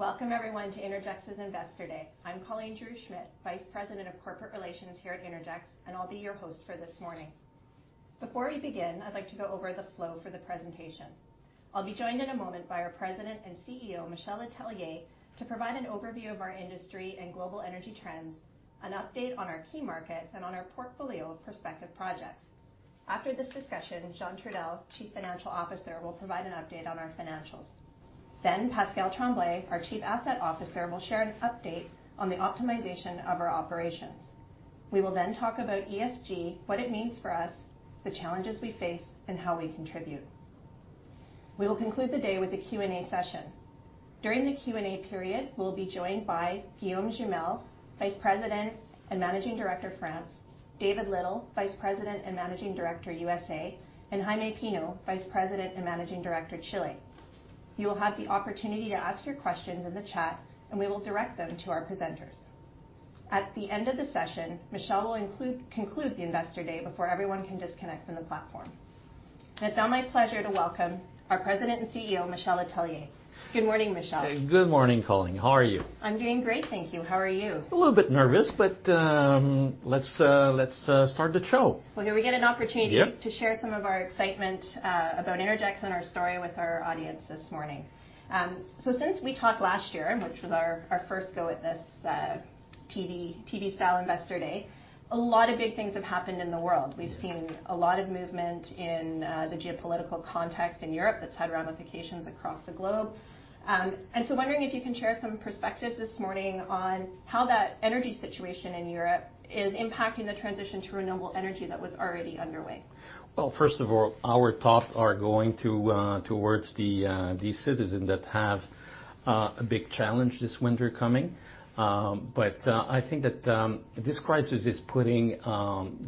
Welcome everyone to Innergex's Investor Day. I'm Colleen Giroux-Schmidt, Vice President of Corporate Relations here at Innergex, and I'll be your host for this morning. Before we begin, I'd like to go over the flow for the presentation. I'll be joined in a moment by our President and CEO, Michel Letellier, to provide an overview of our industry and global energy trends, an update on our key markets and on our portfolio of prospective projects. After this discussion, Jean Trudel, Chief Financial Officer, will provide an update on our financials. Then Pascale Tremblay, our Chief Asset Officer, will share an update on the optimization of our operations. We will then talk about ESG, what it means for us, the challenges we face, and how we contribute. We will conclude the day with a Q&A session. During the Q&A period, we'll be joined by Guillaume Jumel, Vice President and Managing Director, France, David Little, Vice President and Managing Director, USA, and Jaime Pino, Vice President and Managing Director, Chile. You will have the opportunity to ask your questions in the chat, and we will direct them to our presenters. At the end of the session, Michel will conclude the Investor Day before everyone can disconnect from the platform. It's now my pleasure to welcome our President and CEO, Michel Letellier. Good morning, Michel. Good morning, Colleen. How are you? I'm doing great, thank you. How are you? A little bit nervous, but let's start the show. Well, here we get an opportunity. Yeah. To share some of our excitement about Innergex and our story with our audience this morning. Since we talked last year, which was our first go at this, TV style Investor Day, a lot of big things have happened in the world. Yes. We've seen a lot of movement in the geopolitical context in Europe that's had ramifications across the globe. Wondering if you can share some perspectives this morning on how that energy situation in Europe is impacting the transition to renewable energy that was already underway. Well, first of all, our thoughts are going to towards the citizens that have a big challenge this winter coming. I think that this crisis is putting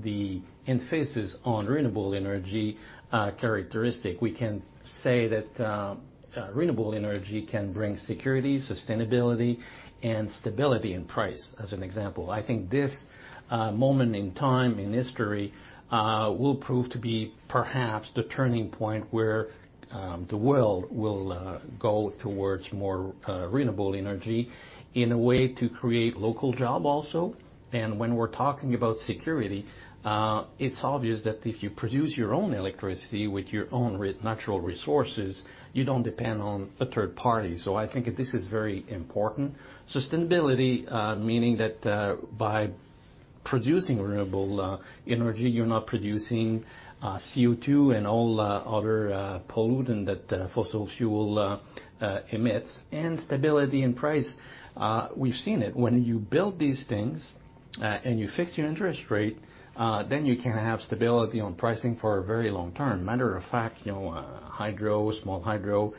the emphasis on renewable energy characteristic. We can say that renewable energy can bring security, sustainability, and stability in price, as an example. I think this moment in time in history will prove to be perhaps the turning point where the world will go towards more renewable energy in a way to create local job also. When we're talking about security, it's obvious that if you produce your own electricity with your own natural resources, you don't depend on a third party. I think this is very important. Sustainability, meaning that by producing renewable energy, you're not producing CO2 and all other pollutant that fossil fuel emits. Stability in price, we've seen it. When you build these things and you fix your interest rate, then you can have stability on pricing for a very long term. Matter of fact, you know, hydro, small hydro,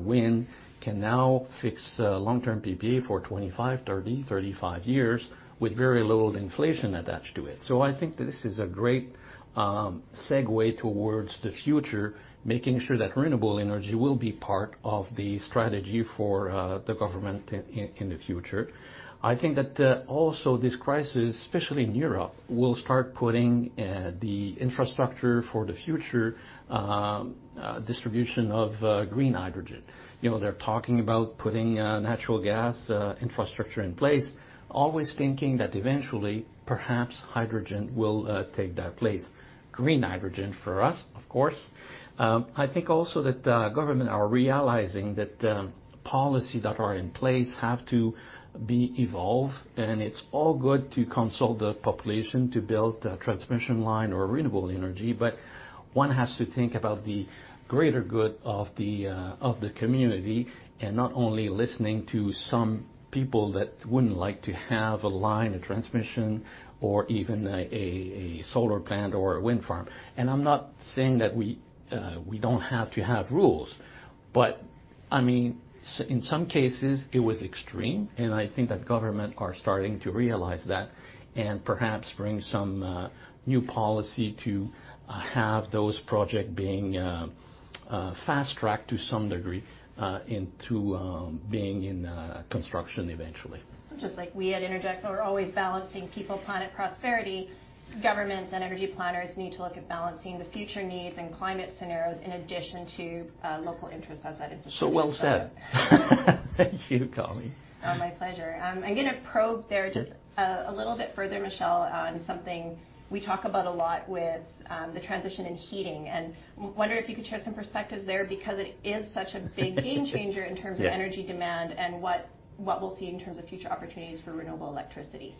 wind can now fix long-term PPA for 25, 30, 35 years with very little inflation attached to it. I think this is a great segue towards the future, making sure that renewable energy will be part of the strategy for the government in the future. I think that also this crisis, especially in Europe, will start putting the infrastructure for the future distribution of green hydrogen. You know, they're talking about putting natural gas infrastructure in place, always thinking that eventually, perhaps hydrogen will take that place. Green hydrogen for us, of course. I think also that government are realizing that policy that are in place have to be evolved. It's all good to consult the population to build a transmission line or renewable energy, but one has to think about the greater good of the community and not only listening to some people that wouldn't like to have a line, a transmission or even a solar plant or a wind farm. I'm not saying that we don't have to have rules, but I mean in some cases it was extreme, and I think that government are starting to realize that and perhaps bring some new policy to have those project being fast-tracked to some degree into being in construction eventually. Just like we at Innergex are always balancing people, planet, prosperity, governments and energy planners need to look at balancing the future needs and climate scenarios in addition to local interests as that industry. Well said. Thank you, Colleen. Oh, my pleasure. I'm gonna probe there just- Yeah. A little bit further, Michel, on something we talk about a lot with the transition in heating. Wonder if you could share some perspectives there because it is such a big game changer in terms of? Yeah. Energy demand and what we'll see in terms of future opportunities for renewable electricity.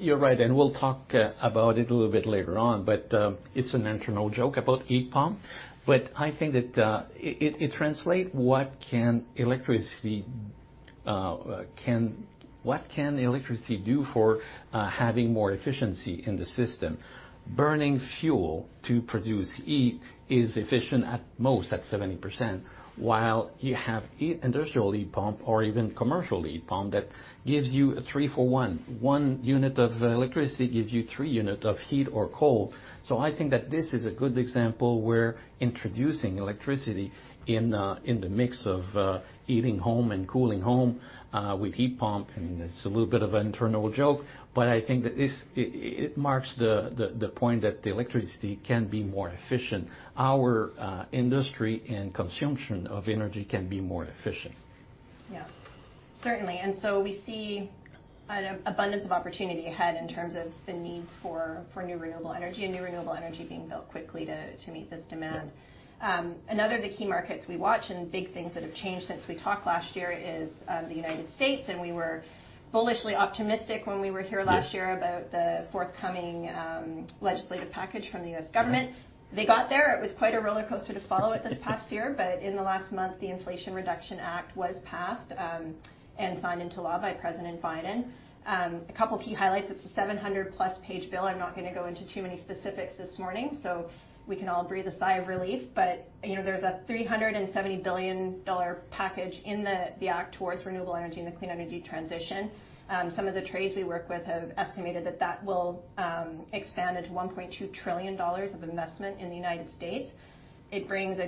You're right, and we'll talk about it a little bit later on, but it's an internal joke about heat pump. I think that it translates what electricity can do for having more efficiency in the system. Burning fuel to produce heat is efficient at most at 70%, while you have industrial heat pump or even commercial heat pump that gives you a three-for-one, one unit of electricity gives you three unit of heat or cold. I think that this is a good example where introducing electricity in the mix of heating home and cooling home with heat pump, and it's a little bit of an internal joke, but I think that this it marks the point that the electricity can be more efficient. Our industry and consumption of energy can be more efficient. Yeah. Certainly. We see an abundance of opportunity ahead in terms of the needs for new renewable energy being built quickly to meet this demand. Another of the key markets we watch and big things that have changed since we talked last year is the United States, and we were bullishly optimistic when we were here last year. Yes About the forthcoming legislative package from the U.S. government. They got there. It was quite a roller coaster to follow it this past year. In the last month, the Inflation Reduction Act was passed and signed into law by President Biden. A couple key highlights. It's a 700-plus page bill. I'm not gonna go into too many specifics this morning, so we can all breathe a sigh of relief. You know, there's a $370 billion package in the act towards renewable energy and the clean energy transition. Some of the trades we work with have estimated that that will expand into $1.2 trillion of investment in the United States. It brings a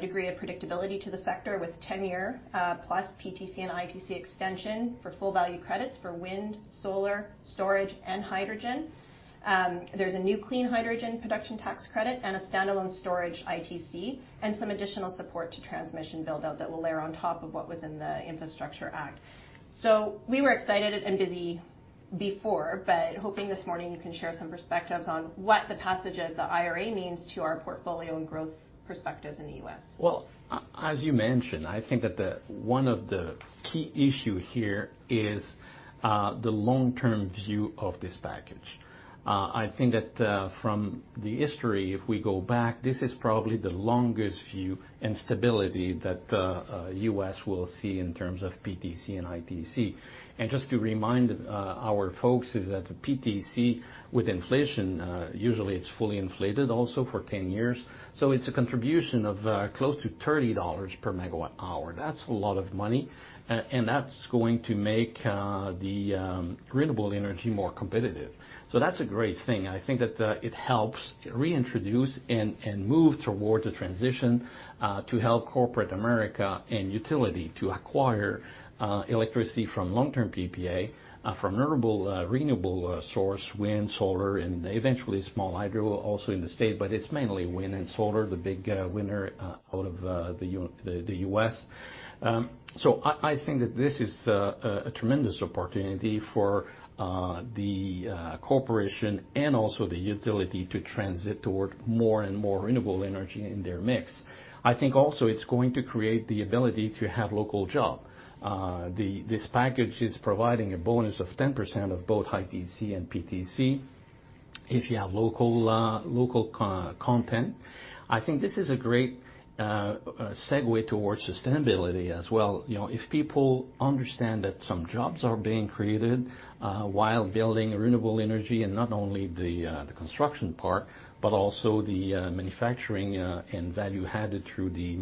degree of predictability to the sector with 10-year plus PTC and ITC extension for full value credits for wind, solar, storage, and hydrogen. There's a new clean hydrogen production tax credit and a standalone storage ITC and some additional support to transmission build-out that will layer on top of what was in the Infrastructure Act. We were excited and busy before, but hoping this morning you can share some perspectives on what the passage of the IRA means to our portfolio and growth perspectives in the U.S. Well, as you mentioned, I think that one of the key issue here is the long-term view of this package. I think that, from the history, if we go back, this is probably the longest view and stability that the U.S. will see in terms of PTC and ITC. Just to remind our folks is that the PTC with inflation, usually it's fully inflated also for 10 years, so it's a contribution of close to $30 per megawatt hour. That's a lot of money. And that's going to make renewable energy more competitive. That's a great thing. I think that it helps reintroduce and move towards a transition to help corporate America and utility to acquire electricity from long-term PPA from renewable source, wind, solar, and eventually small hydro also in the state, but it's mainly wind and solar, the big winner out of the U.S. I think that this is a tremendous opportunity for the corporation and also the utility to transit toward more and more renewable energy in their mix. I think also it's going to create the ability to have local job. This package is providing a bonus of 10% of both ITC and PTC if you have local co-content. I think this is a great segue towards sustainability as well. You know, if people understand that some jobs are being created while building renewable energy and not only the construction part, but also the manufacturing and value added through the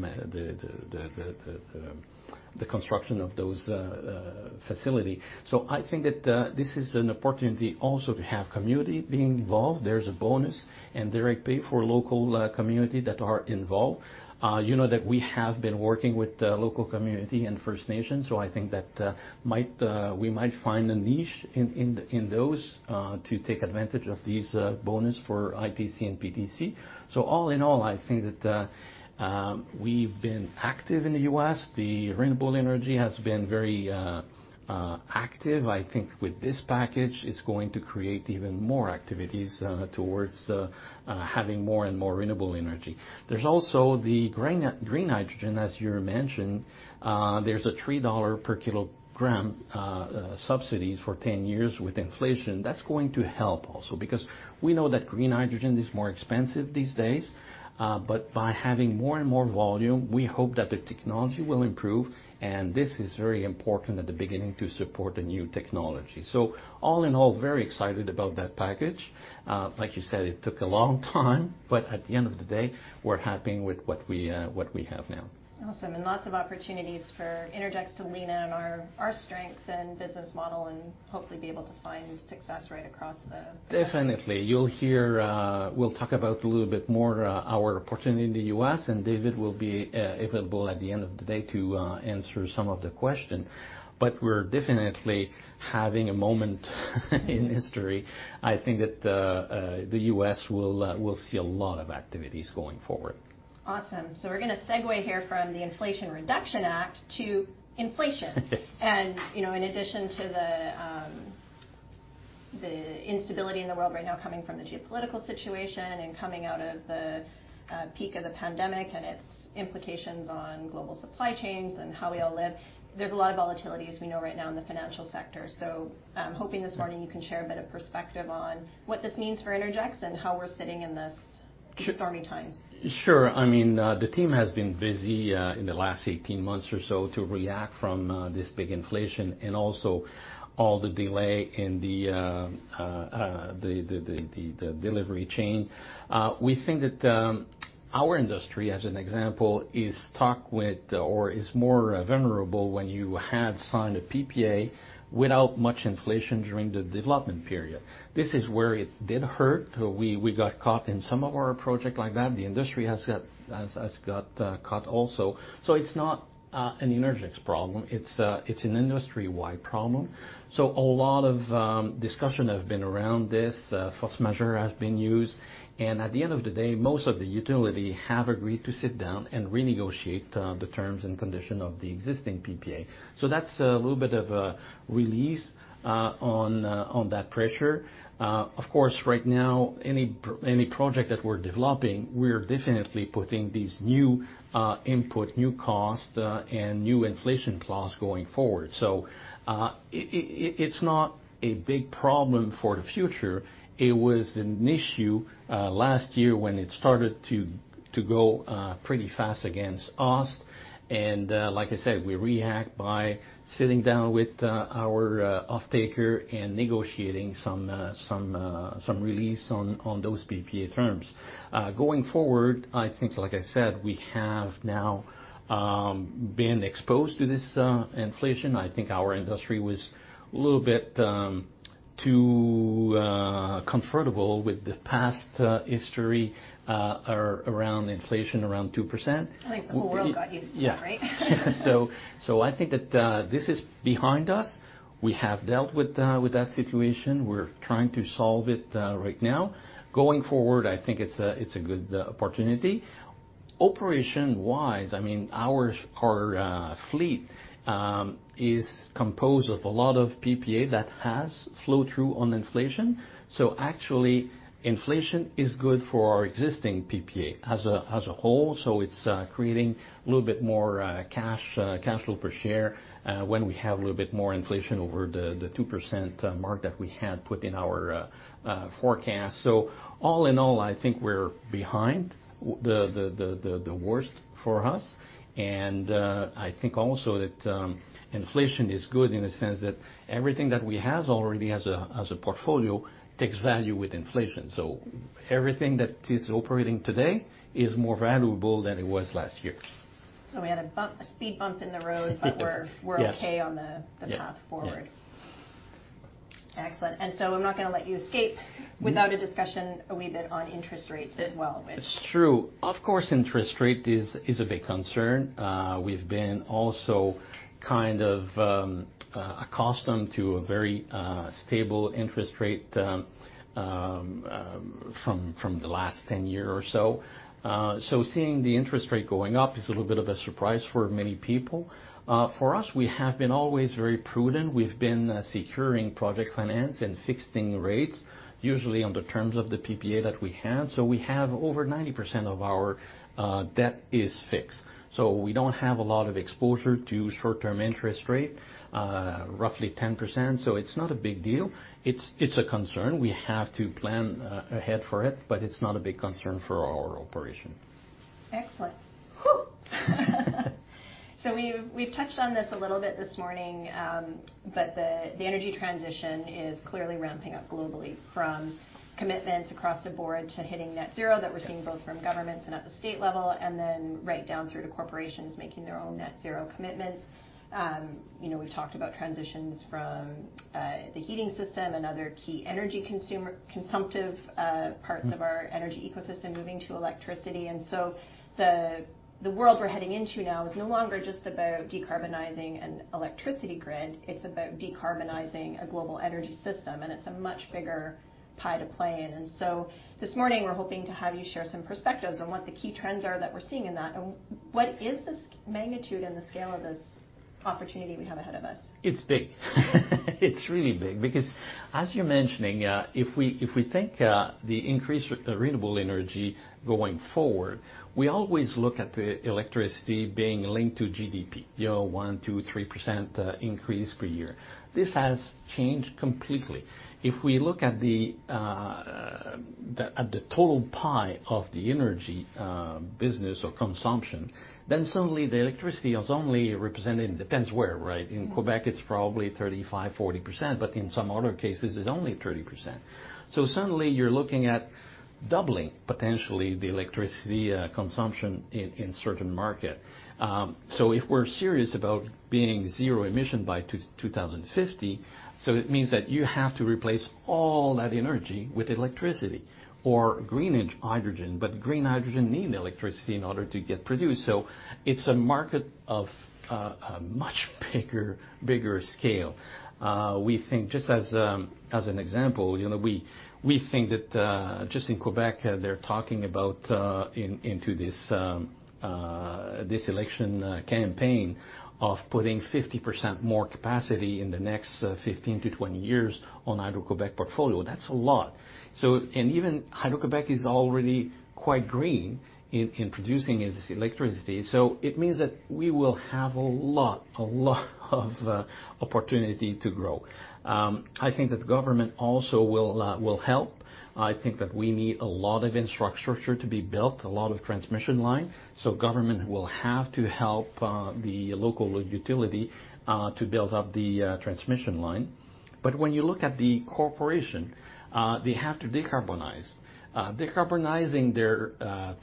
construction of those facility. I think that this is an opportunity also to have community being involved. There's a bonus, and they're paid for local community that are involved. You know that we have been working with the local community and First Nations, so I think that we might find a niche in those to take advantage of these bonus for ITC and PTC. All in all, I think that we've been active in the U.S. The renewable energy has been very active. I think with this package, it's going to create even more activities towards having more and more renewable energy. There's also the green hydrogen, as you mentioned. There's a $3 per kilogram subsidies for 10 years with inflation. That's going to help also, because we know that green hydrogen is more expensive these days, but by having more and more volume, we hope that the technology will improve, and this is very important at the beginning to support the new technology. All in all, very excited about that package. Like you said, it took a long time, but at the end of the day, we're happy with what we have now. Awesome. Lots of opportunities for Innergex to lean in on our strengths and business model and hopefully be able to find success right across the- Definitely. You'll hear we'll talk about a little bit more our opportunity in the U.S., and David will be available at the end of the day to answer some of the question. We're definitely having a moment in history. I think that the U.S. will see a lot of activities going forward. Awesome. We're gonna segue here from the Inflation Reduction Act to inflation. You know, in addition to the instability in the world right now coming from the geopolitical situation and coming out of the peak of the pandemic and its implications on global supply chains and how we all live, there's a lot of volatility, as we know, right now in the financial sector. I'm hoping this morning you can share a bit of perspective on what this means for Innergex and how we're sitting in this stormy times. Sure. I mean, the team has been busy in the last 18 months or so to react from this big inflation and also all the delay in the delivery chain. We think that our industry, as an example, is stuck with or is more vulnerable when you had signed a PPA without much inflation during the development period. This is where it did hurt. We got caught in some of our project like that. The industry has got caught also. It's not an Innergex problem. It's an industry-wide problem. A lot of discussion have been around this. Force measure has been used. At the end of the day, most of the utilities have agreed to sit down and renegotiate the terms and conditions of the existing PPA. That's a little bit of a release on that pressure. Of course, right now, any project that we're developing, we're definitely putting these new inputs, new costs, and new inflation clauses going forward. It's not a big problem for the future. It was an issue last year when it started to go pretty fast against us. Like I said, we react by sitting down with our off-taker and negotiating some release on those PPA terms. Going forward, I think, like I said, we have now been exposed to this inflation. I think our industry was a little bit too comfortable with the past history around inflation around 2%. I think the whole world got used to that, right? Yeah. I think that this is behind us. We have dealt with that situation. We're trying to solve it right now. Going forward, I think it's a good opportunity. Operation-wise, I mean, our fleet is composed of a lot of PPA that has flow-through on inflation. Actually, inflation is good for our existing PPA as a whole, so it's creating a little bit more cash flow per share when we have a little bit more inflation over the 2% mark that we had put in our forecast. All in all, I think we're behind the worst for us. I think also that inflation is good in the sense that everything that we has already as a portfolio takes value with inflation. Everything that is operating today is more valuable than it was last year. We had a speed bump in the road. We're okay. Yeah. on the path forward. Yeah. Yeah. Excellent. I'm not gonna let you escape. Mm-hmm. without a discussion, a wee bit on interest rates as well, which It's true. Of course, interest rate is a big concern. We've been also kind of accustomed to a very stable interest rate from the last 10 year or so. Seeing the interest rate going up is a little bit of a surprise for many people. For us, we have been always very prudent. We've been securing project finance and fixing rates, usually on the terms of the PPA that we have. We have over 90% of our debt is fixed. We don't have a lot of exposure to short-term interest rate, roughly 10%, so it's not a big deal. It's a concern. We have to plan ahead for it, but it's not a big concern for our operation. Excellent. Whoo!. We've touched on this a little bit this morning, but the energy transition is clearly ramping up globally, from commitments across the board to hitting net zero that we're seeing both from governments and at the state level, and then right down through to corporations making their own net zero commitments. You know, we've talked about transitions from the heating system and other key energy consumptive. Mm-hmm. Parts of our energy ecosystem moving to electricity. The world we're heading into now is no longer just about decarbonizing an electricity grid. It's about decarbonizing a global energy system, and it's a much bigger pie to play in. This morning we're hoping to have you share some perspectives on what the key trends are that we're seeing in that, and what is the magnitude and the scale of this opportunity we have ahead of us? It's big. It's really big because, as you're mentioning, if we think the increased renewable energy going forward, we always look at the electricity being linked to GDP. You know, 1%-3% increase per year. This has changed completely. If we look at the total pie of the energy business or consumption, then suddenly the electricity is only representing. Depends where, right? Mm-hmm. In Quebec, it's probably 35%-40%, but in some other cases, it's only 30%. Suddenly you're looking at doubling, potentially, the electricity consumption in certain market. If we're serious about being zero emission by 2050, it means that you have to replace all that energy with electricity or green hydrogen, but green hydrogen need electricity in order to get produced. It's a market of a much bigger scale. We think just as an example, you know, we think that just in Quebec, they're talking about into this election campaign of putting 50% more capacity in the next 15-20 years on Hydro-Québec portfolio. That's a lot. Even Hydro-Québec is already quite green in producing its electricity. It means that we will have a lot of opportunity to grow. I think that the government also will help. I think that we need a lot of infrastructure to be built, a lot of transmission line, so government will have to help the local utility to build up the transmission line. When you look at the corporation, they have to decarbonize. Decarbonizing their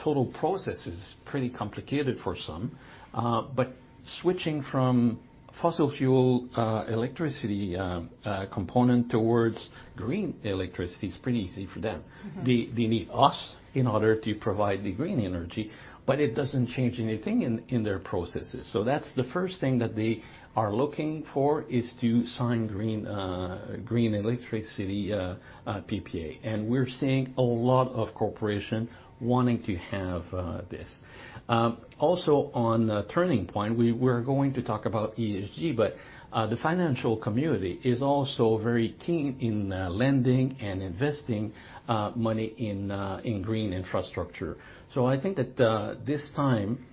total process is pretty complicated for some. Switching from fossil fuel electricity component towards green electricity is pretty easy for them. Mm-hmm. They need us in order to provide the green energy, but it doesn't change anything in their processes. That's the first thing that they are looking for, is to sign green electricity PPA. We're seeing a lot of corporations wanting to have this. Also on a turning point, we're going to talk about ESG, but the financial community is also very keen on lending and investing money in green infrastructure. I think that this time,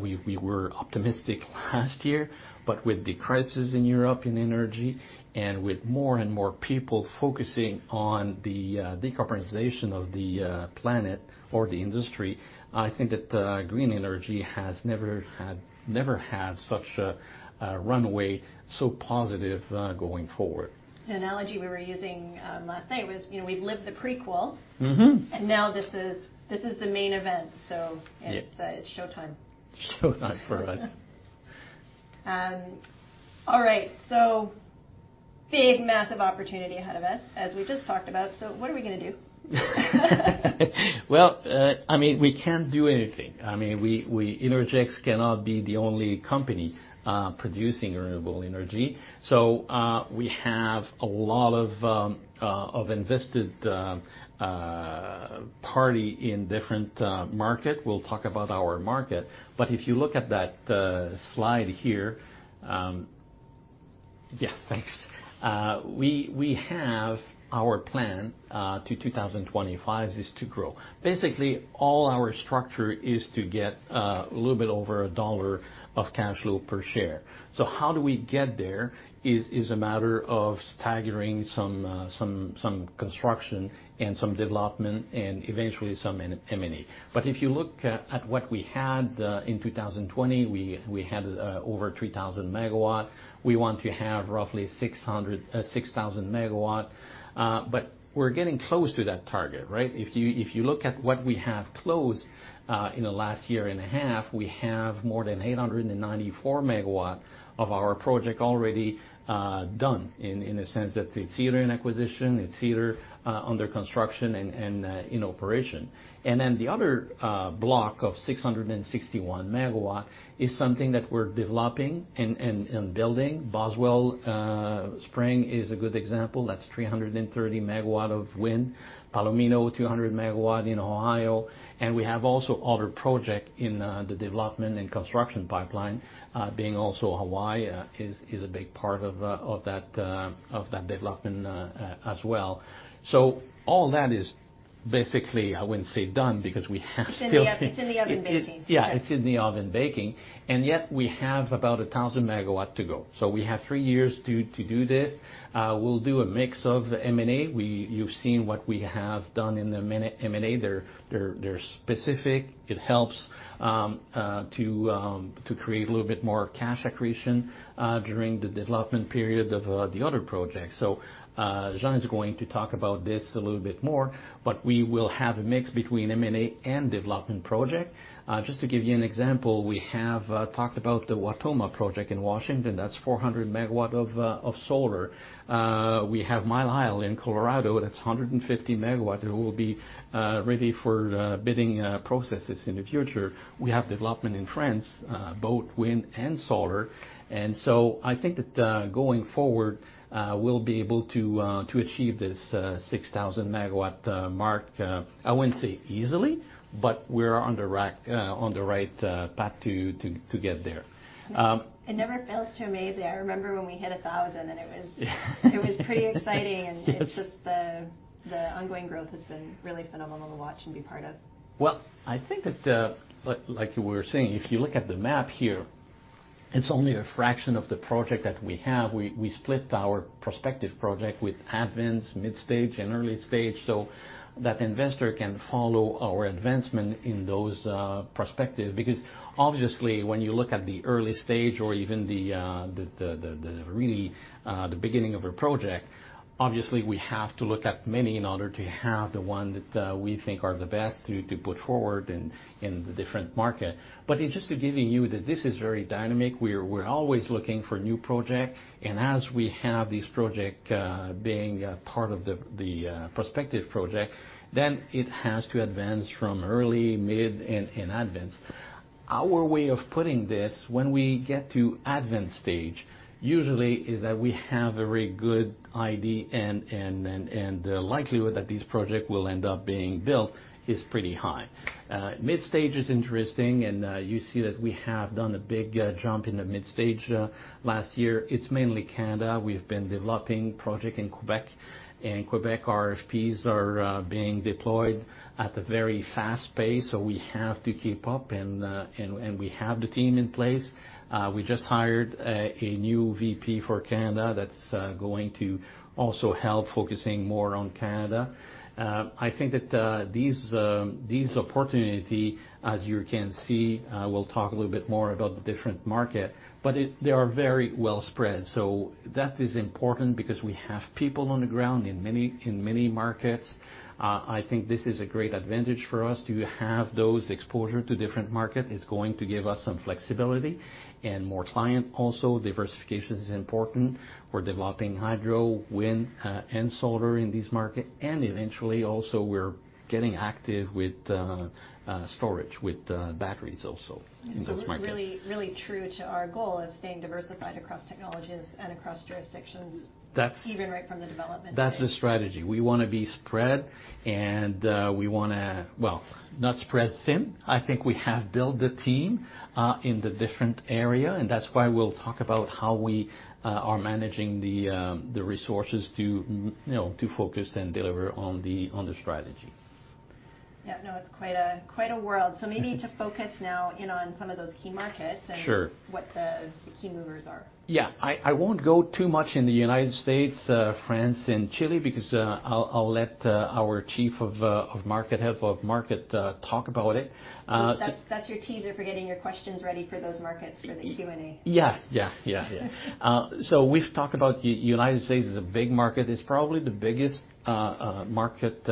we were optimistic last year, but with the crisis in Europe in energy and with more and more people focusing on the decarbonization of the planet or the industry, I think that green energy has never had such a runway so positive going forward. The analogy we were using last night was, you know, we've lived the prequel. Mm-hmm. Now this is the main event. Yeah. It's showtime. Showtime for us. All right, big, massive opportunity ahead of us, as we just talked about. What are we gonna do? Well, I mean, we can't do anything. I mean, we Innergex cannot be the only company producing renewable energy. We have a lot of interested parties in different markets. We'll talk about our market. If you look at that slide here. Yeah, thanks. We have our plan to 2025 is to grow. Basically, all our structure is to get a little bit over CAD 1 of cash flow per share. How do we get there is a matter of staggering some construction and some development and eventually some M&A. If you look at what we had in 2020, we had over 3,000 MW. We want to have roughly 600, 6,000 megawatt, but we're getting close to that target, right? If you look at what we have closed in the last year and a half, we have more than 894 megawatt of our project already done, in the sense that it's either an acquisition, it's either under construction and in operation. Then the other block of 661 megawatt is something that we're developing and building. Boswell Springs is a good example. That's 330 megawatt of wind. Palomino, 200 megawatt in Ohio, and we have also other project in the development and construction pipeline, being also Hawaii is a big part of that development as well. All that is basically, I wouldn't say done because we have still. It's in the oven baking. Yeah. It's in the oven baking. Yet we have about 1,000 megawatts to go. We have three years to do this. We'll do a mix of the M&A. You've seen what we have done in the M&A. They're specific. It helps to create a little bit more cash accretion during the development period of the other projects. Jean is going to talk about this a little bit more, but we will have a mix between M&A and development project. Just to give you an example, we have talked about the Wautoma project in Washington. That's 400 megawatts of solar. We have Mile High in Colorado, that's 150 megawatts. It will be ready for bidding processes in the future. We have development in France, both wind and solar. I think that going forward, we'll be able to achieve this 6,000-megawatt mark. I wouldn't say easily, but we're on the right path to get there. It never fails to amaze me. I remember when we hit 1,000 and it was pretty exciting. It's just the ongoing growth has been really phenomenal to watch and be part of. Well, I think that, like you were saying, if you look at the map here, it's only a fraction of the projects that we have. We split our prospective projects with advanced, mid-stage, and early stage, so that investors can follow our advancement in those prospects. Because obviously, when you look at the early stage or even the really beginning of a project, obviously, we have to look at many in order to have the one that we think are the best to put forward in the different market. Just to give you that this is very dynamic, we're always looking for new projects, and as we have this project being part of the prospective projects, then it has to advance from early, mid, and advanced. Our way of putting this, when we get to advanced stage, usually is that we have a very good idea and likelihood that this project will end up being built is pretty high. Mid-stage is interesting, and you see that we have done a big jump in the mid-stage last year. It's mainly Canada. We've been developing project in Québec. In Québec, RFPs are being deployed at a very fast pace, so we have to keep up, and we have the team in place. We just hired a new VP for Canada that's going to also help focusing more on Canada. I think that these opportunity, as you can see, we'll talk a little bit more about the different market, but they are very well spread. That is important because we have people on the ground in many markets. I think this is a great advantage for us to have those exposure to different market. It's going to give us some flexibility and more client also. Diversification is important. We're developing hydro, wind, and solar in this market, and eventually also we're getting active with storage, with batteries also in this market. It's really, really true to our goal of staying diversified across technologies and across jurisdictions. That's- Even right from the development stage. That's the strategy. We wanna be spread and, well, not spread thin. I think we have built the team in the different area, and that's why we'll talk about how we are managing the resources to, you know, to focus and deliver on the strategy. Yeah, no, it's quite a world. Maybe just focus now in on some of those key markets. Sure what the key movers are. Yeah. I won't go too much in the United States, France and Chile because I'll let our head of market talk about it. That's your teaser for getting your questions ready for those markets for the Q&A. We've talked about United States is a big market. It's probably the biggest market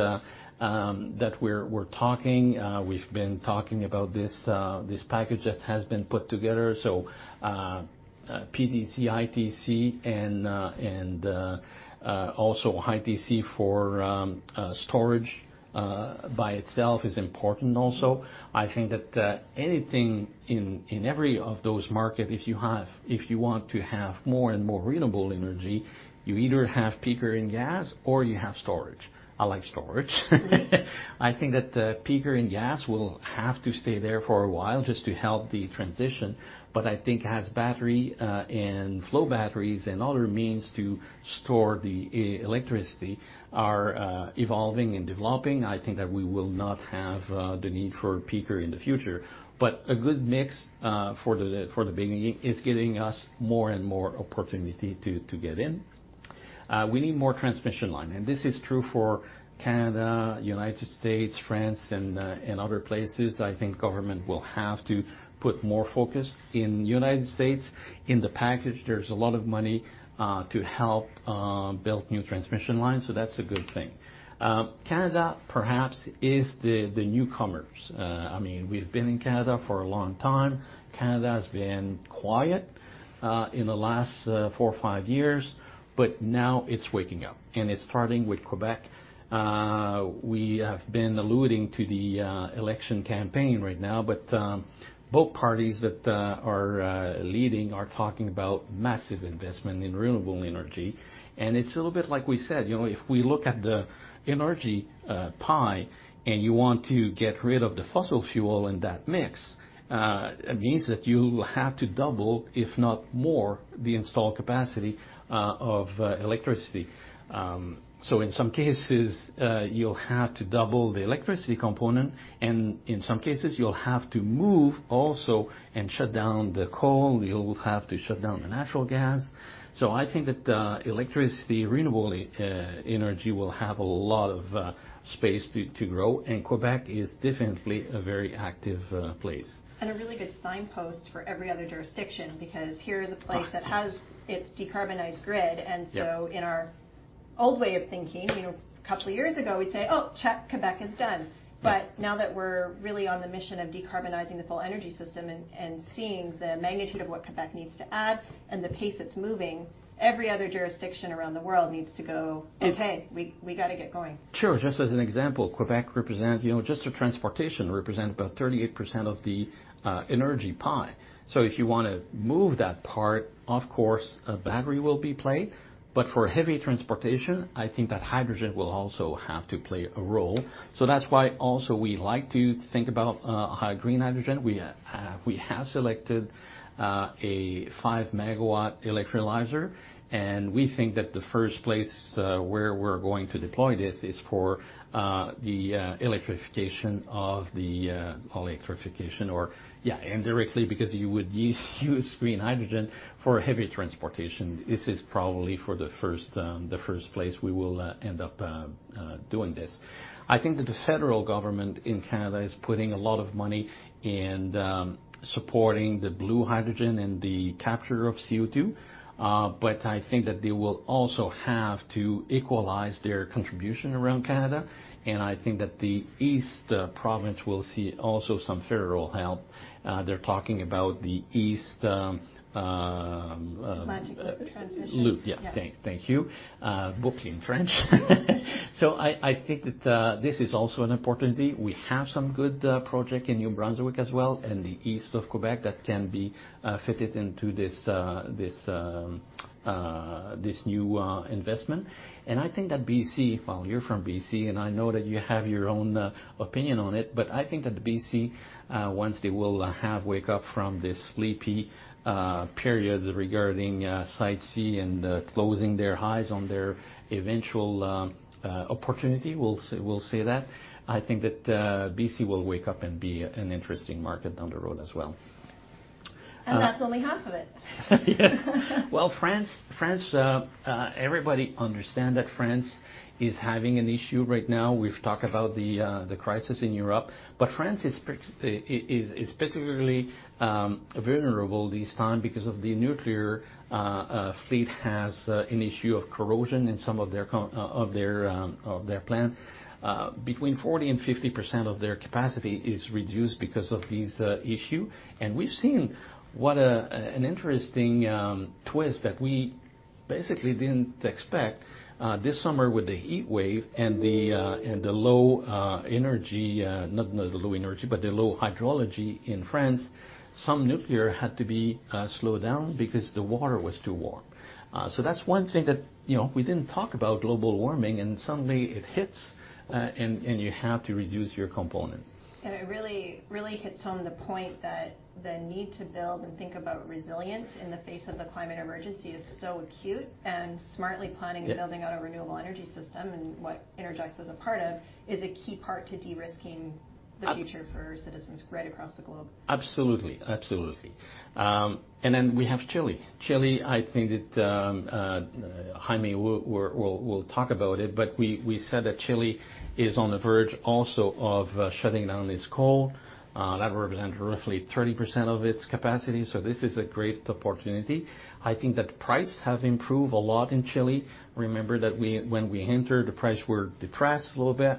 that we're talking. We've been talking about this package that has been put together. PTC, ITC and also ITC for storage by itself is important also. I think that anything in every one of those markets, if you want to have more and more renewable energy, you either have peaker and gas or you have storage. I like storage. Mm-hmm. I think that the peakers and gas will have to stay there for a while just to help the transition, but I think as batteries and flow batteries and other means to store the electricity are evolving and developing, I think that we will not have the need for peakers in the future. A good mix for the beginning is giving us more and more opportunity to get in. We need more transmission lines, and this is true for Canada, United States, France and other places. I think government will have to put more focus. In United States, in the package, there's a lot of money to help build new transmission lines, so that's a good thing. Canada perhaps is the newcomers. I mean, we've been in Canada for a long time. Canada has been quiet in the last four or five years, but now it's waking up, and it's starting with Québec. We have been alluding to the election campaign right now, but both parties that are leading are talking about massive investment in renewable energy. It's a little bit like we said, you know, if we look at the energy pie and you want to get rid of the fossil fuel in that mix, it means that you will have to double, if not more, the installed capacity of electricity. In some cases, you'll have to double the electricity component, and in some cases, you'll have to move also and shut down the coal. You'll have to shut down the natural gas. I think that electricity, renewable energy will have a lot of space to grow, and Québec is definitely a very active place. A really good signpost for every other jurisdiction because here is a place that has its decarbonized grid. Yeah. In our old way of thinking, you know, a couple of years ago, we'd say, "Oh, check, Québec is done. Yeah. now that we're really on the mission of decarbonizing the full energy system and seeing the magnitude of what Quebec needs to add and the pace it's moving, every other jurisdiction around the world needs to go. It's- Okay, we gotta get going. Sure. Just as an example, Quebec represent, you know, just the transportation represent about 38% of the energy pie. If you wanna move that part, of course, a battery will play. For heavy transportation, I think that hydrogen will also have to play a role. That's why also we like to think about how green hydrogen. We have selected a 5-MW electrolyzer, and we think that the first place where we're going to deploy this is for the electrification indirectly because you would use green hydrogen for heavy transportation. This is probably the first place we will end up doing this. I think that the federal government in Canada is putting a lot of money in supporting the blue hydrogen and the capture of CO2, but I think that they will also have to equalize their contribution around Canada. I think that the east province will see also some federal help. They're talking about the east. Atlantic transition Yeah. Thank you. Book in French. I think that this is also an opportunity. We have some good projects in New Brunswick as well in the east of Québec that can be fitted into this new investment. I think that BC, well, you're from BC, and I know that you have your own opinion on it, but I think that BC once they will have wake up from this sleepy period regarding siting and closing their eyes on their eventual opportunity, we'll say that I think that BC will wake up and be an interesting market down the road as well. That's only half of it. Yes. Well, France, everybody understand that France is having an issue right now. We've talked about the crisis in Europe. France is particularly vulnerable this time because of the nuclear fleet has an issue of corrosion in some of their plant. Between 40% and 50% of their capacity is reduced because of this issue. We've seen what an interesting twist that we basically didn't expect this summer with the heat wave and the low energy, not the low energy, but the low hydrology in France. Some nuclear had to be slowed down because the water was too warm. That's one thing that, you know, we didn't talk about global warming, and suddenly it hits, and you have to reduce your component. It really, really hits home the point that the need to build and think about resilience in the face of the climate emergency is so acute. Yeah. Building out a renewable energy system, and what Innergex is a part of, is a key part to de-risking the future. Ab- For citizens right across the globe. Absolutely. Chile, I think that Jaime will talk about it, but we said that Chile is on the verge also of shutting down its coal. That represents roughly 30% of its capacity, so this is a great opportunity. I think that prices have improved a lot in Chile. Remember that when we entered, the prices were depressed a little bit.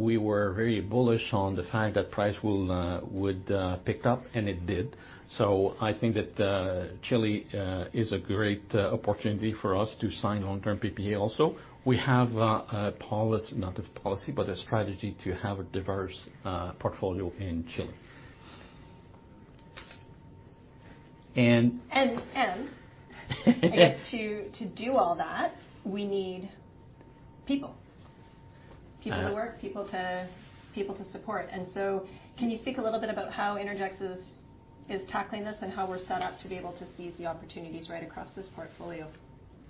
We were very bullish on the fact that prices would pick up, and it did. I think that Chile is a great opportunity for us to sign long-term PPA also. We have a not a policy, but a strategy to have a diverse portfolio in Chile. I guess to do all that, we need people. Uh- People to work, people to support. Can you speak a little bit about how Innergex is tackling this and how we're set up to be able to seize the opportunities right across this portfolio?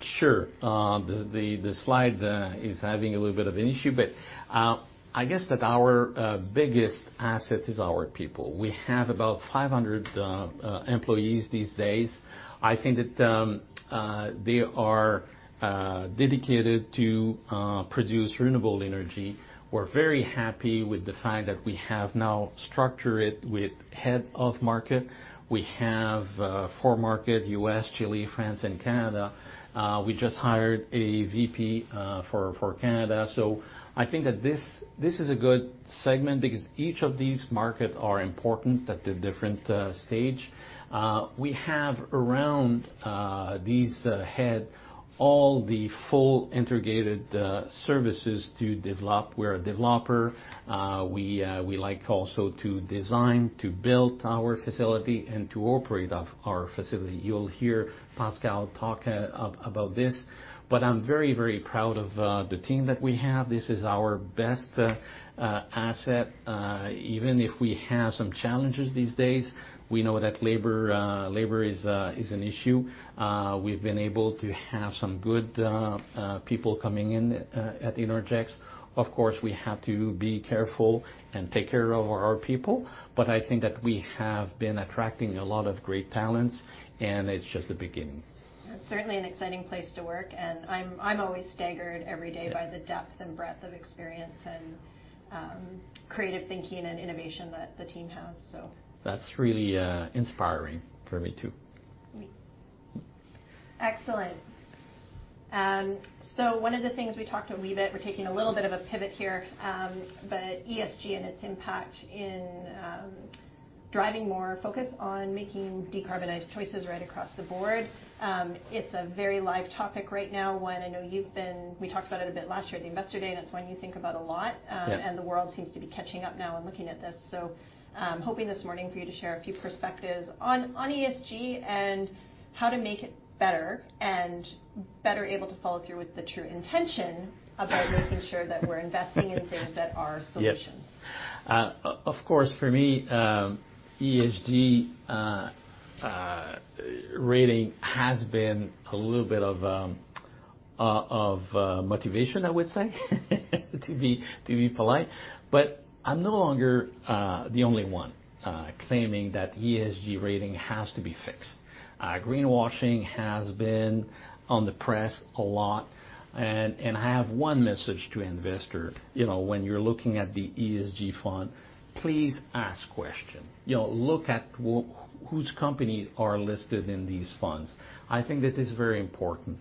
Sure. The slide is having a little bit of an issue, but I guess that our biggest asset is our people. We have about 500 employees these days. I think that they are dedicated to produce renewable energy. We're very happy with the fact that we have now structured with head of market. We have four market, U.S., Chile, France, and Canada. We just hired a VP for Canada. I think that this is a good segment because each of these market are important at a different stage. We have around these head all the full integrated services to develop. We're a developer. We like also to design, to build our facility and to operate our facility. You'll hear Pascale talk about this, but I'm very, very proud of the team that we have. This is our best asset. Even if we have some challenges these days, we know that labor is an issue. We've been able to have some good people coming in at Innergex. Of course, we have to be careful and take care of our people, but I think that we have been attracting a lot of great talents, and it's just the beginning. It's certainly an exciting place to work, and I'm always staggered every day. Yeah. By the depth and breadth of experience and creative thinking and innovation that the team has, so. That's really inspiring for me, too. Excellent. One of the things we talked a wee bit, we're taking a little bit of a pivot here, but ESG and its impact in driving more focus on making decarbonized choices right across the board. It's a very live topic right now, one I know you've been. We talked about it a bit last year at Investor Day, and it's one you think about a lot. Yeah. The world seems to be catching up now and looking at this. Hoping this morning for you to share a few perspectives on ESG and how to make it better and better able to follow through with the true intention about making sure that we're investing in things that are solutions. Yes. Of course, for me, ESG rating has been a little bit of motivation, I would say, to be polite. I'm no longer the only one claiming that ESG rating has to be fixed. Greenwashing has been in the press a lot, and I have one message to investor. You know, when you're looking at the ESG fund, please ask question. You know, look at whose company are listed in these funds. I think that is very important.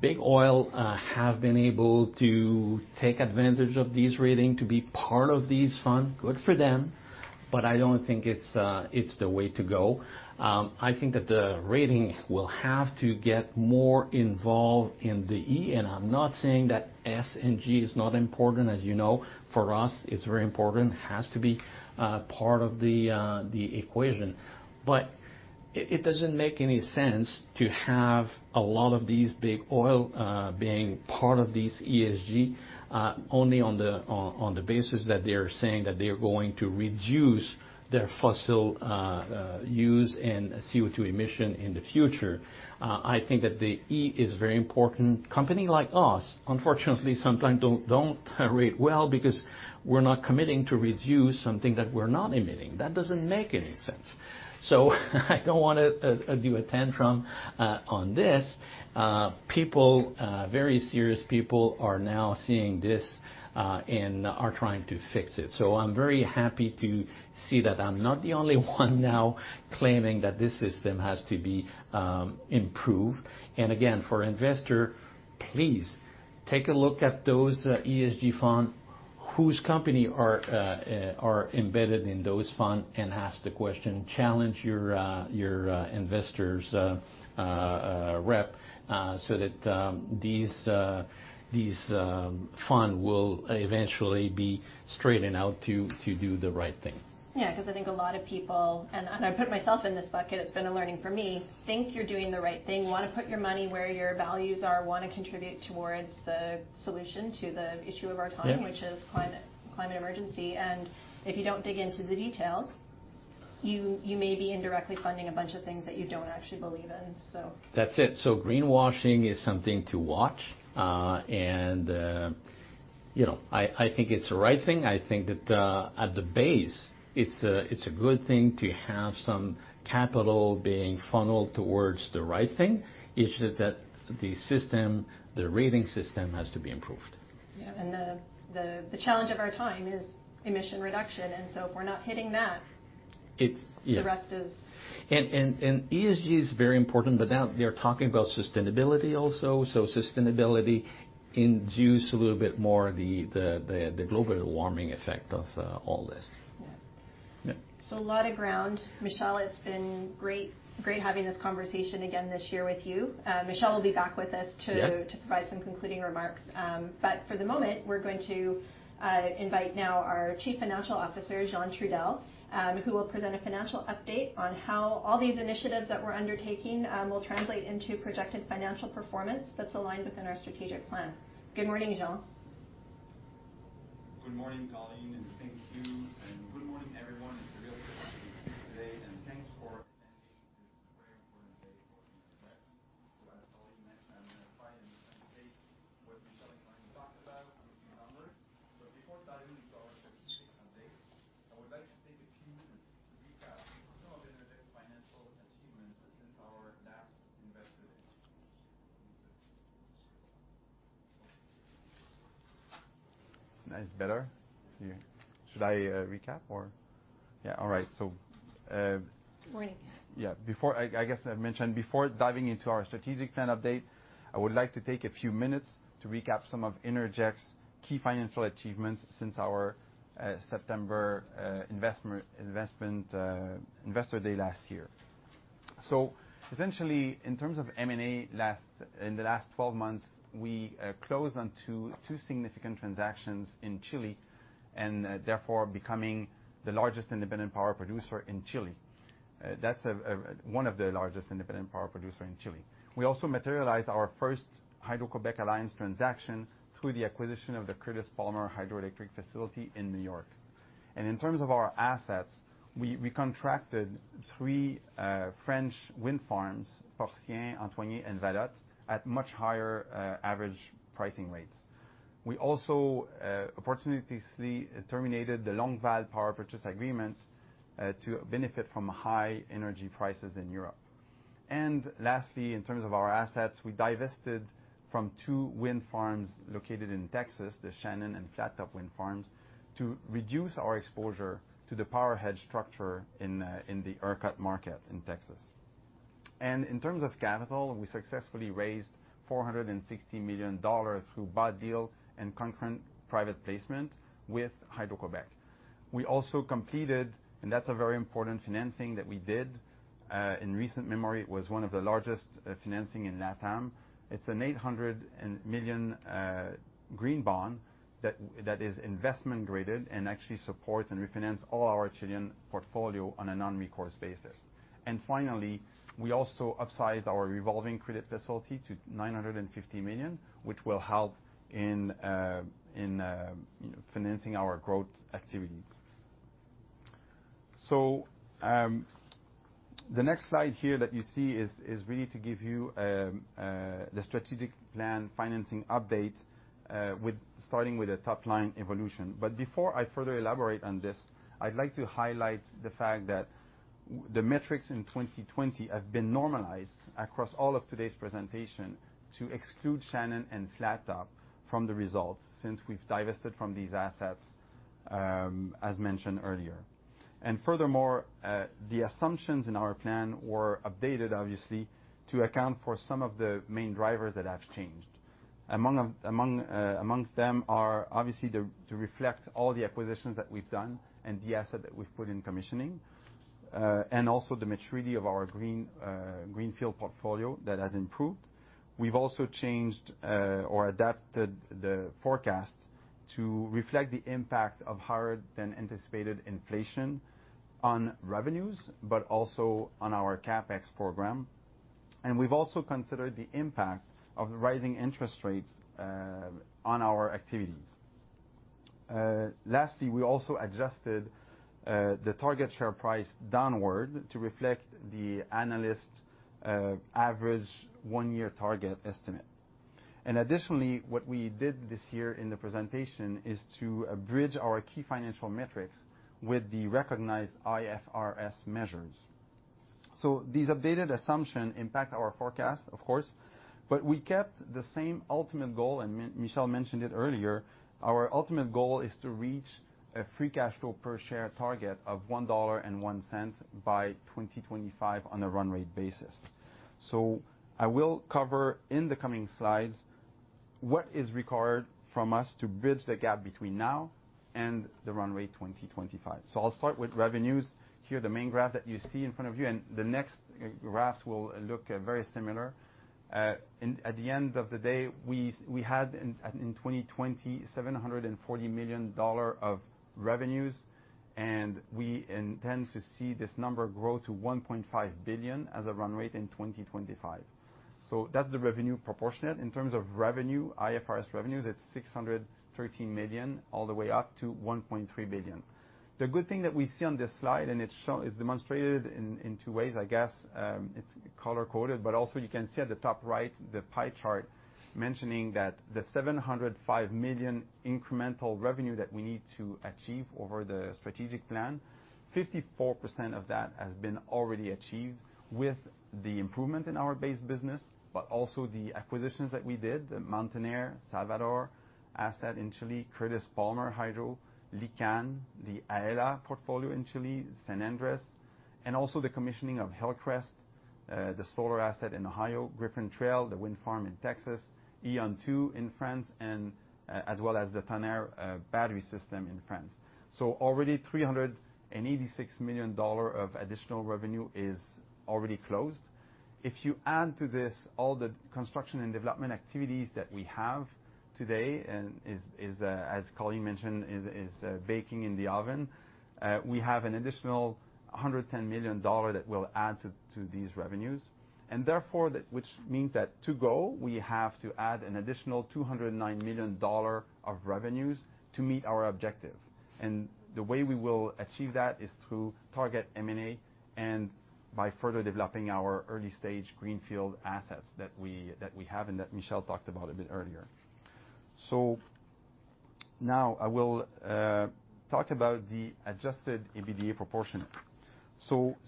Big Oil have been able to take advantage of these rating to be part of these fund. Good for them, but I don't think it's the way to go. I think that the rating will have to get more involved in the E, and I'm not saying that S and G is not important. As you know, for us, it's very important. Has to be part of the equation. It doesn't make any sense to have a lot of these big oil being part of these ESG only on the basis that they are saying that they are going to reduce their fossil use and CO2 emission in the future. I think that the E is very important. Company like us, unfortunately, sometimes don't rate well because we're not committing to reduce something that we're not emitting. That doesn't make any sense. I don't wanna do a tantrum on this. People, very serious people are now seeing this, and are trying to fix it. I'm very happy to see that I'm not the only one now claiming that this system has to be improved. Again, for investor, please take a look at those ESG fund, whose company are embedded in those fund, and ask the question, challenge your investor's rep, so that these fund will eventually be straightened out to do the right thing. Yeah, 'cause I think a lot of people, and I put myself in this bucket, it's been a learning for me, think you're doing the right thing, wanna put your money where your values are, wanna contribute towards the solution to the issue of our time. Yeah. which is climate emergency. If you don't dig into the details, you may be indirectly funding a bunch of things that you don't actually believe in, so. That's it. Greenwashing is something to watch. You know, I think it's the right thing. I think that at the base, it's a good thing to have some capital being funneled towards the right thing. It's just that the system, the rating system has to be improved. The challenge of our time is emission reduction, and so if we're not hitting that. Yeah. The rest is. ESG is very important, but now they're talking about sustainability also. Sustainability includes a little bit more the global warming effect of all this. Yes. Yeah. A lot of ground. Michel, it's been great having this conversation again this year with you. Michel will be back with us to- Yeah. To provide some concluding remarks. For the moment, we're going to invite now our Chief Financial Officer, Jean Trudel, who will present a financial update on how all these initiatives that we're undertaking will translate into projected financial performance that's aligned within our strategic plan. Good morning Jean?. Good morning, Colleen and thank you. Good morning, everyone. It's a real pleasure to be with you today, and thanks for attending this very important day for Innergex. As Colleen mentioned, I'm gonna try and update what Michel and Colleen talked about on a few numbers. Before diving into our strategic update, I would like to take a few minutes to recap some of Innergex's financial achievements since our last Investor Day. Morning. Before I guess I mentioned before diving into our strategic plan update, I would like to take a few minutes to recap some of Innergex's key financial achievements since our September Investor Day last year. Essentially, in terms of M&A in the last 12 months, we closed on two significant transactions in Chile and therefore becoming the largest independent power producer in Chile. That's one of the largest independent power producer in Chile. We also materialized our first Hydro-Québec alliance transaction through the acquisition of the Curtis Palmer Hydroelectric facility in New York. In terms of our assets, we contracted three French wind farms, Port-Saint, Antoine and Valotte, at much higher average pricing rates. We also opportunistically terminated the Longueval power purchase agreements to benefit from high energy prices in Europe. Lastly, in terms of our assets, we divested from two wind farms located in Texas, the Shannon and Flattop wind farms, to reduce our exposure to the power hedge structure in the ERCOT market in Texas. In terms of capital, we successfully raised $460 million through bought deal and concurrent private placement with Hydro-Québec. We also completed and that's a very important financing that we did in recent memory. It was one of the largest financing in LatAm. It's an $800 million green bond that is investment grade and actually supports and refinance all our Chilean portfolio on a non-recourse basis. Finally, we also upsized our revolving credit facility to 950 million, which will help in, you know, financing our growth activities. The next slide here that you see is really to give you the strategic plan financing update, with starting with a top-line evolution. Before I further elaborate on this, I'd like to highlight the fact that the metrics in 2020 have been normalized across all of today's presentation to exclude Shannon and Flattop from the results since we've divested from these assets, as mentioned earlier. Furthermore, the assumptions in our plan were updated obviously to account for some of the main drivers that have changed. Amongst them are obviously to reflect all the acquisitions that we've done and the asset that we've put in commissioning, and also the maturity of our green field portfolio that has improved. We've also changed or adapted the forecast to reflect the impact of higher than anticipated inflation on revenues, but also on our CapEx program. We've also considered the impact of the rising interest rates on our activities. Lastly, we also adjusted the target share price downward to reflect the analyst average one-year target estimate. Additionally, what we did this year in the presentation is to bridge our key financial metrics with the recognized IFRS measures. These updated assumption impact our forecast, of course, but we kept the same ultimate goal, and Michel mentioned it earlier. Our ultimate goal is to reach a free cash flow per share target of 1.01 dollar by 2025 on a run rate basis. I will cover in the coming slides what is required from us to bridge the gap between now and the run rate 2025. I'll start with revenues. Here, the main graph that you see in front of you, and the next graphs will look very similar. At the end of the day, we had in 2020, 740 million dollars of revenues, and we intend to see this number grow to 1.5 billion as a run rate in 2025. That's the revenue proportionate. In terms of revenue, IFRS revenues, it's 613 million all the way up to 1.3 billion. The good thing that we see on this slide, and it's demonstrated in two ways, I guess, it's color-coded, but also you can see at the top right, the pie chart mentioning that the 705 million incremental revenue that we need to achieve over the strategic plan, 54% of that has been already achieved with the improvement in our base business, but also the acquisitions that we did, the Mountain Air, Salvador asset in Chile, Curtis Palmer Hydro, Licán, the Aela portfolio in Chile, San Andrés, and also the commissioning of Hillcrest, the solar asset in Ohio, Griffin Trail, the wind farm in Texas, EON2 in France, and as well as the Tonnerre battery system in France. Already 386 million dollars of additional revenue is already closed. If you add to this all the construction and development activities that we have today, and as Colleen mentioned, is baking in the oven, we have an additional 110 million dollar that will add to these revenues. Therefore, which means that to go, we have to add an additional 209 million dollar of revenues to meet our objective. The way we will achieve that is through target M&A and by further developing our early-stage greenfield assets that we have and that Michel Letellier talked about a bit earlier. Now I will talk about the adjusted EBITDA proportionate.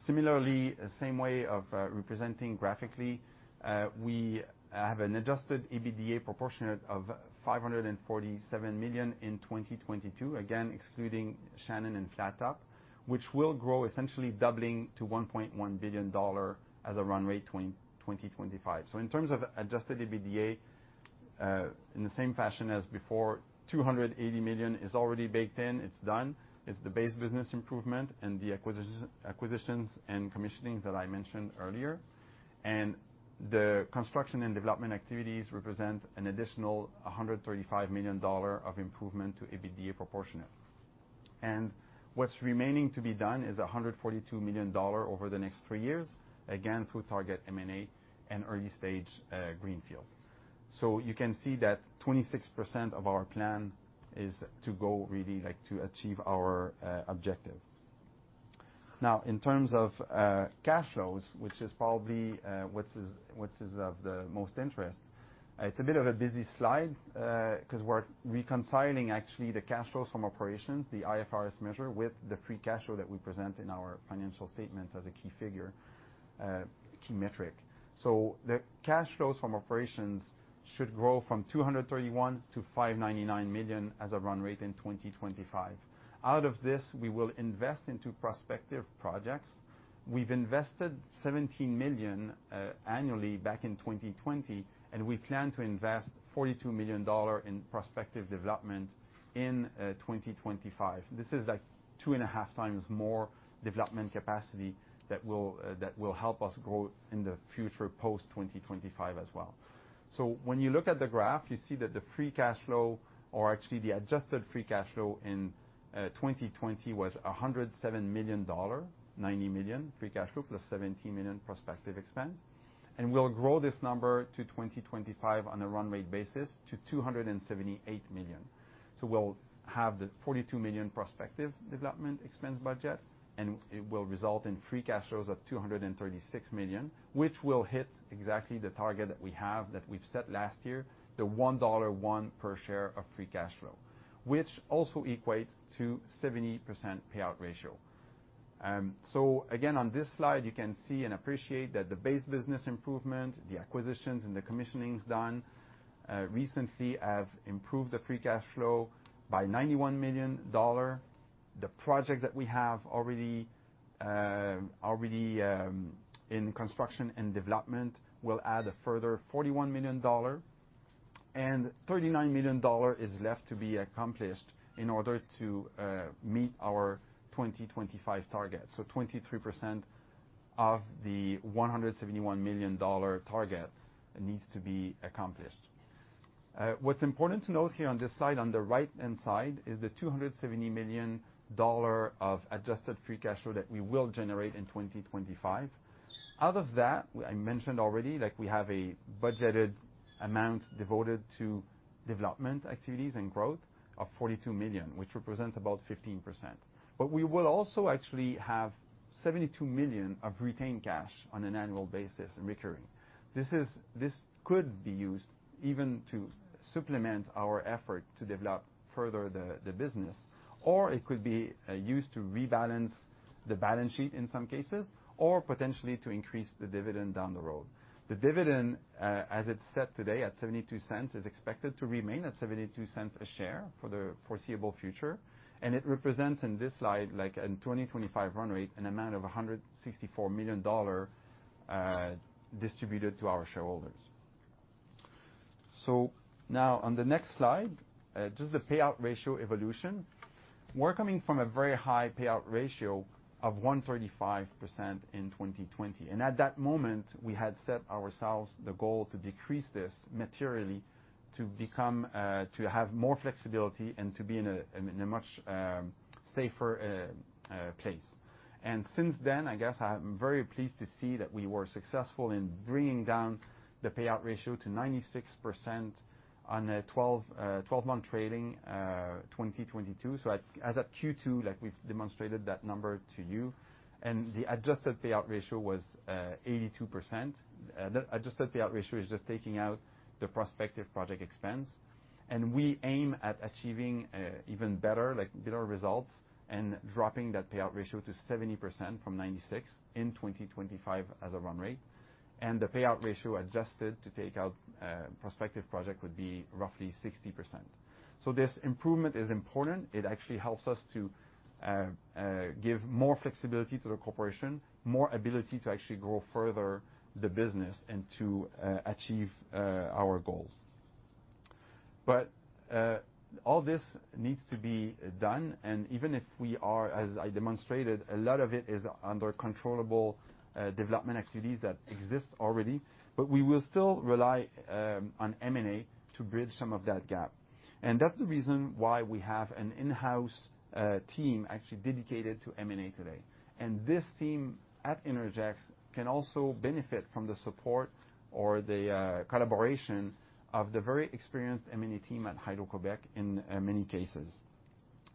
Similarly, same way of representing graphically, we have an adjusted EBITDA proportionate of 547 million in 2022, again, excluding Shannon and Flattop, which will grow essentially doubling to 1.1 billion dollar as a run rate 2025. In terms of adjusted EBITDA, in the same fashion as before, 280 million is already baked in, it's done. It's the base business improvement and the acquisitions and commissionings that I mentioned earlier. The construction and development activities represent an additional 135 million dollar of improvement to EBITDA proportionate. What's remaining to be done is 142 million dollars over the next three years, again, through target M&A and early-stage greenfield. You can see that 26% of our plan is to go really, like, to achieve our objective. Now, in terms of, cash flows, which is probably, what is of the most interest, it's a bit of a busy slide, 'cause we're reconciling actually the cash flows from operations, the IFRS measure, with the free cash flow that we present in our financial statements as a key figure, key metric. The cash flows from operations should grow from 231 million to 599 million as a run rate in 2025. Out of this, we will invest into prospective projects. We've invested 17 million annually back in 2020, and we plan to invest 42 million dollars in prospective development in, 2025. This is like 2.5 times more development capacity that will help us grow in the future post-2025 as well. When you look at the graph, you see that the free cash flow or actually the adjusted free cash flow in 2020 was 107 million dollar, 90 million free cash flow plus 17 million prospective expense. We'll grow this number to 2025 on a run rate basis to 278 million. We'll have the 42 million prospective development expense budget, and it will result in free cash flows of 236 million, which will hit exactly the target that we have, that we've set last year, the 1.01 dollar per share of free cash flow, which also equates to 70% payout ratio. Again, on this slide, you can see and appreciate that the base business improvement, the acquisitions and the commissionings done recently have improved the free cash flow by 91 million dollar. The projects that we have already in construction and development will add a further 41 million dollar, and 39 million dollar is left to be accomplished in order to meet our 2025 target. Twenty-three percent of the 171 million dollar target needs to be accomplished. What's important to note here on this slide, on the right-hand side, is the 270 million dollar of adjusted free cash flow that we will generate in 2025. Out of that, I mentioned already, like, we have a budgeted amount devoted to development activities and growth of 42 million, which represents about 15%. We will also actually have 72 million of retained cash on an annual basis and recurring. This could be used even to supplement our effort to develop further the business, or it could be used to rebalance the balance sheet in some cases or potentially to increase the dividend down the road. The dividend, as it's set today at 0.72, is expected to remain at 0.72 a share for the foreseeable future. It represents, in this slide, like in 2025 run rate, an amount of 164 million dollars distributed to our shareholders. Now on the next slide, just the payout ratio evolution. We're coming from a very high payout ratio of 135% in 2020. At that moment, we had set ourselves the goal to decrease this materially. To become, to have more flexibility and to be in a much safer place. Since then, I guess I am very pleased to see that we were successful in bringing down the payout ratio to 96% on a twelve-month trailing 2022. As of Q2, like, we've demonstrated that number to you. The adjusted payout ratio was 82%. The adjusted payout ratio is just taking out the prospective project expense. We aim at achieving even better, like, better results and dropping that payout ratio to 70% from 96% in 2025 as a run rate. The payout ratio adjusted to take out prospective project would be roughly 60%. This improvement is important. It actually helps us to give more flexibility to the corporation, more ability to actually grow further the business and to achieve our goals. All this needs to be done, and even if we are, as I demonstrated, a lot of it is under controllable development activities that exist already, but we will still rely on M&A to bridge some of that gap. That's the reason why we have an in-house team actually dedicated to M&A today. This team at Innergex can also benefit from the support or the collaboration of the very experienced M&A team at Hydro-Québec in many cases.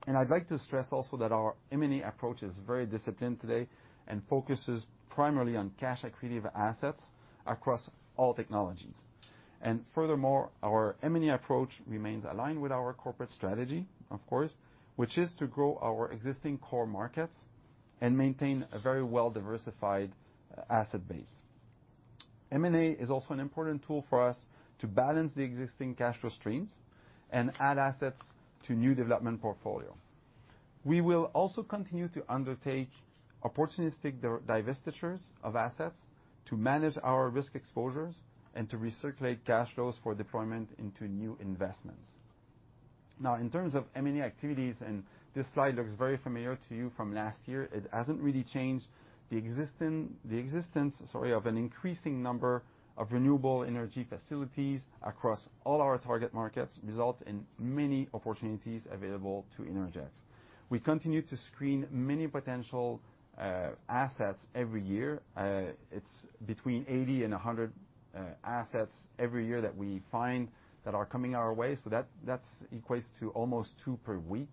I'd like to stress also that our M&A approach is very disciplined today and focuses primarily on cash-accretive assets across all technologies. Furthermore, our M&A approach remains aligned with our corporate strategy, of course, which is to grow our existing core markets and maintain a very well-diversified asset base. M&A is also an important tool for us to balance the existing cash flow streams and add assets to new development portfolio. We will also continue to undertake opportunistic divestitures of assets to manage our risk exposures and to recirculate cash flows for deployment into new investments. Now in terms of M&A activities, this slide looks very familiar to you from last year, it hasn't really changed. The existence of an increasing number of renewable energy facilities across all our target markets result in many opportunities available to Innergex. We continue to screen many potential assets every year. It's between 80 and 100 assets every year that we find that are coming our way, so that equates to almost two per week.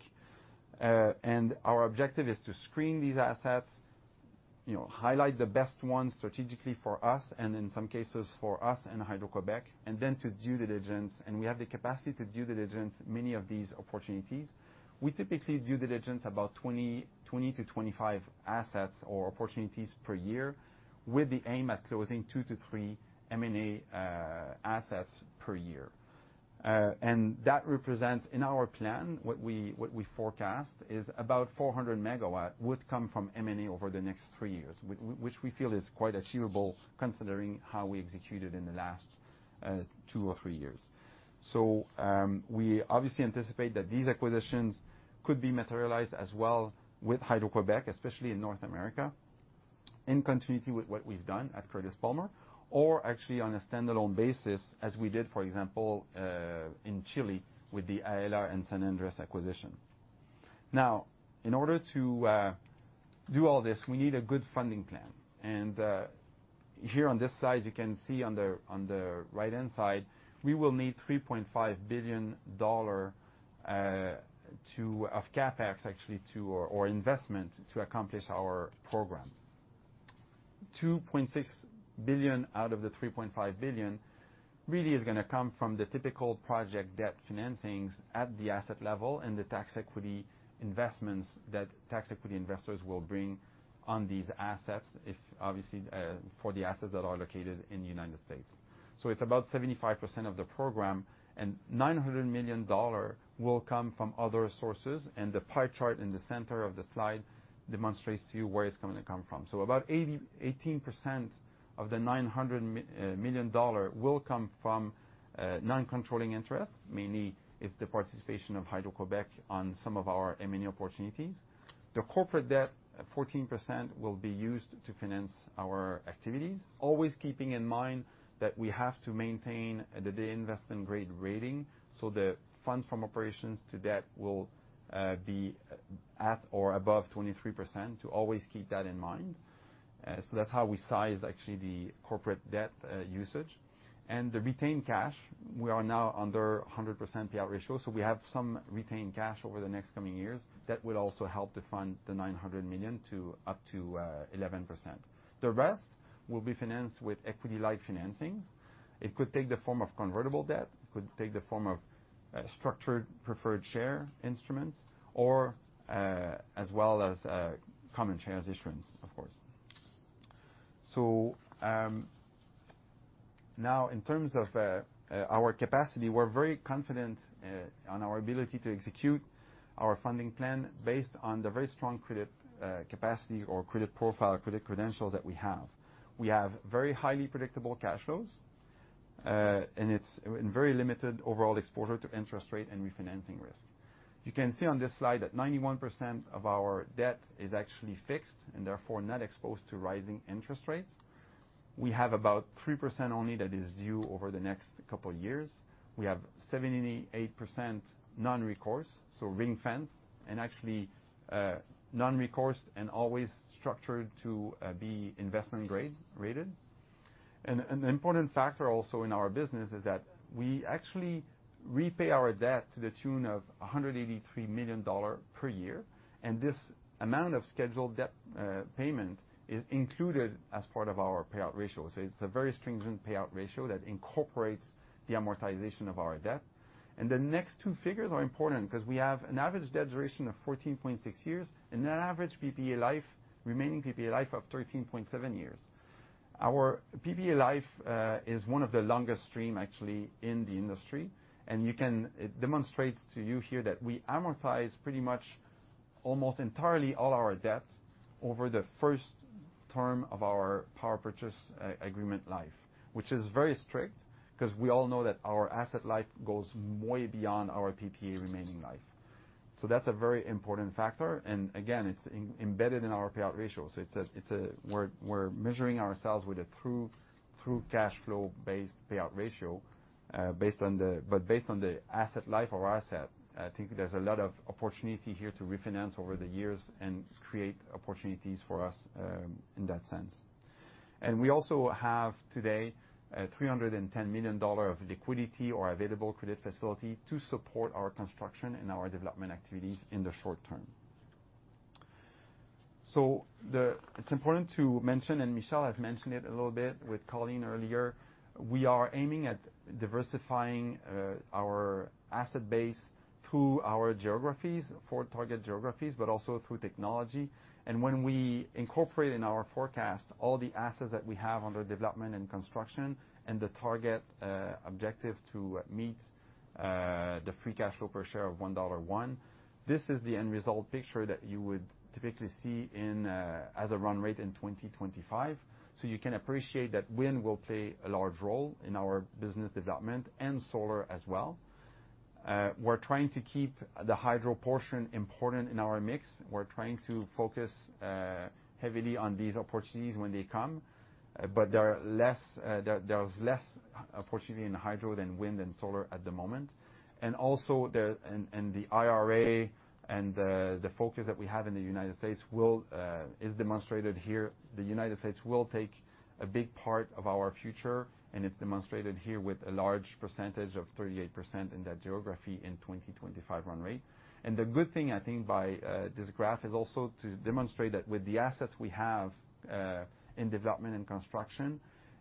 Our objective is to screen these assets, you know, highlight the best ones strategically for us, and in some cases for us and Hydro-Québec, and then to due diligence. We have the capacity to due diligence many of these opportunities. We typically due diligence about 20-25 assets or opportunities per year with the aim at closing two - three M&A assets per year. That represents in our plan, what we forecast is about 400 MW would come from M&A over the next three years, which we feel is quite achievable considering how we executed in the last two or three years. We obviously anticipate that these acquisitions could be materialized as well with Hydro-Québec, especially in North America, in continuity with what we've done at Curtis Palmer, or actually on a standalone basis, as we did, for example, in Chile with the Aela and San Andrés acquisition. Now, in order to do all this, we need a good funding plan. Here on this slide, you can see on the right-hand side, we will need $3.5 billion of CapEx, actually, or investment to accomplish our program. $2.6 billion out of the $3.5 billion really is gonna come from the typical project debt financings at the asset level and the tax equity investments that tax equity investors will bring on these assets, if obviously, for the assets that are located in the United States. It's about 75% of the program, and 900 million dollar will come from other sources. The pie chart in the center of the slide demonstrates to you where it's gonna come from. About 88% of the 900 million dollar will come from non-controlling interest, mainly it's the participation of Hydro-Québec on some of our M&A opportunities. The corporate debt, at 14%, will be used to finance our activities, always keeping in mind that we have to maintain the investment-grade rating, so the funds from operations to debt will be at or above 23% to always keep that in mind. That's how we size actually the corporate debt usage. The retained cash, we are now under 100% payout ratio, so we have some retained cash over the next coming years that will also help to fund the 900 million-1.1 billion. The rest will be financed with equity-like financings. It could take the form of convertible debt. It could take the form of structured preferred share instruments or as well as common share issuance, of course. Now in terms of our capacity, we're very confident on our ability to execute our funding plan based on the very strong credit capacity or credit profile, credit credentials that we have. We have very highly predictable cash flows, and it has very limited overall exposure to interest rate and refinancing risk. You can see on this slide that 91% of our debt is actually fixed and therefore not exposed to rising interest rates. We have about 3% only that is due over the next couple years. We have 78% non-recourse, so ring-fence, and actually, non-recourse and always structured to be investment grade rated. An important factor also in our business is that we actually repay our debt to the tune of 183 million dollar per year, and this amount of scheduled debt payment is included as part of our payout ratio. It's a very stringent payout ratio that incorporates the amortization of our debt. The next two figures are important because we have an average debt duration of 14.6 years, and an average PPA life, remaining PPA life of 13.7 years. Our PPA life is one of the longest-term actually in the industry. It demonstrates to you here that we amortize pretty much almost entirely all our debt over the first term of our power purchase agreement life, which is very strict because we all know that our asset life goes way beyond our PPA remaining life. That's a very important factor, and again, it's embedded in our payout ratio. It's a, we're measuring ourselves with a true cash flow-based payout ratio based on the asset life or asset. I think there's a lot of opportunity here to refinance over the years and create opportunities for us in that sense. We also have today 310 million dollar of liquidity or available credit facility to support our construction and our development activities in the short term. It's important to mention, and Michel has mentioned it a little bit with Colleen earlier, we are aiming at diversifying our asset base through our geographies, our target geographies, but also through technology. When we incorporate in our forecast all the assets that we have under development and construction and the target objective to meet the free cash flow per share of 1.01 dollar, this is the end result picture that you would typically see in as a run rate in 2025. You can appreciate that wind will play a large role in our business development and solar as well. We're trying to keep the hydro portion important in our mix. We're trying to focus heavily on these opportunities when they come, but there's less opportunity in hydro than wind and solar at the moment. The IRA and the focus that we have in the United States is demonstrated here. The United States will take a big part of our future, and it's demonstrated here with a large percentage of 38% in that geography in 2025 run rate. The good thing, I think, by this graph is also to demonstrate that with the assets we have in development and construction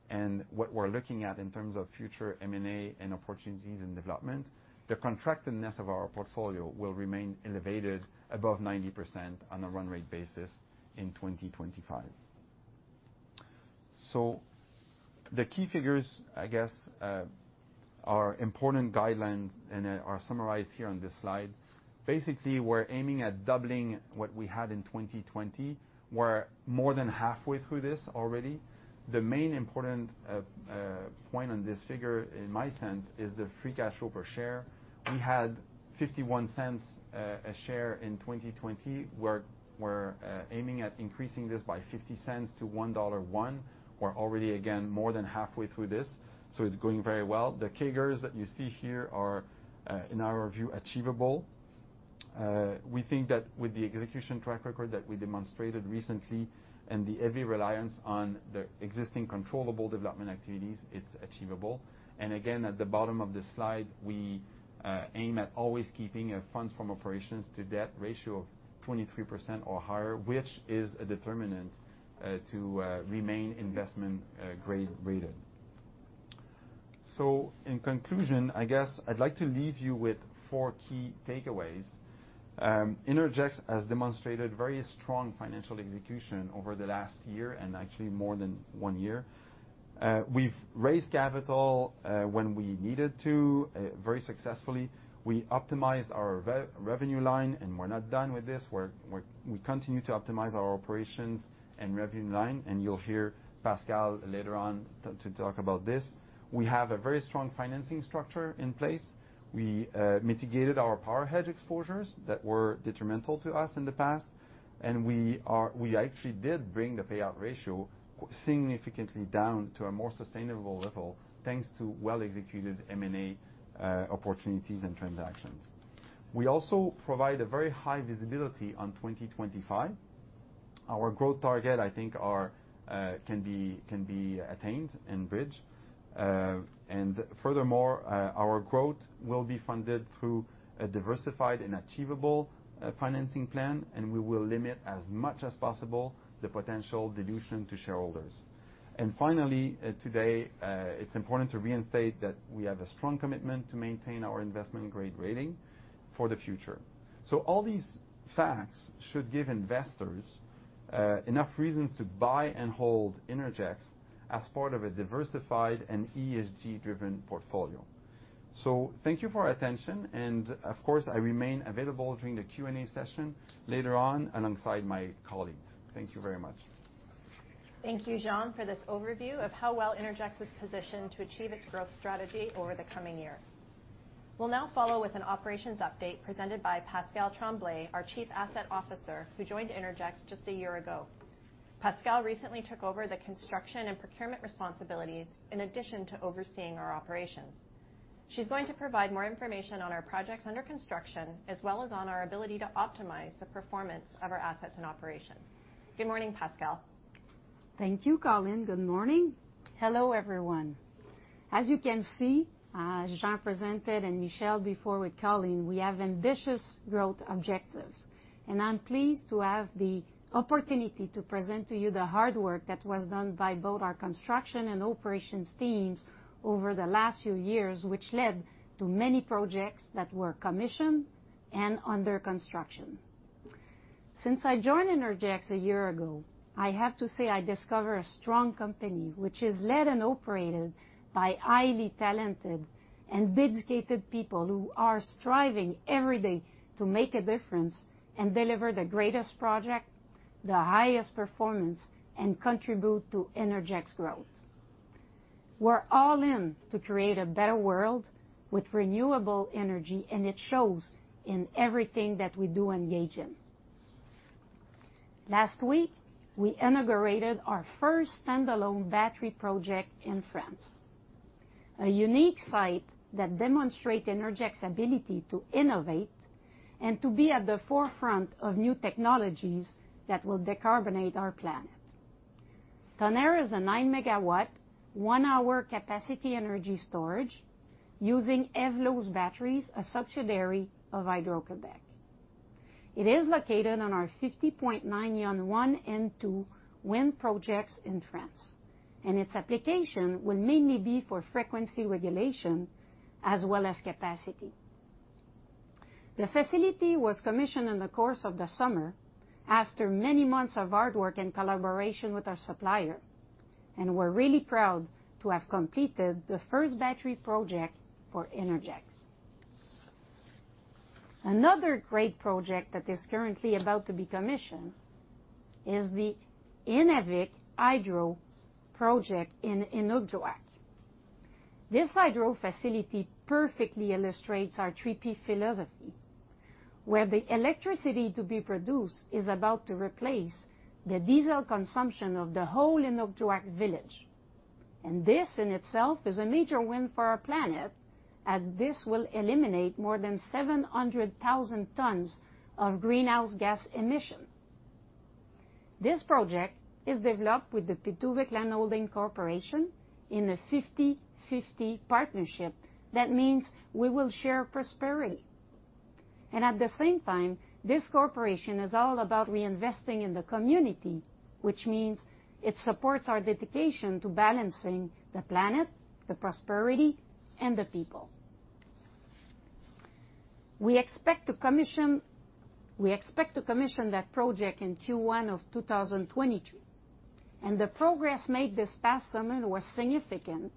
and what we're looking at in terms of future M&A and opportunities in development, the contractedness of our portfolio will remain elevated above 90% on a run rate basis in 2025. The key figures, I guess, are important guideline and are summarized here on this slide. Basically, we're aiming at doubling what we had in 2020. We're more than halfway through this already. The main important point on this figure, in my sense, is the free cash flow per share. We had 0.51 a share in 2020. We're aiming at increasing this by 0.50 to 1.01 dollar. We're already, again, more than halfway through this, so it's going very well. The CAGRs that you see here are, in our view, achievable. We think that with the execution track record that we demonstrated recently and the heavy reliance on the existing controllable development activities, it's achievable. At the bottom of this slide, we aim at always keeping a funds from operations to debt ratio of 23% or higher, which is a determinant to remain investment-grade rated. In conclusion, I guess I'd like to leave you with four key takeaways. Innergex has demonstrated very strong financial execution over the last year and actually more than one year. We've raised capital when we needed to very successfully. We optimized our revenue line, and we're not done with this. We continue to optimize our operations and revenue line, and you'll hear Pascale later on to talk about this. We have a very strong financing structure in place. We mitigated our power hedge exposures that were detrimental to us in the past, and we actually did bring the payout ratio significantly down to a more sustainable level, thanks to well-executed M&A opportunities and transactions. We also provide a very high visibility on 2025. Our growth target, I think, can be attained and bridged. Furthermore, our growth will be funded through a diversified and achievable financing plan, and we will limit as much as possible the potential dilution to shareholders. Finally, today, it's important to reinstate that we have a strong commitment to maintain our investment-grade rating for the future. All these facts should give investors enough reasons to buy and hold Innergex as part of a diversified and ESG-driven portfolio. Thank you for your attention, and of course, I remain available during the Q&A session later on alongside my colleagues. Thank you very much. Thank you, Jean, for this overview of how well Innergex is positioned to achieve its growth strategy over the coming years. We'll now follow with an operations update presented by Pascale Tremblay, our Chief Asset Officer, who joined Innergex just a year ago. Pascale recently took over the construction and procurement responsibilities in addition to overseeing our operations. She's going to provide more information on our projects under construction, as well as on our ability to optimize the performance of our assets and operations. Good morning Pascale?. Thank you, Colleen. Good morning. Hello everyone. As you can see, Jean presented and Michel before with Colleen, we have ambitious growth objectives. I'm pleased to have the opportunity to present to you the hard work that was done by both our construction and operations teams over the last few years, which led to many projects that were commissioned and under construction. Since I joined Innergex a year ago, I have to say, I discover a strong company, which is led and operated by highly talented and dedicated people who are striving every day to make a difference and deliver the greatest project, the highest performance, and contribute to Innergex growth. We're all in to create a better world with renewable energy, and it shows in everything that we do engage in. Last week, we inaugurated our first standalone battery project in France. A unique site that demonstrates Innergex ability to innovate and to be at the forefront of new technologies that will decarbonate our planet. Tonnerre is a 9 MW, 1-hour capacity energy storage using EVLO batteries, a subsidiary of Hydro-Québec. It is located on our 50.9 Yonne 1 and 2 wind projects in France, and its application will mainly be for frequency regulation as well as capacity. The facility was commissioned in the course of the summer after many months of hard work and collaboration with our supplier, and we're really proud to have completed the first battery project for Innergex. Another great project that is currently about to be commissioned is the Innavik Hydro Project in Innavik. This hydro facility perfectly illustrates our three P philosophy, where the electricity to be produced is about to replace the diesel consumption of the whole Innavik village. This in itself is a major win for our planet, as this will eliminate more than 700,000 tons of greenhouse gas emission. This project is developed with the Pituvik Landholding Corporation in a 50-50 partnership. That means we will share prosperity. At the same time, this corporation is all about reinvesting in the community, which means it supports our dedication to balancing the planet, the prosperity, and the people. We expect to commission that project in Q1 of 2022, and the progress made this past summer was significant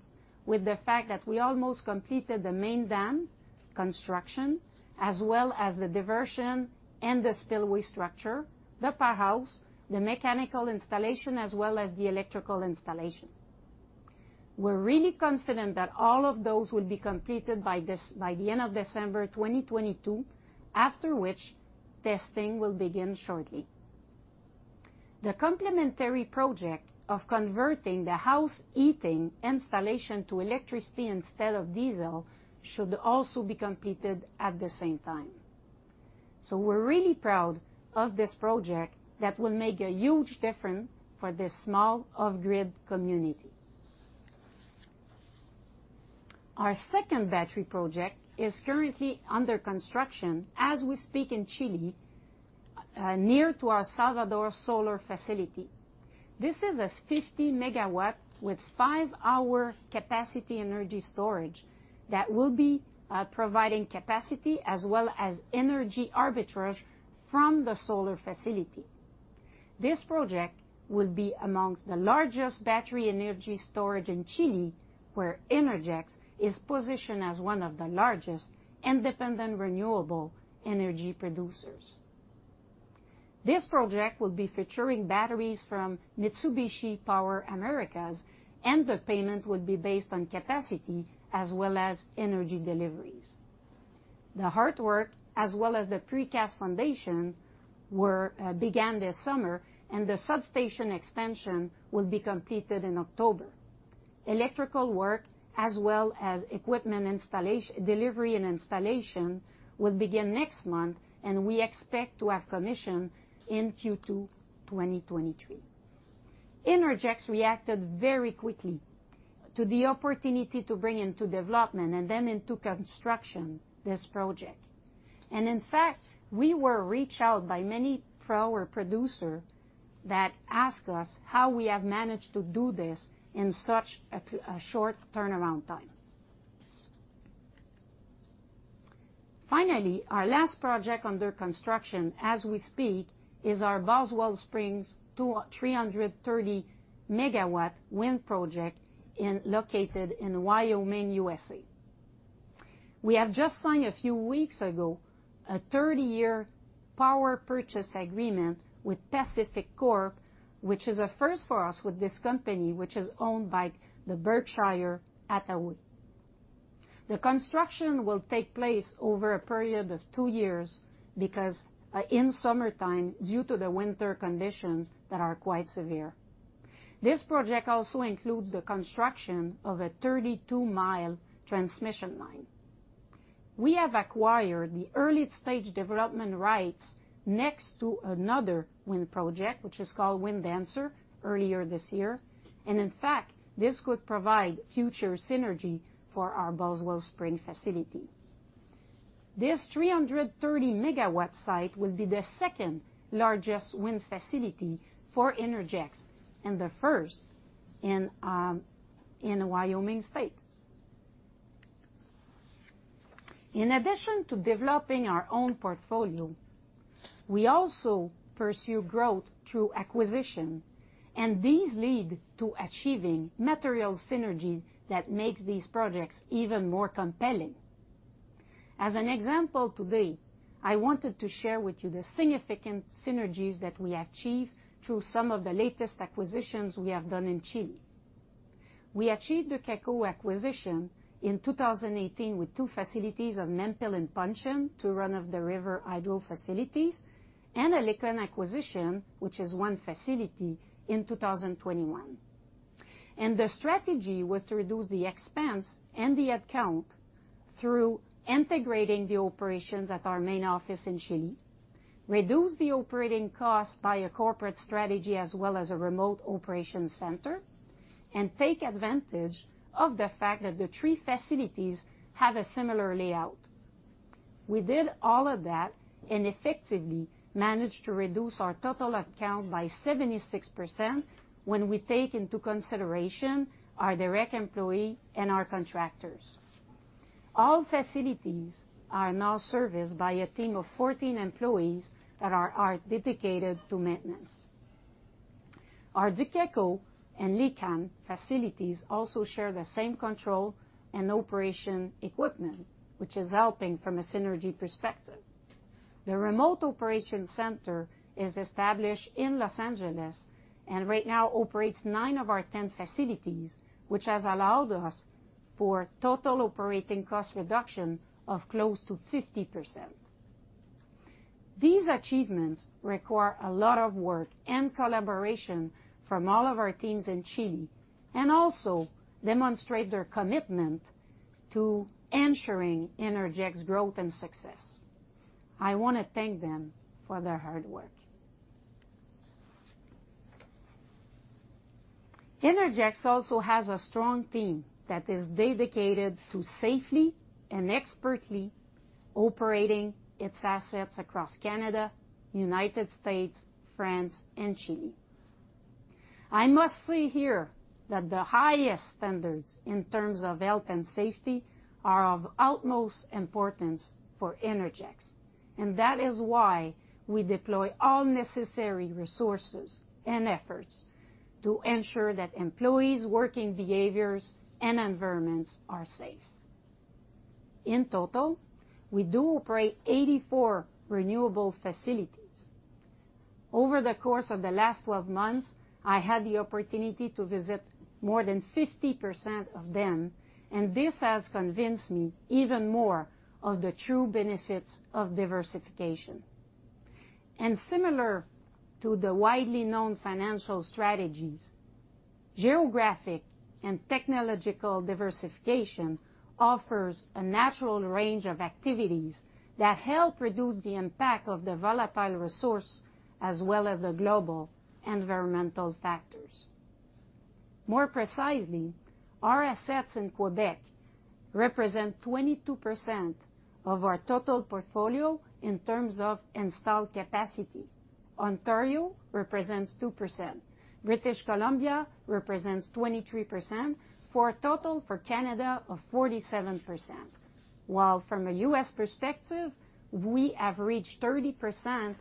with the fact that we almost completed the main dam construction as well as the diversion and the spillway structure, the powerhouse, the mechanical installation, as well as the electrical installation. We're really confident that all of those will be completed by the end of December 2022, after which testing will begin shortly. The complementary project of converting the house heating installation to electricity instead of diesel should also be completed at the same time. We're really proud of this project that will make a huge difference for this small off-grid community. Our second battery project is currently under construction as we speak in Chile, near to our Salvador solar facility. This is a 50 MW with five-hour capacity energy storage that will be providing capacity as well as energy arbitrage from the solar facility. This project will be among the largest battery energy storage in Chile, where Innergex is positioned as one of the largest independent renewable energy producers. This project will be featuring batteries from Mitsubishi Power Americas, and the payment would be based on capacity as well as energy deliveries. The hard work as well as the precast foundation were began this summer, and the substation expansion will be completed in October. Electrical work as well as equipment delivery and installation will begin next month, and we expect to have commissioning in Q2 2023. Innergex reacted very quickly to the opportunity to bring into development and then into construction this project. In fact, we were reached out by many power producer that asked us how we have managed to do this in such a short turnaround time. Finally, our last project under construction as we speak is our Boswell Springs 330 MW wind project located in Wyoming, USA. We have just signed a few weeks ago a 30-year power purchase agreement with PacifiCorp, which is a first for us with this company, which is owned by Berkshire Hathaway. The construction will take place over a period of two years because in wintertime, due to the winter conditions that are quite severe. This project also includes the construction of a 32-mile transmission line. We have acquired the early-stage development rights next to another wind project, which is called Wind Dancer, earlier this year, and in fact, this could provide future synergy for our Boswell Springs facility. This 330-megawatt site will be the second-largest wind facility for Innergex, and the first in Wyoming. In addition to developing our own portfolio, we also pursue growth through acquisition, and these lead to achieving material synergy that makes these projects even more compelling. As an example today, I wanted to share with you the significant synergies that we achieve through some of the latest acquisitions we have done in Chile. We achieved the Energía Llaima acquisition in 2018 with two facilities of Mampil and Peuchén, two run-of-the-river hydro facilities, and the Licán acquisition, which is one facility, in 2021. The strategy was to reduce the expense and the headcount through integrating the operations at our main office in Chile, reduce the operating cost by a corporate strategy as well as a remote operation center, and take advantage of the fact that the three facilities have a similar layout. We did all of that and effectively managed to reduce our total headcount by 76% when we take into consideration our direct employees and our contractors. All facilities are now serviced by a team of 14 employees that are dedicated to maintenance. Our Keko and Licán facilities also share the same control and operation equipment, which is helping from a synergy perspective. The remote operation center is established in Los Ángeles, and right now operates 9 of our 10 facilities, which has allowed us for total operating cost reduction of close to 50%. These achievements require a lot of work and collaboration from all of our teams in Chile and also demonstrate their commitment to ensuring Innergex growth and success. I wanna thank them for their hard work. Innergex also has a strong team that is dedicated to safely and expertly operating its assets across Canada, United States, France, and Chile. I must say here that the highest standards in terms of health and safety are of utmost importance for Innergex, and that is why we deploy all necessary resources and efforts to ensure that employees' working behaviors and environments are safe. In total, we do operate 84 renewable facilities. Over the course of the last 12 months, I had the opportunity to visit more than 50% of them, and this has convinced me even more of the true benefits of diversification. Similar to the widely known financial strategies, geographic and technological diversification offers a natural range of activities that help reduce the impact of the volatile resource as well as the global environmental factors. More precisely, our assets in Quebec represent 22% of our total portfolio in terms of installed capacity. Ontario represents 2%. British Columbia represents 23%. For a total for Canada of 47%. While from a U.S. perspective, we have reached 30%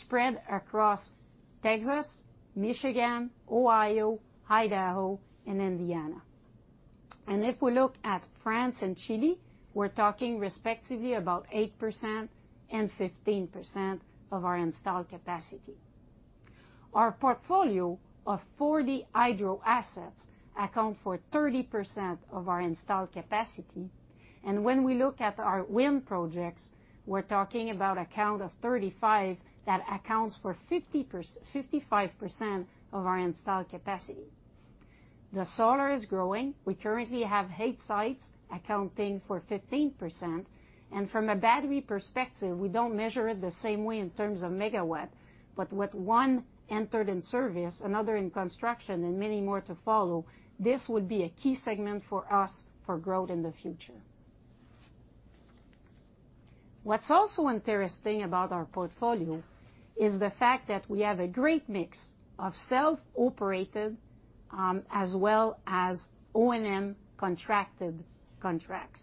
spread across Texas, Michigan, Ohio, Idaho, and Indiana. If we look at France and Chile, we're talking respectively about 8% and 15% of our installed capacity. Our portfolio of 40 hydro assets account for 30% of our installed capacity. When we look at our wind projects, we're talking about a count of 35 that accounts for 55% of our installed capacity. The solar is growing. We currently have eight sites accounting for 15%. From a battery perspective, we don't measure it the same way in terms of megawatt. With one entered in service, another in construction and many more to follow, this would be a key segment for us for growth in the future. What's also interesting about our portfolio is the fact that we have a great mix of self-operated, as well as O&M contracted contracts.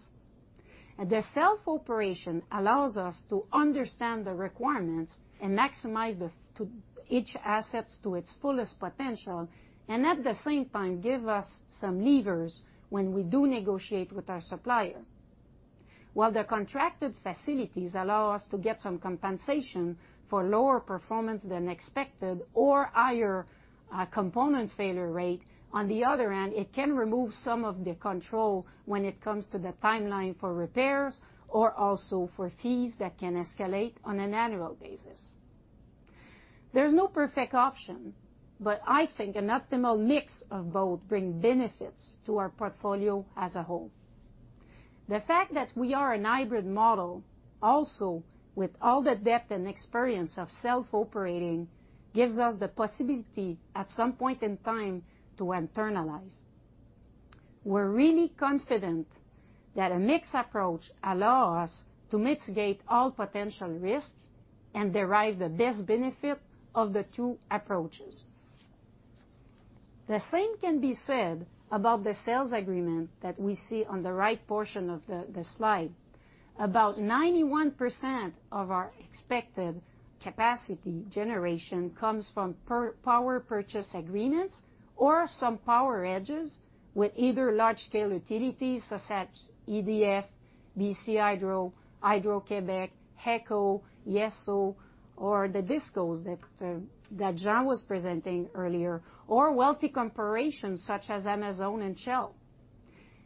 The self-operation allows us to understand the requirements and maximize to each assets to its fullest potential, and at the same time, give us some levers when we do negotiate with our supplier. While the contracted facilities allow us to get some compensation for lower performance than expected or higher component failure rate, on the other hand, it can remove some of the control when it comes to the timeline for repairs or also for fees that can escalate on an annual basis. There's no perfect option, but I think an optimal mix of both bring benefits to our portfolio as a whole. The fact that we are a hybrid model also with all the depth and experience of self-operating, gives us the possibility at some point in time to internalize. We're really confident that a mixed approach allow us to mitigate all potential risks and derive the best benefit of the two approaches. The same can be said about the sales agreement that we see on the right portion of the slide. About 91% of our expected capacity generation comes from power purchase agreements or some PPAs with either large-scale utilities, such as EDF, BC Hydro, Hydro-Québec, Geco, Yeso, or the DISCOs that Jean was presenting earlier, or wealthy corporations such as Amazon and Shell.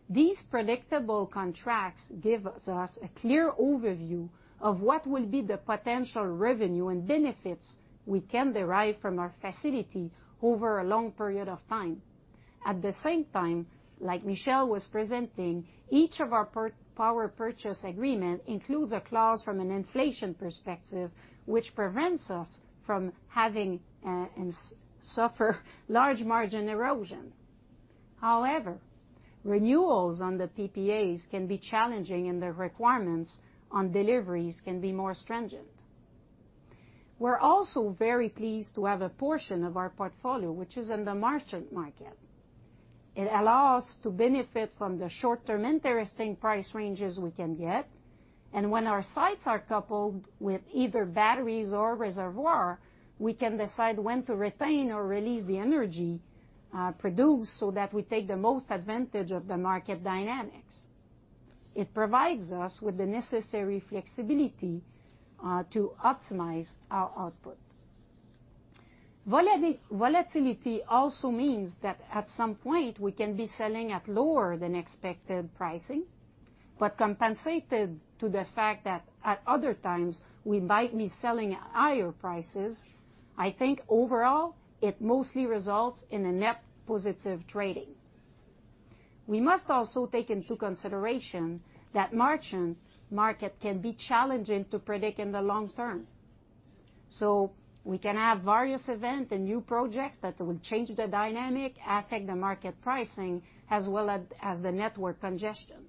These predictable contracts give us a clear overview of what will be the potential revenue and benefits we can derive from our facility over a long period of time. At the same time, like Michel was presenting, each of our power purchase agreement includes a clause from an inflation perspective, which prevents us from having and suffer large margin erosion. However, renewals on the PPAs can be challenging, and the requirements on deliveries can be more stringent. We're also very pleased to have a portion of our portfolio which is in the merchant market. It allow us to benefit from the short-term interesting price ranges we can get. When our sites are coupled with either batteries or reservoir, we can decide when to retain or release the energy produced, so that we take the most advantage of the market dynamics. It provides us with the necessary flexibility to optimize our output. Volatility also means that at some point, we can be selling at lower than expected pricing, but compensated to the fact that at other times we might be selling at higher prices. I think overall, it mostly results in a net positive trading. We must also take into consideration that merchant market can be challenging to predict in the long term. We can have various event and new projects that will change the dynamic, affect the market pricing, as well as the network congestion.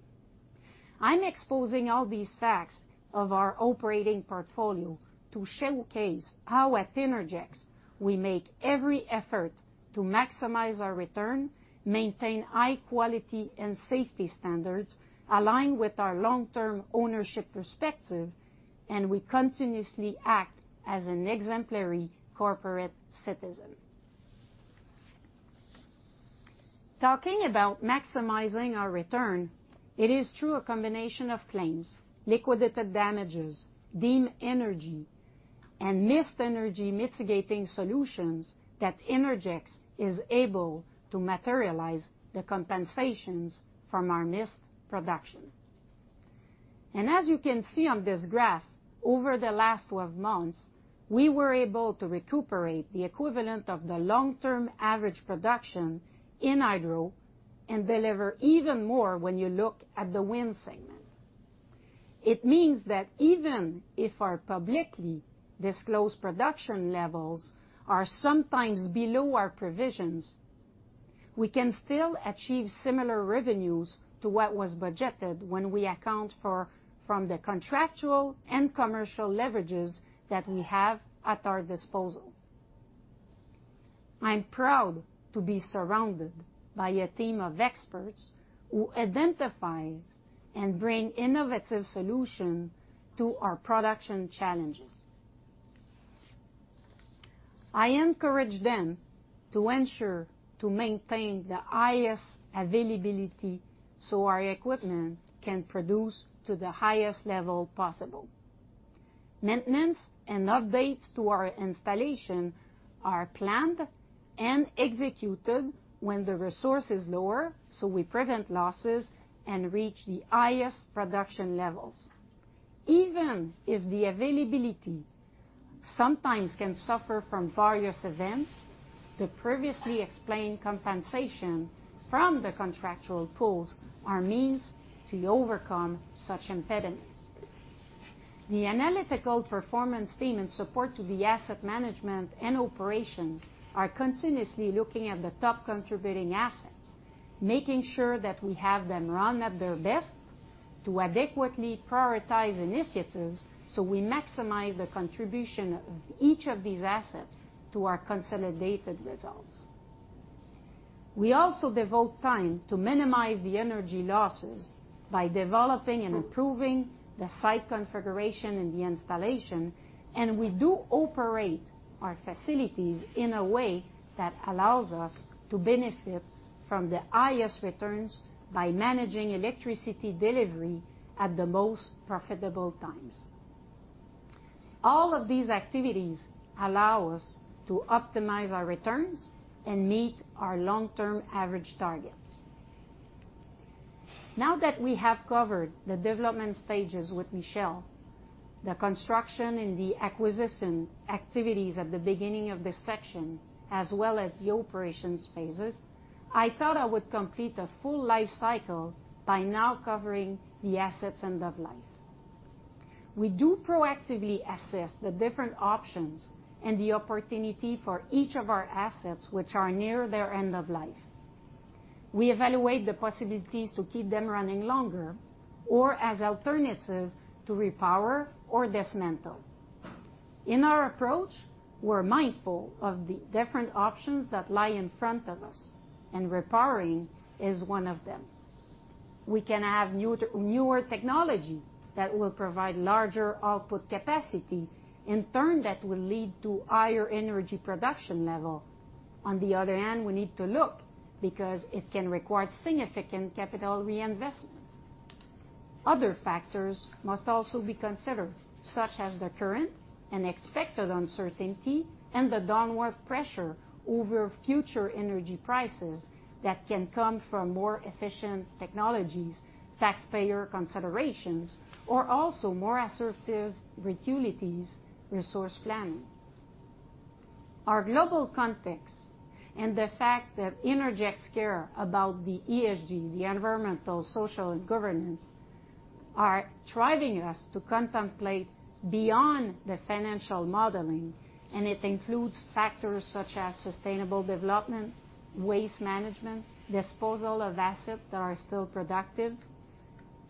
I'm exposing all these facts of our operating portfolio to showcase how at Innergex we make every effort to maximize our return, maintain high quality and safety standards, align with our long-term ownership perspective, and we continuously act as an exemplary corporate citizen. Talking about maximizing our return, it is through a combination of claims, liquidated damages, deemed energy, and missed energy mitigating solutions that Innergex is able to materialize the compensations from our missed production. As you can see on this graph, over the last 12 months, we were able to recuperate the equivalent of the long-term average production in Hydro and deliver even more when you look at the wind segment. It means that even if our publicly disclosed production levels are sometimes below our provisions, we can still achieve similar revenues to what was budgeted when we account for, from the contractual and commercial leverages that we have at our disposal. I'm proud to be surrounded by a team of experts who identifies and bring innovative solution to our production challenges. I encourage them to ensure to maintain the highest availability, so our equipment can produce to the highest level possible. Maintenance and updates to our installation are planned and executed when the resource is lower, so we prevent losses and reach the highest production levels. Even if the availability sometimes can suffer from various events, the previously explained compensation from the contractual pools are means to overcome such impediments. The analytical performance team and support to the asset management and operations are continuously looking at the top contributing assets, making sure that we have them run at their best to adequately prioritize initiatives, so we maximize the contribution of each of these assets to our consolidated results. We also devote time to minimize the energy losses by developing and improving the site configuration and the installation, and we do operate our facilities in a way that allows us to benefit from the highest returns by managing electricity delivery at the most profitable times. All of these activities allow us to optimize our returns and meet our long-term average targets. Now that we have covered the development stages with Michel, the construction and the acquisition activities at the beginning of this section, as well as the operations phases, I thought I would complete a full life cycle by now covering the assets' end of life. We do proactively assess the different options and the opportunity for each of our assets which are near their end of life. We evaluate the possibilities to keep them running longer or as alternative to repower or dismantle. In our approach, we're mindful of the different options that lie in front of us, and repowering is one of them. We can have new, newer technology that will provide larger output capacity. In turn, that will lead to higher energy production level. On the other hand, we need to look because it can require significant capital reinvestment. Other factors must also be considered, such as the current and expected uncertainty and the downward pressure over future energy prices that can come from more efficient technologies, taxpayer considerations, or also more assertive utilities resource planning. Our global context and the fact that Innergex care about the ESG, the environmental, social, and governance, are driving us to contemplate beyond the financial modeling, and it includes factors such as sustainable development, waste management, disposal of assets that are still productive,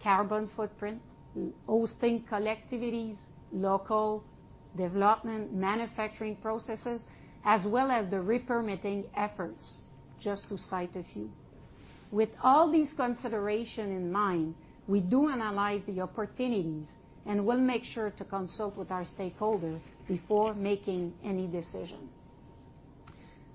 carbon footprint, hosting collectivities, local development, manufacturing processes, as well as the re-permitting efforts, just to cite a few. With all these consideration in mind, we do analyze the opportunities, and we'll make sure to consult with our stakeholder before making any decision.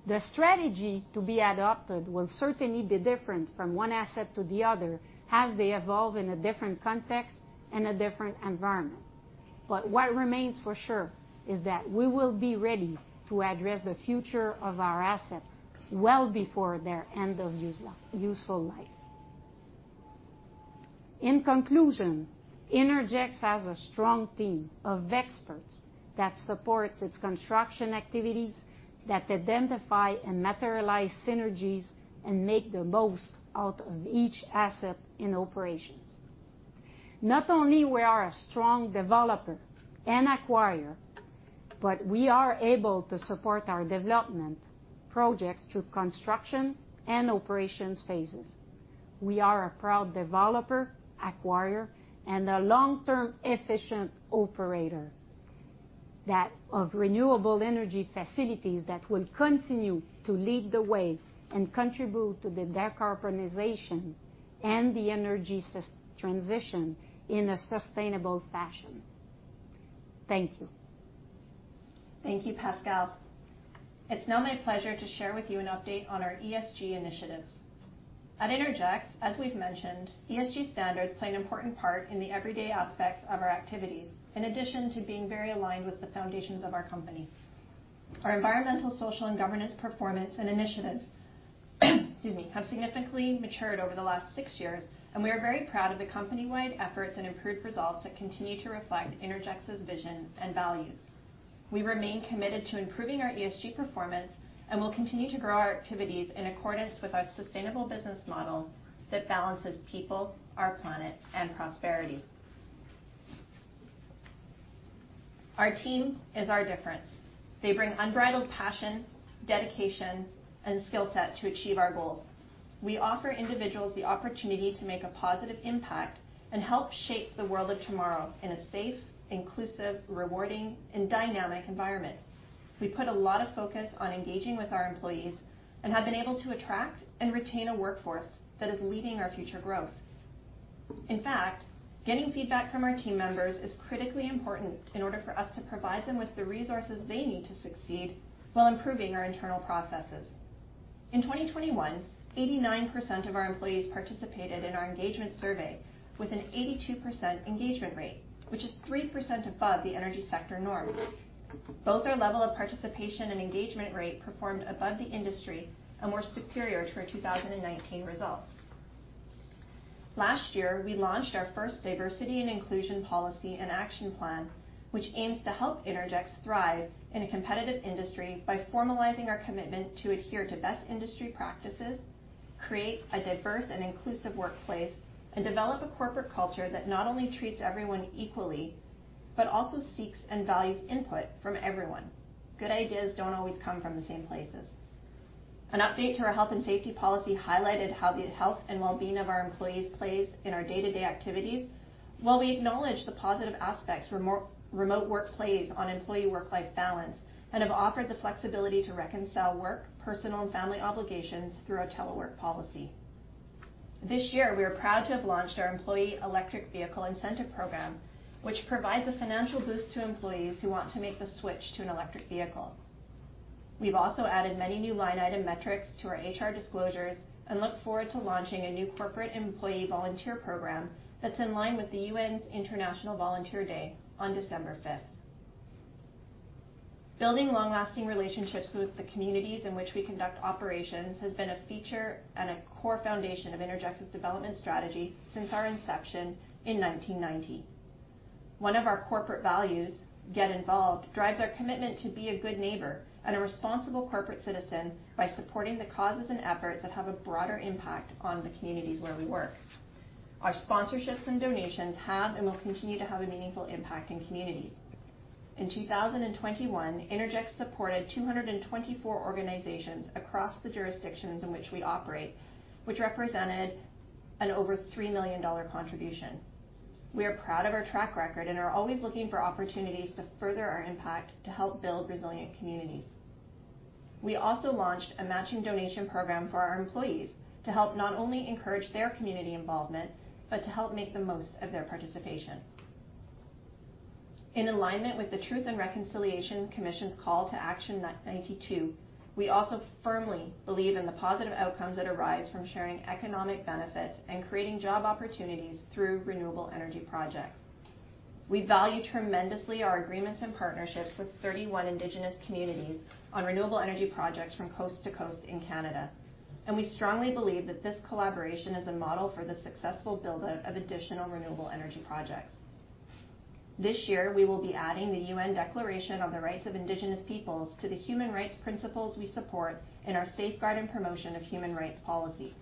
The strategy to be adopted will certainly be different from one asset to the other, as they evolve in a different context and a different environment. What remains for sure is that we will be ready to address the future of our asset well before their useful life. In conclusion, Innergex has a strong team of experts that supports its construction activities, that identify and materialize synergies and make the most out of each asset in operations. Not only we are a strong developer and acquirer, but we are able to support our development projects through construction and operations phases. We are a proud developer, acquirer, and a long-term efficient operator of renewable energy facilities that will continue to lead the way and contribute to the decarbonization and the energy transition in a sustainable fashion. Thank you. Thank you, Pascale. It's now my pleasure to share with you an update on our ESG initiatives. At Innergex, as we've mentioned, ESG standards play an important part in the everyday aspects of our activities, in addition to being very aligned with the foundations of our company. Our environmental, social, and governance performance and initiatives, excuse me, have significantly matured over the last six years, and we are very proud of the company-wide efforts and improved results that continue to reflect Innergex's vision and values. We remain committed to improving our ESG performance, and we'll continue to grow our activities in accordance with our sustainable business model that balances people, our planet, and prosperity. Our team is our difference. They bring unbridled passion, dedication, and skill set to achieve our goals. We offer individuals the opportunity to make a positive impact and help shape the world of tomorrow in a safe, inclusive, rewarding, and dynamic environment. We put a lot of focus on engaging with our employees and have been able to attract and retain a workforce that is leading our future growth. In fact, getting feedback from our team members is critically important in order for us to provide them with the resources they need to succeed while improving our internal processes. In 2021, 89% of our employees participated in our engagement survey with an 82% engagement rate, which is 3% above the energy sector norm. Both our level of participation and engagement rate performed above the industry and were superior to our 2019 results. Last year, we launched our first diversity and inclusion policy and action plan, which aims to help Innergex thrive in a competitive industry by formalizing our commitment to adhere to best industry practices, create a diverse and inclusive workplace, and develop a corporate culture that not only treats everyone equally, but also seeks and values input from everyone. Good ideas don't always come from the same places. An update to our health and safety policy highlighted how the health and wellbeing of our employees plays in our day-to-day activities. While we acknowledge the positive aspects remote work plays on employee work-life balance and have offered the flexibility to reconcile work, personal, and family obligations through our telework policy. This year, we are proud to have launched our employee electric vehicle incentive program, which provides a financial boost to employees who want to make the switch to an electric vehicle. We've also added many new line-item metrics to our HR disclosures and look forward to launching a new corporate employee volunteer program that's in line with the UN's International Volunteer Day on December fifth. Building long-lasting relationships with the communities in which we conduct operations has been a feature and a core foundation of Innergex's development strategy since our inception in 1990. One of our corporate values, Get Involved, drives our commitment to be a good neighbor and a responsible corporate citizen by supporting the causes and efforts that have a broader impact on the communities where we work. Our sponsorships and donations have and will continue to have a meaningful impact in communities. In 2021, Innergex supported 224 organizations across the jurisdictions in which we operate, which represented an over 3 million dollar contribution. We are proud of our track record and are always looking for opportunities to further our impact to help build resilient communities. We also launched a matching donation program for our employees to help not only encourage their community involvement, but to help make the most of their participation. In alignment with the Truth and Reconciliation Commission's Call to Action 92, we also firmly believe in the positive outcomes that arise from sharing economic benefits and creating job opportunities through renewable energy projects. We value tremendously our agreements and partnerships with 31 indigenous communities on renewable energy projects from coast to coast in Canada, and we strongly believe that this collaboration is a model for the successful build-out of additional renewable energy projects. This year, we will be adding the UN Declaration on the Rights of Indigenous Peoples to the human rights principles we support in our Safeguard and Promotion of Human Rights policy.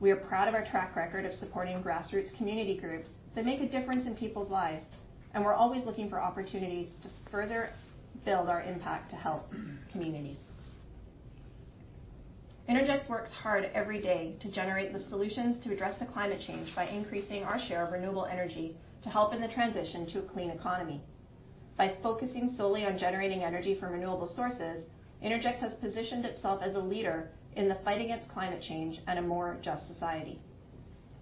We are proud of our track record of supporting grassroots community groups that make a difference in people's lives, and we're always looking for opportunities to further build our impact to help communities. Innergex works hard every day to generate the solutions to address the climate change by increasing our share of renewable energy to help in the transition to a clean economy. By focusing solely on generating energy from renewable sources, Innergex has positioned itself as a leader in the fight against climate change and a more just society.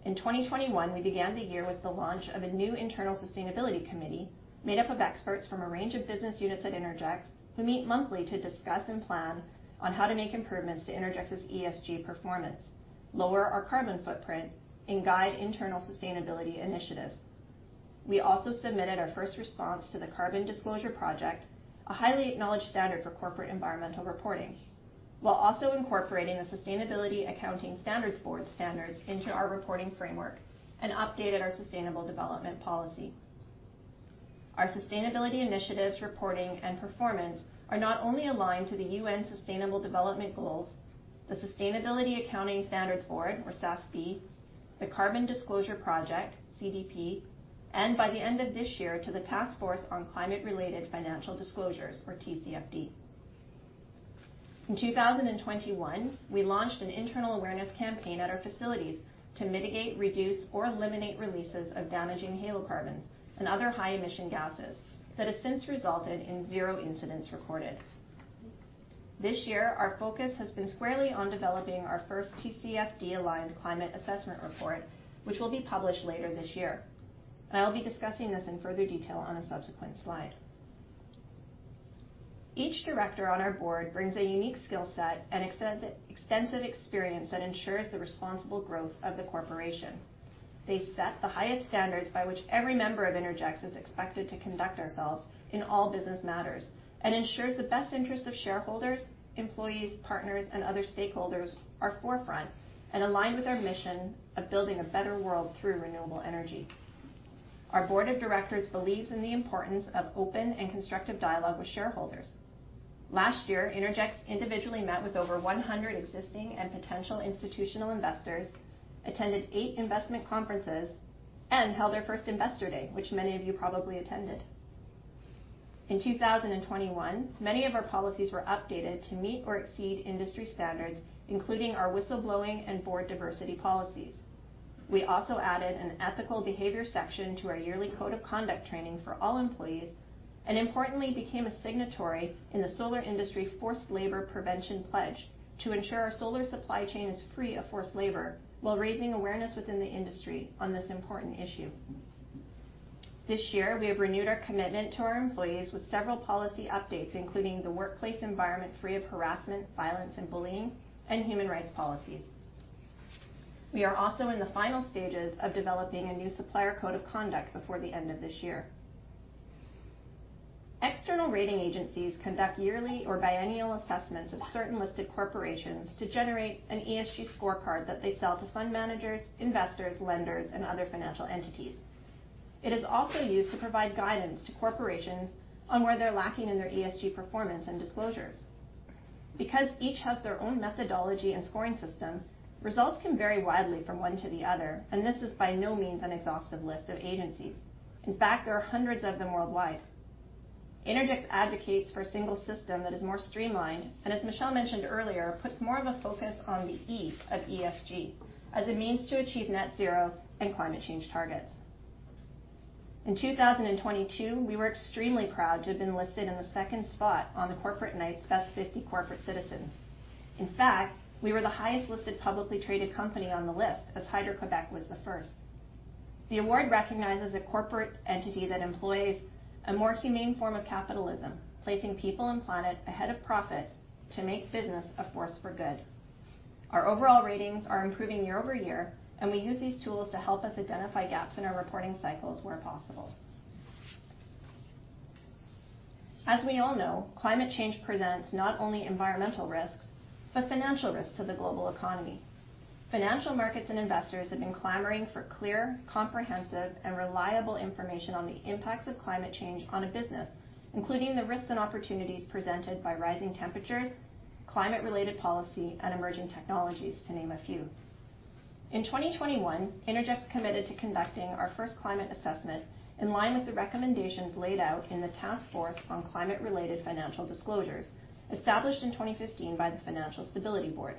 In 2021, we began the year with the launch of a new internal sustainability committee made up of experts from a range of business units at Innergex, who meet monthly to discuss and plan on how to make improvements to Innergex's ESG performance, lower our carbon footprint, and guide internal sustainability initiatives. We also submitted our first response to the Carbon Disclosure Project, a highly acknowledged standard for corporate environmental reporting, while also incorporating a Sustainability Accounting Standards Board standards into our reporting framework and updated our sustainable development policy. Our sustainability initiatives, reporting, and performance are not only aligned to the UN Sustainable Development Goals, the Sustainability Accounting Standards Board, or SASB, the Carbon Disclosure Project, CDP, and by the end of this year, to the Task Force on Climate-related Financial Disclosures, or TCFD. In 2021, we launched an internal awareness campaign at our facilities to mitigate, reduce, or eliminate releases of damaging halocarbons and other high-emission gases that has since resulted in zero incidents recorded. This year, our focus has been squarely on developing our first TCFD-aligned climate assessment report, which will be published later this year. I'll be discussing this in further detail on a subsequent slide. Each director on our board brings a unique skill set and extensive experience that ensures the responsible growth of the corporation. They set the highest standards by which every member of Innergex is expected to conduct ourselves in all business matters and ensures the best interest of shareholders, employees, partners, and other stakeholders are forefront and aligned with our mission of building a better world through renewable energy. Our board of directors believes in the importance of open and constructive dialogue with shareholders. Last year, Innergex individually met with over 100 existing and potential institutional investors, attended eight investment conferences, and held their first investor day, which many of you probably attended. In 2021, many of our policies were updated to meet or exceed industry standards, including our whistleblowing and board diversity policies. We also added an ethical behavior section to our yearly code of conduct training for all employees, and importantly, became a signatory in the Solar Industry Forced Labor Prevention Pledge to ensure our solar supply chain is free of forced labor, while raising awareness within the industry on this important issue. This year, we have renewed our commitment to our employees with several policy updates, including the workplace environment free of harassment, violence, and bullying and human rights policies. We are also in the final stages of developing a new supplier code of conduct before the end of this year. External rating agencies conduct yearly or biennial assessments of certain listed corporations to generate an ESG scorecard that they sell to fund managers, investors, lenders, and other financial entities. It is also used to provide guidance to corporations on where they're lacking in their ESG performance and disclosures. Because each has their own methodology and scoring system, results can vary widely from one to the other, and this is by no means an exhaustive list of agencies. In fact, there are hundreds of them worldwide. Innergex advocates for a single system that is more streamlined, and as Michel mentioned earlier, puts more of a focus on the E of ESG as a means to achieve net zero and climate change targets. In 2022, we were extremely proud to have been listed in the second spot on the Corporate Knights best 50 corporate citizens. In fact, we were the highest listed publicly traded company on the list, as Hydro-Québec was the first. The award recognizes a corporate entity that employs a more humane form of capitalism, placing people and planet ahead of profits to make business a force for good. Our overall ratings are improving year-over-year, and we use these tools to help us identify gaps in our reporting cycles where possible. As we all know, climate change presents not only environmental risks but financial risks to the global economy. Financial markets and investors have been clamoring for clear, comprehensive, and reliable information on the impacts of climate change on a business, including the risks and opportunities presented by rising temperatures, climate-related policy, and emerging technologies, to name a few. In 2021, Innergex committed to conducting our first climate assessment in line with the recommendations laid out in the Task Force on Climate-related Financial Disclosures, established in 2015 by the Financial Stability Board.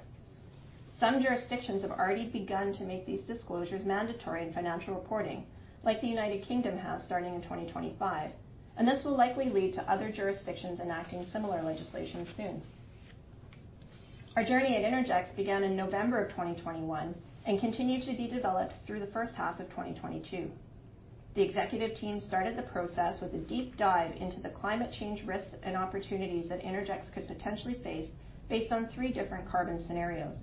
Some jurisdictions have already begun to make these disclosures mandatory in financial reporting, like the United Kingdom has starting in 2025, and this will likely lead to other jurisdictions enacting similar legislation soon. Our journey at Innergex began in November of 2021 and continued to be developed through the first half of 2022. The executive team started the process with a deep dive into the climate change risks and opportunities that Innergex could potentially face based on three different carbon scenarios.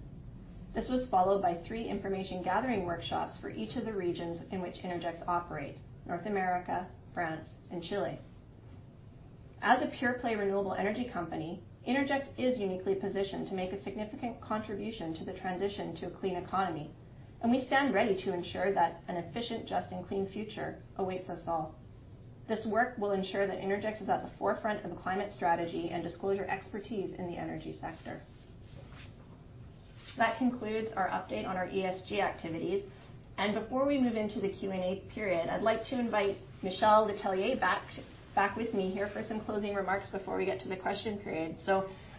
This was followed by three information gathering workshops for each of the regions in which Innergex operates, North America, France, and Chile. As a pure-play renewable energy company, Innergex is uniquely positioned to make a significant contribution to the transition to a clean economy, and we stand ready to ensure that an efficient, just, and clean future awaits us all. This work will ensure that Innergex is at the forefront of climate strategy and disclosure expertise in the energy sector. That concludes our update on our ESG activities. Before we move into the Q&A period, I'd like to invite Michel Letellier back with me here for some closing remarks before we get to the question period.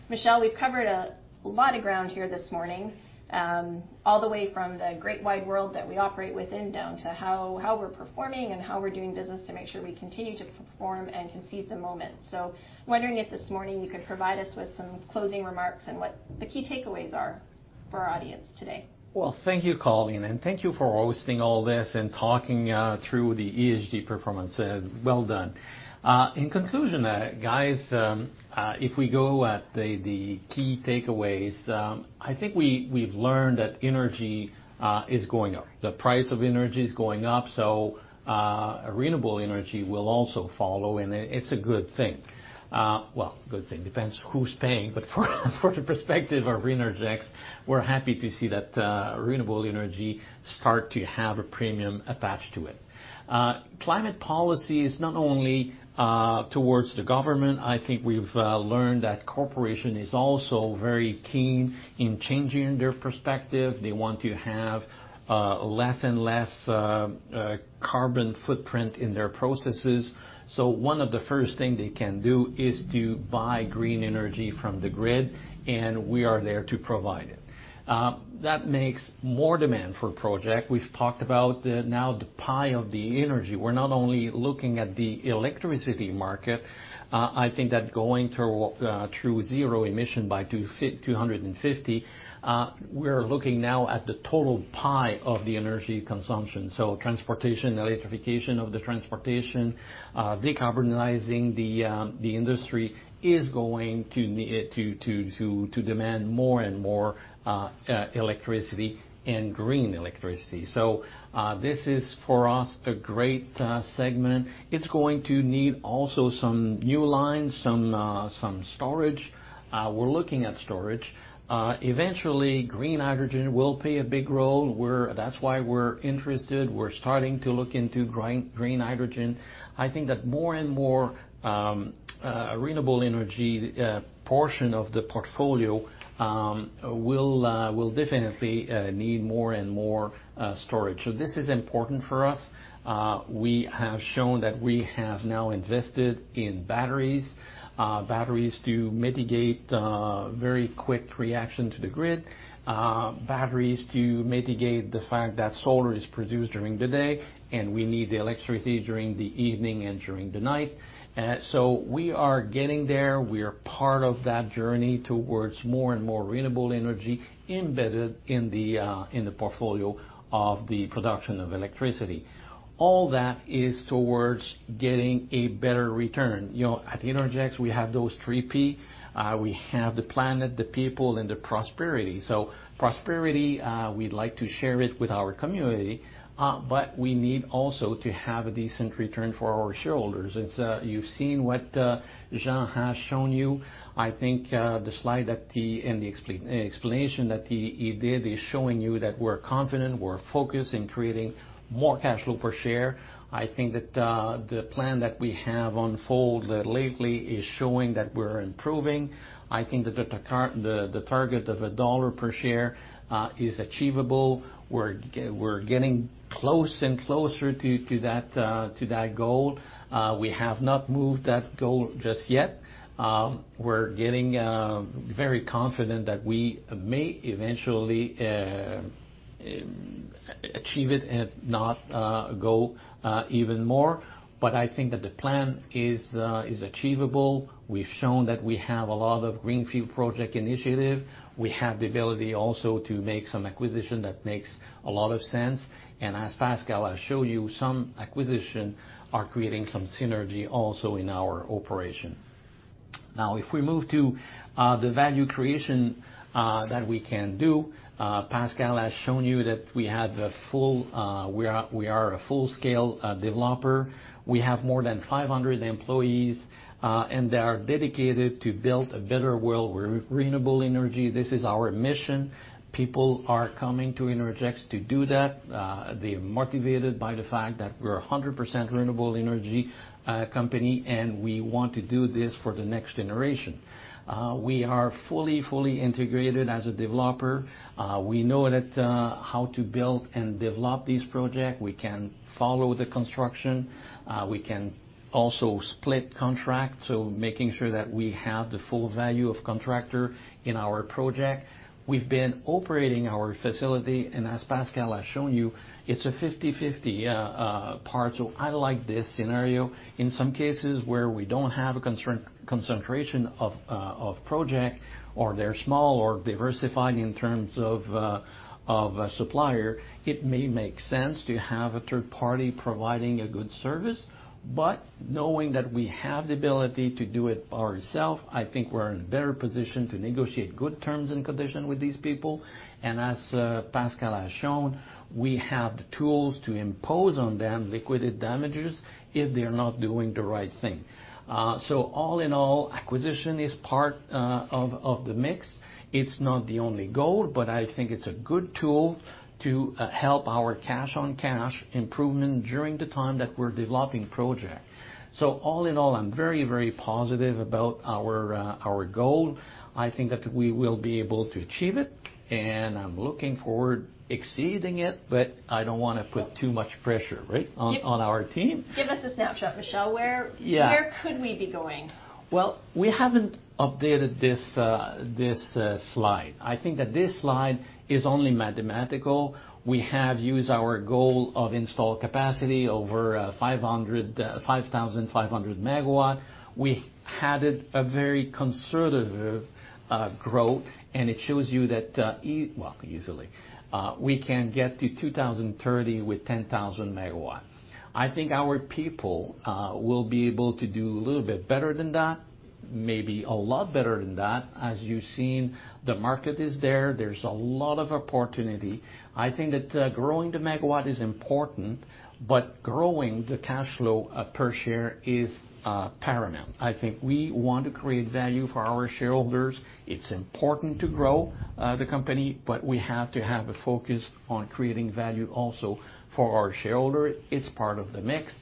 Michel, we've covered a lot of ground here this morning, all the way from the great wide world that we operate within, down to how we're performing and how we're doing business to make sure we continue to perform and can seize the moment. Wondering if this morning you could provide us with some closing remarks and what the key takeaways are for our audience today. Well, thank you, Colleen, and thank you for hosting all this and talking through the ESG performance. Well done. In conclusion, guys, if we go at the key takeaways, I think we've learned that energy is going up. The price of energy is going up, so renewable energy will also follow, and it's a good thing. Well, good thing, depends who's paying. But from the perspective of Innergex, we're happy to see that renewable energy start to have a premium attached to it. Climate policy is not only towards the government. I think we've learned that corporation is also very keen in changing their perspective. They want to have less and less carbon footprint in their processes. One of the first thing they can do is to buy green energy from the grid, and we are there to provide it. That makes more demand for project. We've talked about now the pie of the energy. We're not only looking at the electricity market. I think that going to zero emission by 2050, we're looking now at the total pie of the energy consumption. Transportation, electrification of the transportation, decarbonizing the industry is going to demand more and more electricity and green electricity. This is for us a great segment. It's going to need also some new lines, some storage. We're looking at storage. Eventually, green hydrogen will play a big role. That's why we're interested. We're starting to look into green hydrogen. I think that more and more renewable energy portion of the portfolio will definitely need more and more storage. This is important for us. We have shown that we have now invested in batteries. Batteries to mitigate very quick reaction to the grid. Batteries to mitigate the fact that solar is produced during the day, and we need the electricity during the evening and during the night. We are getting there. We are part of that journey towards more and more renewable energy embedded in the portfolio of the production of electricity. All that is towards getting a better return. You know, at Innergex, we have those three P. We have the planet, the people, and the prosperity. Prosperity, we'd like to share it with our community, but we need also to have a decent return for our shareholders. It's, you've seen what Jean has shown you. I think, the slide and the explanation that he did is showing you that we're confident, we're focused in creating more cash flow per share. I think that, the plan that we have unfold lately is showing that we're improving. I think that the target of CAD 1 per share is achievable. We're getting close and closer to that goal. We have not moved that goal just yet. We're getting very confident that we may eventually achieve it and not go even more. I think that the plan is achievable. We've shown that we have a lot of greenfield project initiative. We have the ability also to make some acquisition that makes a lot of sense. As Pascale has showed you, some acquisition are creating some synergy also in our operation. Now, if we move to the value creation that we can do, Pascale has shown you that we are a full-scale developer. We have more than 500 employees, and they are dedicated to build a better world renewable energy. This is our mission. People are coming to Innergex to do that. They're motivated by the fact that we're 100% renewable energy company, and we want to do this for the next generation. We are fully integrated as a developer. We know how to build and develop this project. We can follow the construction. We can also split contracts, so making sure that we have the full value of contractor in our project. We've been operating our facility, and as Pascal has shown you, it's a 50/50 part. I like this scenario. In some cases where we don't have a concentration of project or they're small or diversified in terms of a supplier, it may make sense to have a third party providing a good service. But knowing that we have the ability to do it ourselves, I think we're in a better position to negotiate good terms and conditions with these people. As Pascale has shown, we have the tools to impose on them liquidated damages if they're not doing the right thing. All in all, acquisition is part of the mix. It's not the only goal, but I think it's a good tool to help our cash-on-cash improvement during the time that we're developing projects. All in all, I'm very, very positive about our goal. I think that we will be able to achieve it, and I'm looking forward exceeding it, but I don't wanna put too much pressure, right, on our team. Give us a snapshot, Michel. Yeah. Where could we be going? Well, we haven't updated this slide. I think that this slide is only mathematical. We have used our goal of installed capacity over 5,500 megawatts. We had a very conservative growth, and it shows you that well, easily we can get to 2030 with 10,000 megawatts. I think our people will be able to do a little bit better than that, maybe a lot better than that. As you've seen, the market is there. There's a lot of opportunity. I think that growing the megawatts is important, but growing the cash flow per share is paramount. I think we want to create value for our shareholders. It's important to grow the company, but we have to have a focus on creating value also for our shareholder. It's part of the mix.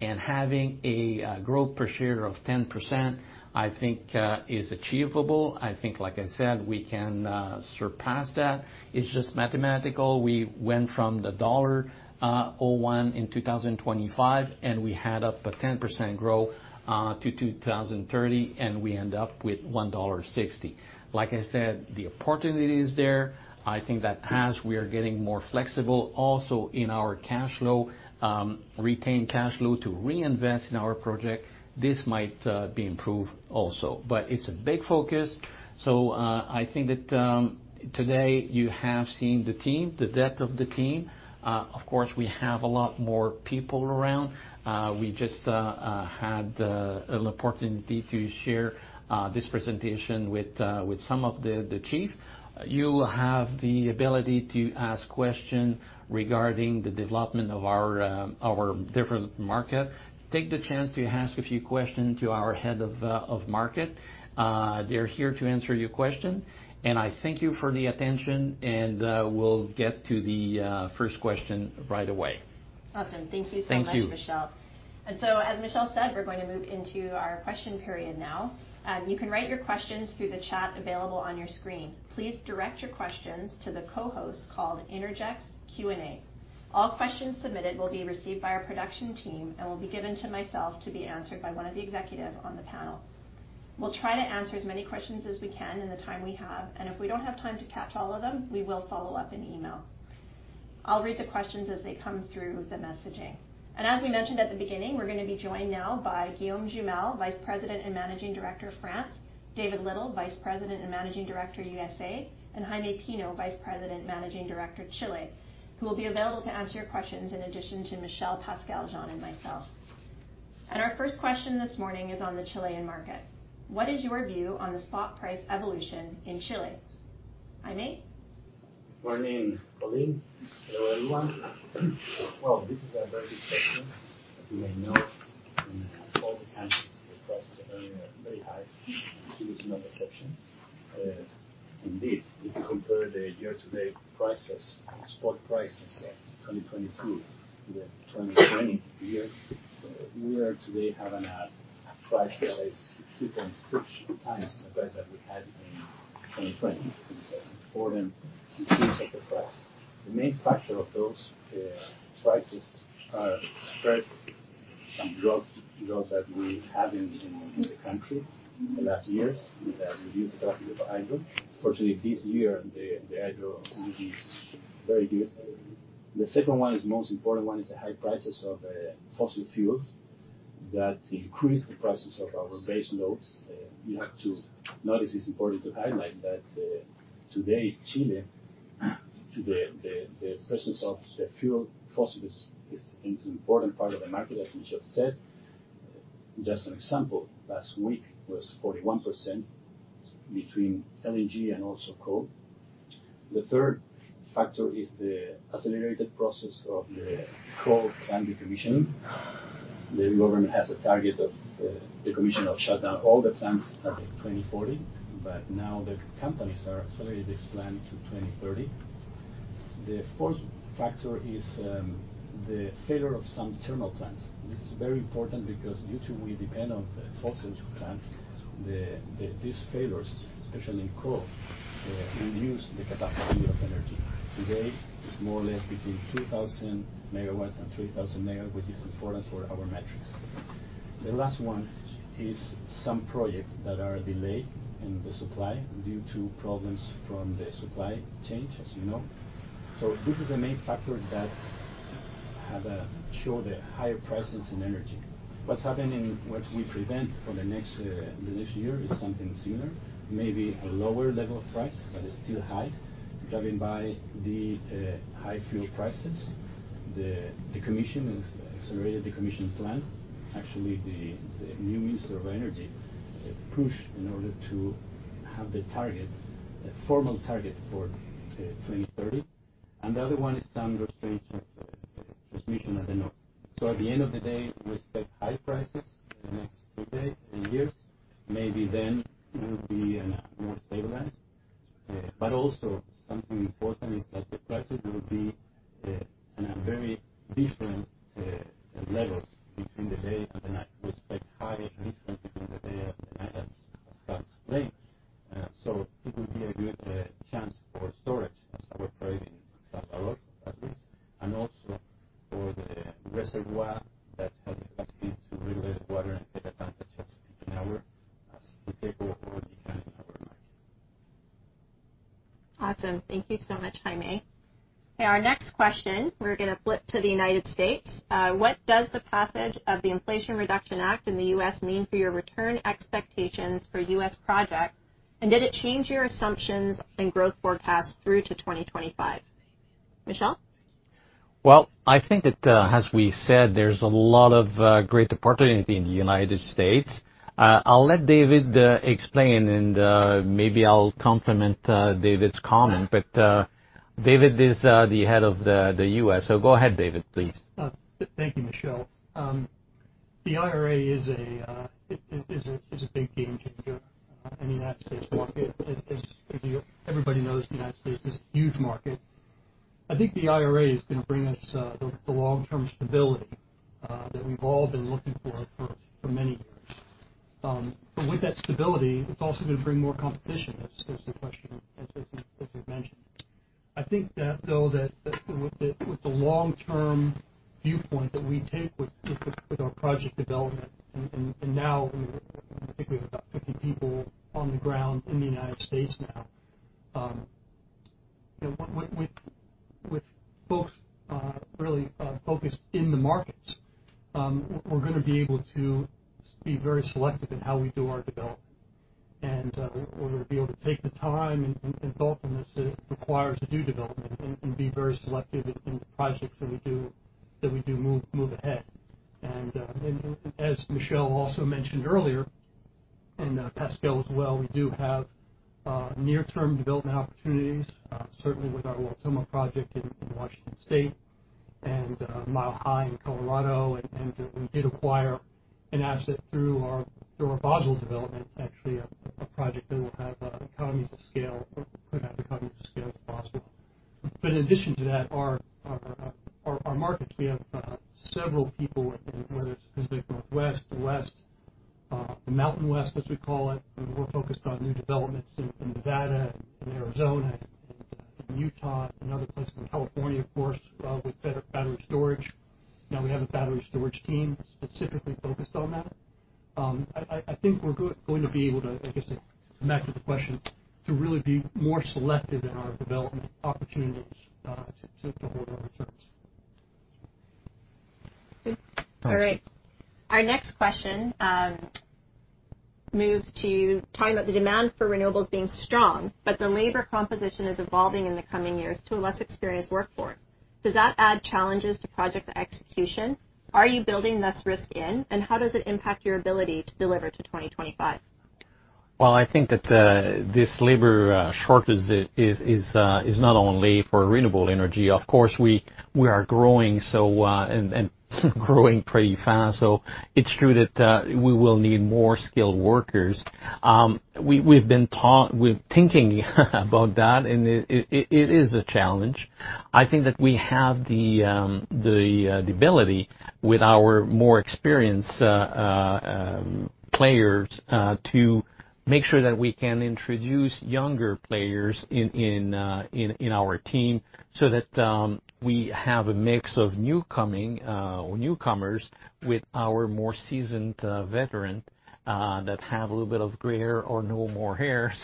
Having a growth per share of 10%, I think, is achievable. I think, like I said, we can surpass that. It's just mathematical. We went from dollar 0.01 in 2025, and we had up a 10% growth to 2030, and we end up with 1.60 dollar. Like I said, the opportunity is there. I think that as we are getting more flexible also in our cash flow, retained cash flow to reinvest in our project, this might be improved also. It's a big focus. I think that today you have seen the team, the depth of the team. Of course, we have a lot more people around. We just had an opportunity to share this presentation with some of the chief. You have the ability to ask questions regarding the development of our different market. Take the chance to ask a few questions to our head of market. They're here to answer your question. I thank you for the attention, and we'll get to the first question right away. Awesome. Thank you so much. Thank you. As Michel said, we're going to move into our question period now. You can write your questions through the chat available on your screen. Please direct your questions to the co-host called Innergex Q&A. All questions submitted will be received by our production team and will be given to myself to be answered by one of the executives on the panel. We'll try to answer as many questions as we can in the time we have, and if we don't have time to catch all of them, we will follow up in email. I'll read the questions as they come through the messaging. As we mentioned at the beginning, we're gonna be joined now by Guillaume Jumel, Vice President and Managing Director of France, David Little, Vice President and Managing Director, USA, and Jaime Pino, Vice President and Managing Director, Chile, who will be available to answer your questions in addition to Michel, Pascale, Jean, and myself. Our first question this morning is on the Chilean market. What is your view on the spot price evolution in Chile? Jaime? Morning, Colleen. Hello, everyone. Well, this is a very good question. As you may know, in all the countries, the prices are very high, and Chile is no exception. Indeed, if you compare the year-to-date prices, spot prices of 2022 to the 2020 year, we are today having a price that is 2.6 times the price that we had in 2020. This is more than two times the price. The main factor of those prices are first, some droughts that we have in the country in the last years that reduced the capacity of the hydro. Fortunately, this year, the hydro is very good. The second one, the most important one, is the high prices of fossil fuels that increase the prices of our base loads. You have to notice it's important to highlight that. Today in Chile, the presence of fossil fuel is an important part of the market, as Michel said. Just an example, last week was 41% between LNG and also coal. The third factor is the accelerated process of the coal plant decommissioning. The government has a target of decommission or shut down all the plants by 2040, but now the companies are accelerating this plan to 2030. The fourth factor is the failure of some thermal plants. This is very important because we depend on the fossil plants, these failures, especially in coal, reduce the energy capacity. Today, it's more or less between 2,000 megawatts and 3,000 megawatts, which is important for our metrics. The last one is some projects that are delayed in the supply due to problems from the supply chain, as you know. This is the main factor that has shown the higher prices in energy. What is happening, what we predict for the next, the next year is something similar. Maybe a lower level price, but it's still high, driven by the high fuel prices. The decommissioning is an accelerated decommissioning plan. Actually, the new minister of energy pushed in order to have the target, a formal target for 2030. The other one is some restrictions for the transmission at the north. At the end of the day, we expect high prices in the next two years. Maybe then it will be more stabilized. Something important is that the prices will be in very different levels between the day and the night. We expect high difference between the day and the night as Juan explained. It will be a good chance for storage as our project in Salvador like this, and also for the reservoir that has the capacity to regulate water and take advantage of peak and off-hour as we take over or decline in our markets. Awesome. Thank you so much, Jaime. Our next question, we're gonna flip to the United States. What does the passage of the Inflation Reduction Act in the U.S. mean for your return expectations for U.S. projects, and did it change your assumptions and growth forecast through to 2025? Michel? Well, I think that as we said, there's a lot of great opportunity in the United States. I'll let David explain and maybe I'll complement David's comment. David is the head of the U.S. Go ahead David, please. Thank you, Michel. The IRA is a big game changer in the United States market. Everybody knows the United States is a huge market. I think the IRA is gonna bring us the long-term stability that we've all been looking for many years. With that stability, it's also gonna bring more competition. That's the question, as you've mentioned. I think that with the long-term viewpoint that we take with our project development and now, I think we have about 50 people on the ground in the United States now. You know, with folks really focused in the markets, we're gonna be able to be very selective in how we do our development. We're gonna be able to take the time and thoughtfulness that requires to do development and be very selective in the projects that we do move ahead. As Michel also mentioned earlier, and Pascale as well, we do have near-term development opportunities, certainly with our Wautoma project in Washington State and Mile High in Colorado. We did acquire an asset through our Basel development, actually a project that will have economies of scale or could have economies of scale if possible. In addition to that, our markets, we have several people, whether it's Pacific Northwest, the West, the Mountain West, as we call it. We're more focused on new developments in Nevada and in Arizona and in Utah and other places in California, of course, with battery storage. Now we have a battery storage team specifically focused on that. I think we're going to be able to, I guess, come back to the question, to really be more selective in our development opportunities, to hold our returns. Good. All right. Our next question moves to talking about the demand for renewables being strong, but the labor composition is evolving in the coming years to a less experienced workforce. Does that add challenges to project execution? Are you building less risk in, and how does it impact your ability to deliver to 2025? Well, I think that th is labor shortage is not only for renewable energy. Of course, we are growing so and growing pretty fast. It's true that we will need more skilled workers. We're thinking about that, and it is a challenge. I think that we have the ability with our more experienced players to make sure that we can introduce younger players in our team so that we have a mix of new coming or newcomers with our more seasoned veteran that have a little bit of gray hair or no more hairs.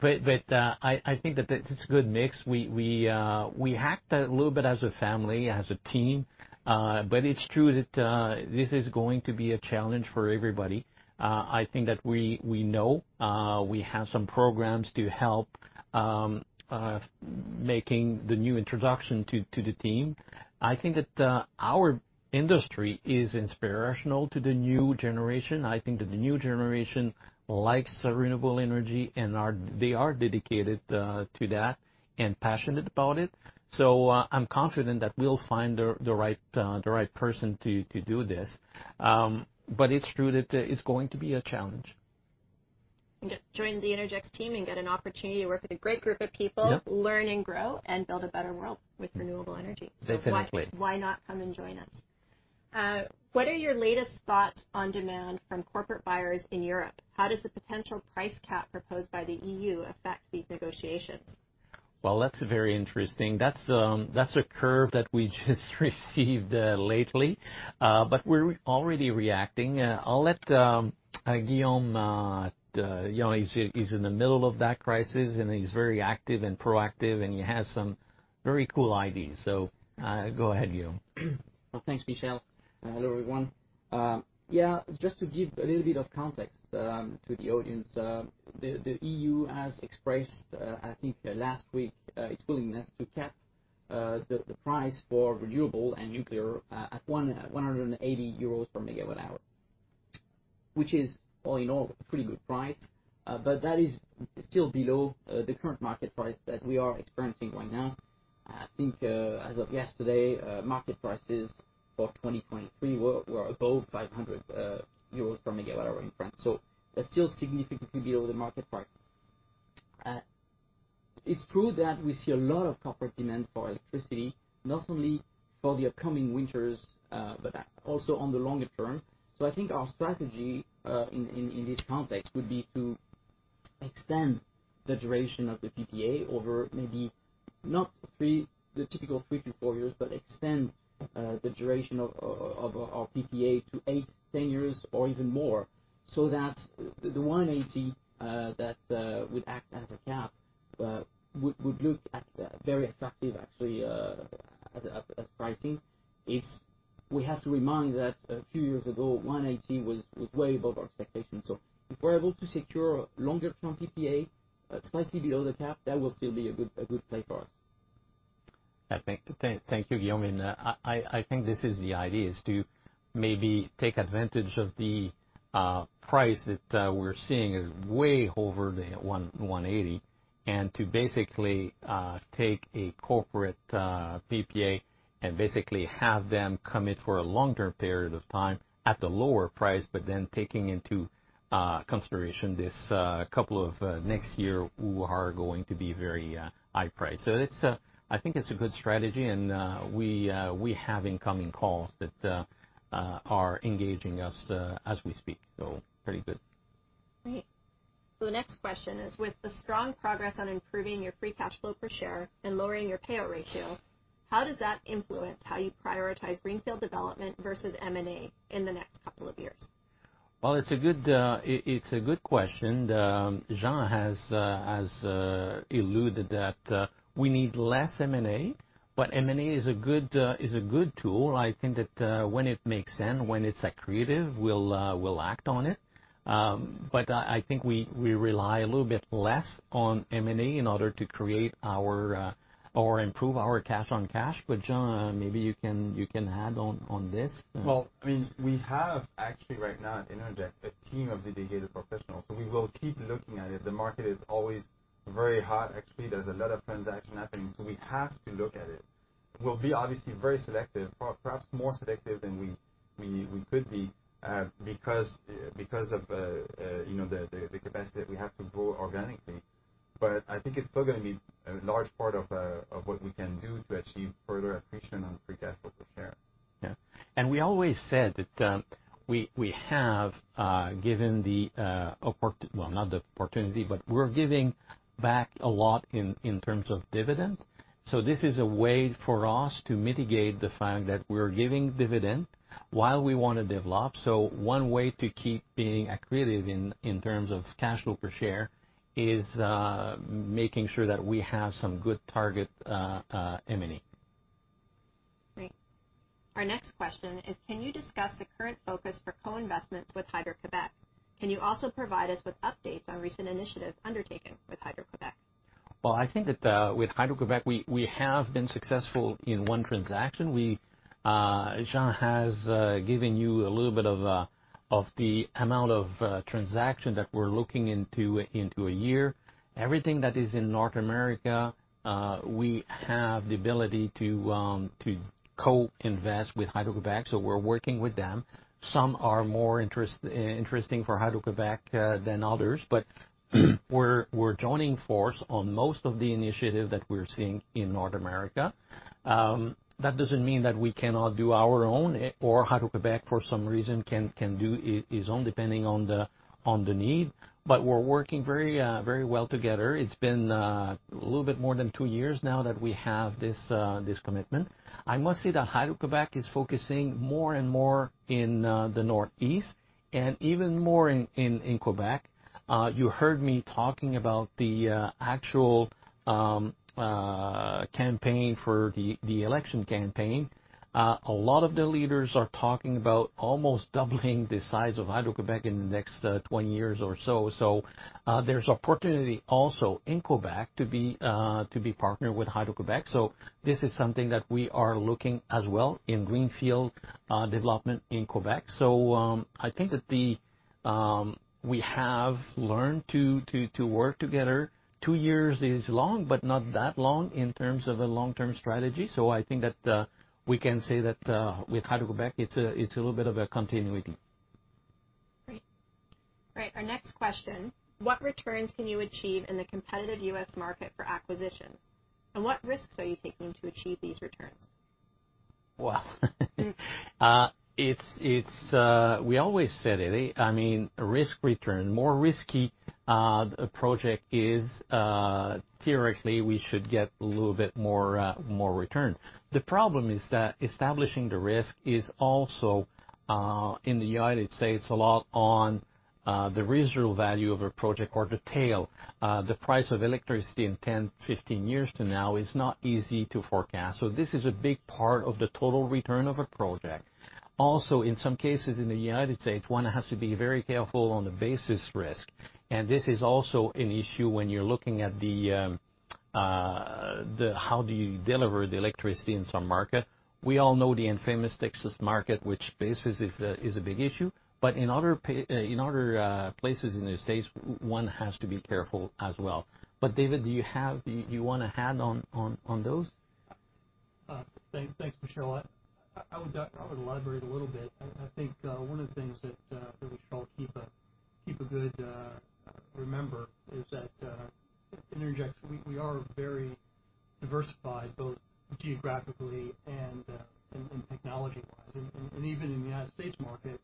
I think that it's a good mix. We act a little bit as a family, as a team, but it's true that this is going to be a challenge for everybody. I think that we know we have some programs to help making the new introduction to the team. I think that our industry is inspirational to the new generation. I think that the new generation likes renewable energy, and they are dedicated to that and passionate about it. I'm confident that we'll find the right person to do this. It's true that it's going to be a challenge. Just join the Innergex team and get an opportunity to work with a great group of people. Yeah. Learn and grow, and build a better world with renewable energy. Definitely. Why not come and join us? What are your latest thoughts on demand from corporate buyers in Europe? How does the potential price cap proposed by the EU affect these negotiations? Well, that's very interesting. That's a curve that we just received lately. We're already reacting. I'll let Guillaume, you know, he's in the middle of that crisis, and he's very active and proactive, and he has some very cool ideas. Go ahead, Guillaume. Well, thanks, Michel. Hello, everyone. Yeah, just to give a little bit of context to the audience. The EU has expressed, I think last week, its willingness to cap the price for renewable and nuclear at 180 euros per megawatt hour, which is, all in all, a pretty good price. But that is still below the current market price that we are experiencing right now. I think, as of yesterday, market prices for 2023 were above 500 euros per megawatt hour in France. That's still significantly below the market prices. It's true that we see a lot of corporate demand for electricity, not only for the upcoming winters, but also on the longer term. I think our strategy in this context would be to extend the duration of the PPA the typical three - four years, but extend the duration of our PPA to 8-10 years or even more, so that the 180 that would act as a cap would look very attractive actually as pricing. If we have to remind that a few years ago, 180 was way above our expectations. If we're able to secure longer-term PPA slightly below the cap, that will still be a good play for us. Thank you, Guillaume. I think this is the idea is to maybe take advantage of the price that we're seeing is way over the 180 and to basically take a corporate PPA and basically have them commit for a longer period of time at the lower price, but then taking into consideration the next couple of years, prices are going to be very high. I think it's a good strategy, and we have incoming calls that are engaging us as we speak. Pretty good. Great. The next question is, with the strong progress on improving your free cash flow per share and lowering your payout ratio, how does that influence how you prioritize greenfield development versus M&A in the next couple of years? Well, it's a good question. Jean has alluded that we need less M&A, but M&A is a good tool. I think that when it makes sense, when it's accretive, we'll act on it. I think we rely a little bit less on M&A in order to improve our cash on cash. Jean maybe you can add on this. I mean, we have actually right now at Innergex a team of dedicated professionals, so we will keep looking at it. The market is always very hot. Actually, there's a lot of transactions happening, so we have to look at it. We'll be obviously very selective, perhaps more selective than we could be, you know, the capacity that we have to grow organically. I think it's still gonna be a large part of what we can do to achieve further accretion on free cash flow per share. We always said that, well, not the opportunity, but we're giving back a lot in terms of dividend. This is a way for us to mitigate the fact that we're giving dividend while we wanna develop. One way to keep being accretive in terms of cash flow per share is making sure that we have some good target M&A. Great. Our next question is, can you discuss the current focus for co-investments with Hydro-Québec? Can you also provide us with updates on recent initiatives undertaken with Hydro-Québec? Well, I think that with Hydro-Québec, we have been successful in one transaction. Jean has given you a little bit of the amount of transaction that we're looking into a year. Everything that is in North America, we have the ability to co-invest with Hydro-Québec, so we're working with them. Some are more interesting for Hydro-Québec than others. We're joining force on most of the initiative that we're seeing in North America. That doesn't mean that we cannot do our own or Hydro-Québec, for some reason, can do his own depending on the need. We're working very well together. It's been a little bit more than two years now that we have this commitment. I must say that Hydro-Québec is focusing more and more in the Northeast and even more in Québec. You heard me talking about the actual campaign for the election campaign. A lot of the leaders are talking about almost doubling the size of Hydro-Québec in the next 20 years or so. There's opportunity also in Québec to be partnered with Hydro-Québec. This is something that we are looking as well in greenfield development in Québec. I think that we have learned to work together. Two years is long, but not that long in terms of a long-term strategy. I think that we can say that with Hydro-Québec, it's a little bit of a continuity. Great. All right, our next question: What returns can you achieve in the competitive U.S. market for acquisitions, and what risks are you taking to achieve these returns? Well, it's. We always said it. I mean, risk return, more risky a project is, theoretically, we should get a little bit more return. The problem is that establishing the risk is also in the United States a lot on the residual value of a project or the tail. The price of electricity in 10, 15 years from now is not easy to forecast. This is a big part of the total return of a project. Also, in some cases, in the United States, one has to be very careful on the basis risk, and this is also an issue when you're looking at the how do you deliver the electricity in some market. We all know the infamous Texas market, which basis risk is a big issue. In other places in the States, one has to be careful as well. David, do you want to add on those? Thanks, Michel. I would elaborate a little bit. I think one of the things to remember is that at Innergex, we are very diversified, both geographically and technology-wise. Even in the United States market,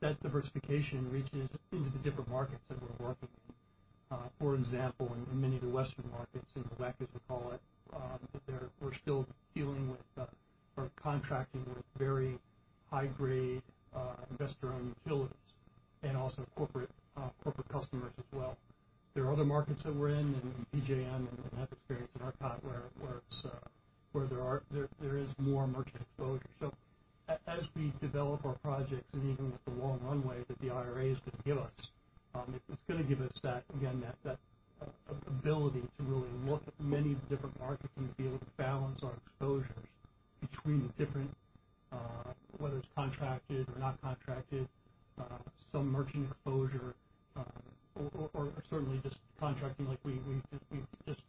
that diversification reaches into the different markets that we're working in. For example, in many of the Western markets, in the WECC, as we call it, there we're still dealing with or contracting with very high-grade investor-owned utilities and also corporate customers as well. There are other markets that we're in PJM and ERCOT, where there is more merchant exposure. As we develop our projects, even with the long runway that the IRA is going to give us, it's gonna give us that ability to really look at many different markets and be able to balance our exposures between the different, whether it's contracted or not contracted, some merchant exposure, or certainly just contracting like we just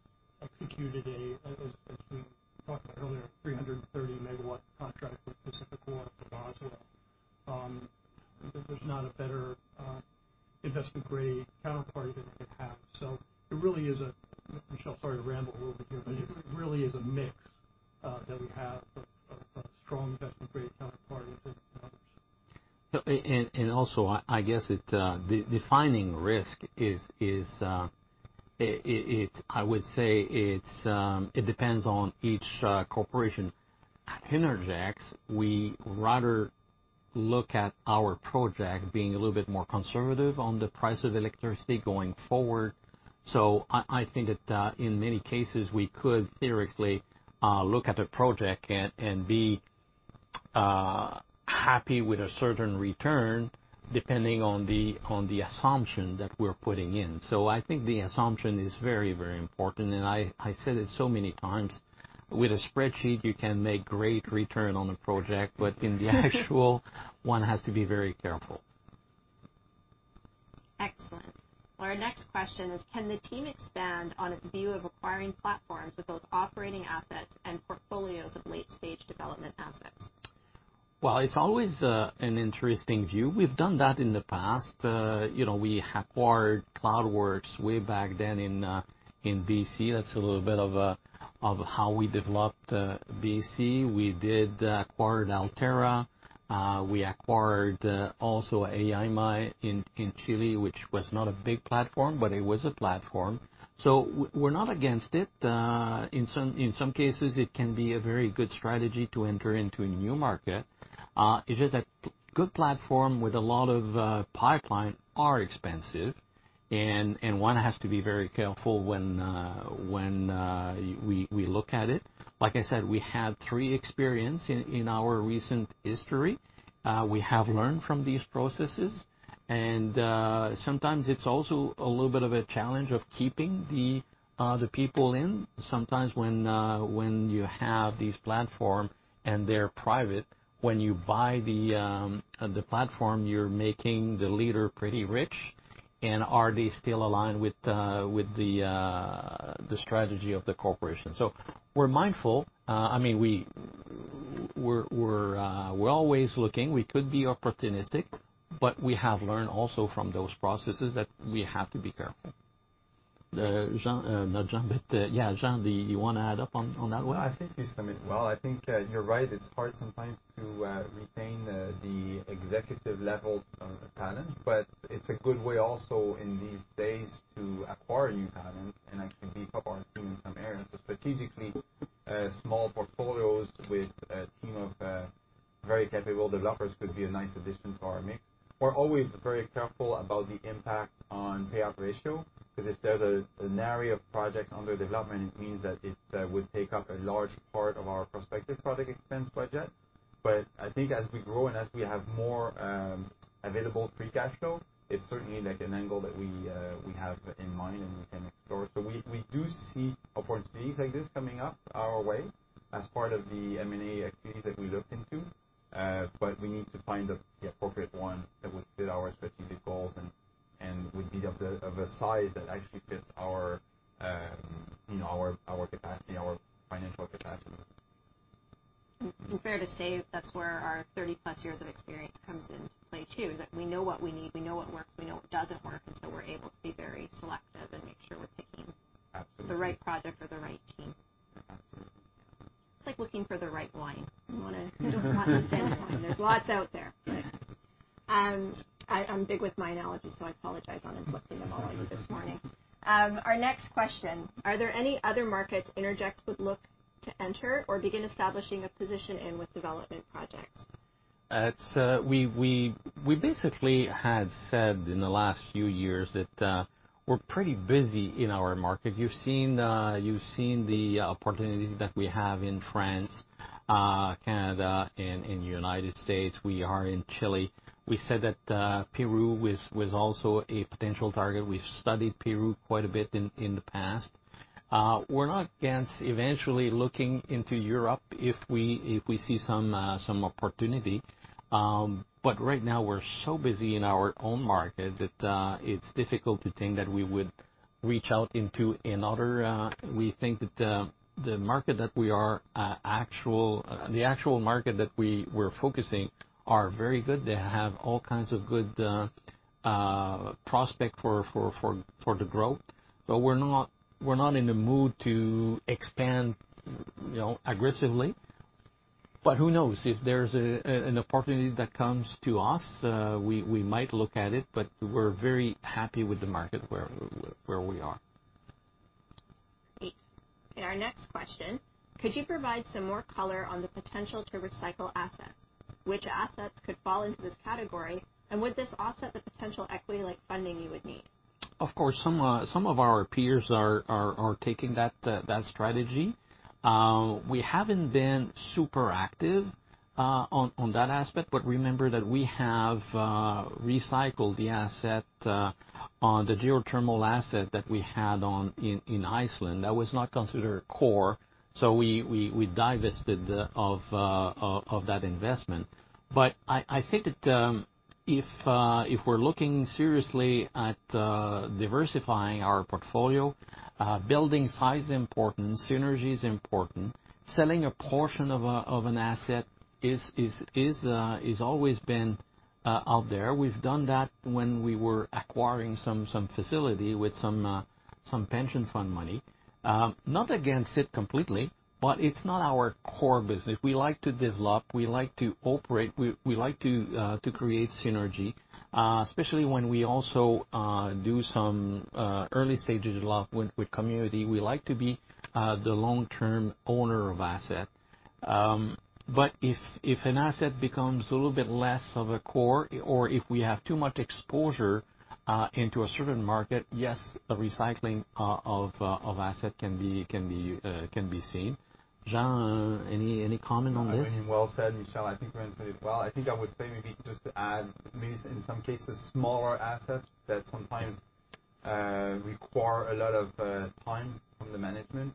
executed, as we talked about earlier, 330 MW contract with PacifiCorp Boswell Springs. There's not a better investment-grade counterparty that we could have. It really is a mix, Michel, sorry to ramble a little bit here, but it really is a mix that we have of strong investment-grade counterparties and others. I guess the defining risk is. I would say it depends on each corporation. At Innergex, we rather look at our project being a little bit more conservative on the price of electricity going forward. I think that in many cases, we could theoretically look at a project and be happy with a certain return depending on the assumption that we're putting in. I think the assumption is very, very important. I said it so many times, with a spreadsheet, you can make great return on a project, but in actuality one has to be very careful. Excellent. Our next question is, can the team expand on its view of acquiring platforms with both operating assets and portfolios of late-stage development assets? Well, it's always an interesting view. We've done that in the past. You know, we acquired Cloudworks way back then in BC. That's a little bit of how we developed BC. We did acquire Alterra. We acquired also Energía Llaima in Chile, which was not a big platform, but it was a platform. We're not against it. In some cases, it can be a very good strategy to enter into a new market. It's just that good platforms with a lot of pipeline are expensive, and one has to be very careful when we look at it. Like I said, we have three experiences in our recent history. We have learned from these processes, and sometimes it's also a little bit of a challenge of keeping the people in. Sometimes when you have these platform, and they're private, when you buy the platform, you're making the leader pretty rich, and are they still aligned with the strategy of the corporation? We're mindful. I mean, we're always looking. We could be opportunistic, but we have learned also from those processes that we have to be careful. Jean, do you want to add up on that one? I think you sum it well. I think, you're right. It's hard sometimes to retain the executive level talent, but it's a good way also in these days to acquire new talent and actually beef up our team in some areas. Strategically, small portfolios with a team of very capable developers could be a nice addition to our mix. We're always very careful about the impact on payout ratio, 'cause if there's an area of projects under development, it means that it would take up a large part of our prospective project expense budget. I think as we grow and as we have more available free cash flow, it's certainly like an angle that we have in mind and we can explore. We do see opportunities like this coming up our way as part of the M&A activities that we look into. We need to find the appropriate one that would fit our strategic goals and would be of a size that actually fits our, you know, our capacity, our financial capacity. Fair to say that's where our 30-plus years of experience comes into play, too, is that we know what we need, we know what works, we know what doesn't work, and so we're able to be very selective and make sure we're picking- Absolutely. The right project for the right team. Absolutely. It's like looking for the right wine. You don't want the same wine. There's lots out there, right? I'm big with my analogies, so I apologize on inflicting them all on you this morning. Our next question. Are there any other markets Innergex would look to enter or begin establishing a position in with development projects? We basically had said in the last few years that we're pretty busy in our market. You've seen the opportunities that we have in France, Canada, in United States. We are in Chile. We said that Peru was also a potential target. We've studied Peru quite a bit in the past. We're not against eventually looking into Europe if we see some opportunity. Right now, we're so busy in our own market that it's difficult to think that we would reach out into another. We think that the actual market that we're focusing are very good. They have all kinds of good prospect for the growth. We're not in the mood to expand, you know, aggressively. Who knows? If there's an opportunity that comes to us, we might look at it, but we're very happy with the market where we are. Great. Our next question: Could you provide some more color on the potential to recycle assets? Which assets could fall into this category? And would this offset the potential equity-like funding you would need? Of course. Some of our peers are taking that strategy. We haven't been super active on that aspect, but remember that we have recycled the asset on the geothermal asset that we had in Iceland. That was not considered core, so we divested of that investment. I think that if we're looking seriously at diversifying our portfolio, building size is important, synergy is important. Selling a portion of an asset is always been out there. We've done that when we were acquiring some facility with some pension fund money. Not against it completely, but it's not our core business. We like to develop, we like to operate, we like to create synergy, especially when we also do some early stage development with community. We like to be the long-term owner of asset. If an asset becomes a little bit less of a core or if we have too much exposure into a certain market, yes, a recycling of asset can be seen. Jean, any comment on this? I mean, well said, Michel. I think we answered it well. I think I would say maybe just to add, maybe so in some cases, smaller assets that sometimes require a lot of time from the management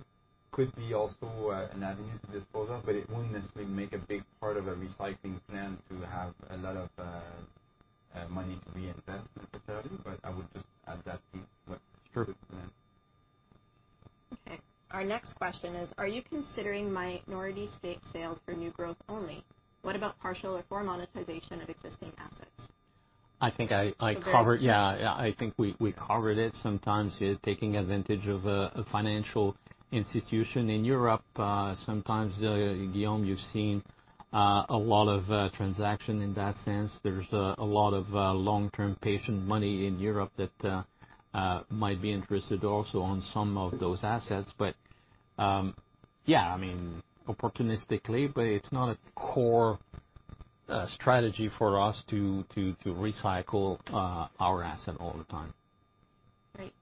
could be also an avenue to dispose of, but it won't necessarily make a big part of a recycling plan to have a lot of money to reinvest necessarily. I would just add that piece. Sure. Okay. Okay. Our next question is: Are you considering minority stake sales for new growth only? What about partial or core monetization of existing assets? I think I covered. So there- Yeah, I think we covered it. Sometimes you're taking advantage of a financial institution in Europe. Sometimes, Guillaume, you've seen a lot of transactions in that sense. There's a lot of long-term patient money in Europe that might be interested also in some of those assets. Yeah, I mean, opportunistically, but it's not a core strategy for us to recycle our assets all the time. Great.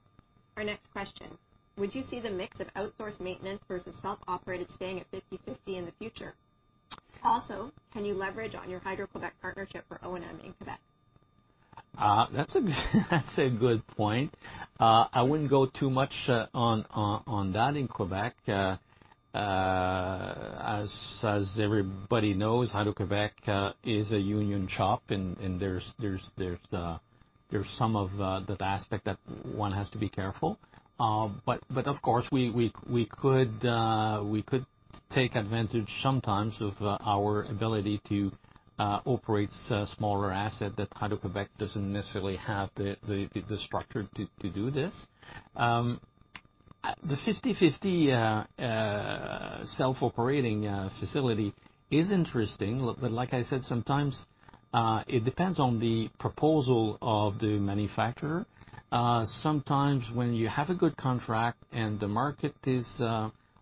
Our next question: Would you see the mix of outsourced maintenance versus self-operated staying at 50/50 in the future? Also, can you leverage on your Hydro-Québec partnership for O&M in Québec? That's a good point. I wouldn't go too much on that in Québec. As everybody knows, Hydro-Québec is a union shop, and there's some of that aspect that one has to be careful. Of course, we could take advantage sometimes of our ability to operate smaller asset that Hydro-Québec doesn't necessarily have the structure to do this. The 50/50 self-operating facility is interesting, but like I said, sometimes it depends on the proposal of the manufacturer. Sometimes when you have a good contract and the market is,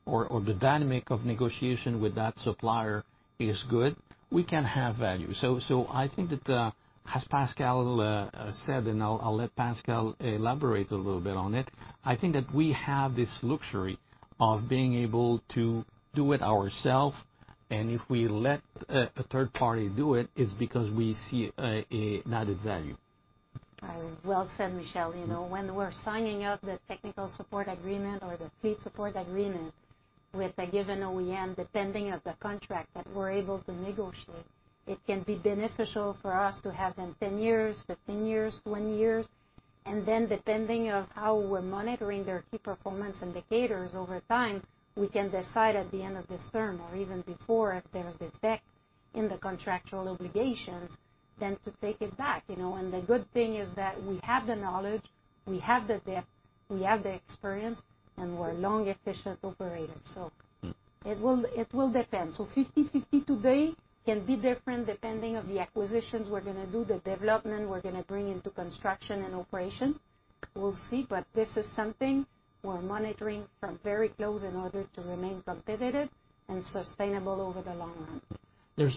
or the dynamic of negotiation with that supplier is good, we can have value. I think that, as Pascale said, and I'll let Pascale elaborate a little bit on it, I think that we have this luxury of being able to do it ourselves, and if we let a third party do it's because we see an added value. Well said, Michel. You know, when we're signing up the technical support agreement or the fleet support agreement with a given OEM, depending on the contract that we're able to negotiate, it can be beneficial for us to have them 10 years, 15 years, 20 years. Depending on how we're monitoring their key performance indicators over time, we can decide at the end of this term or even before, if there is a breach in the contractual obligations, then to take it back, you know? The good thing is that we have the knowledge, we have the depth, we have the experience, and we're long efficient operators. It will depend. 50/50 today can be different depending on the acquisitions we're gonna do, the development we're gonna bring into construction and operation. We'll see, but this is something we're monitoring very closely in order to remain competitive and sustainable over the long run.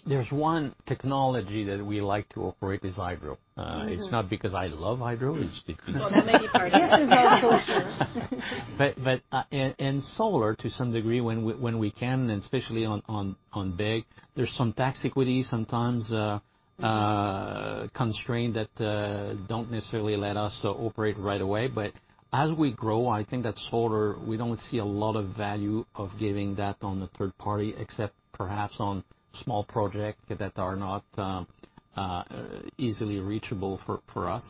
There's one technology that we like to operate is hydro. Mm-hmm. It's not because I love hydro, it's because For the money part. This is also true. solar to some degree, when we can and especially on big, there's some tax equity sometimes. Mm-hmm. Constraint that don't necessarily let us operate right away. As we grow, I think that solar, we don't see a lot of value of giving that on the third party, except perhaps on small project that are not easily reachable for us.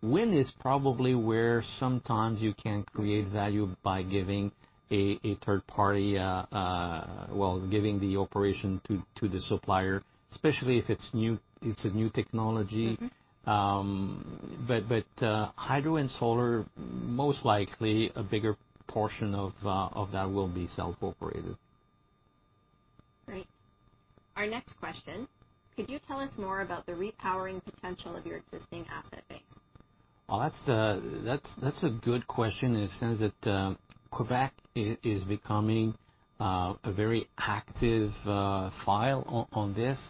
Wind is probably where sometimes you can create value by giving a third party, well, giving the operation to the supplier, especially if it's new, it's a new technology. Mm-hmm. Hydro and solar, most likely a bigger portion of that will be self-operated. Great. Our next question: could you tell us more about the repowering potential of your existing asset base? Oh, that's a good question in the sense that, Quebec is becoming a very active file on this.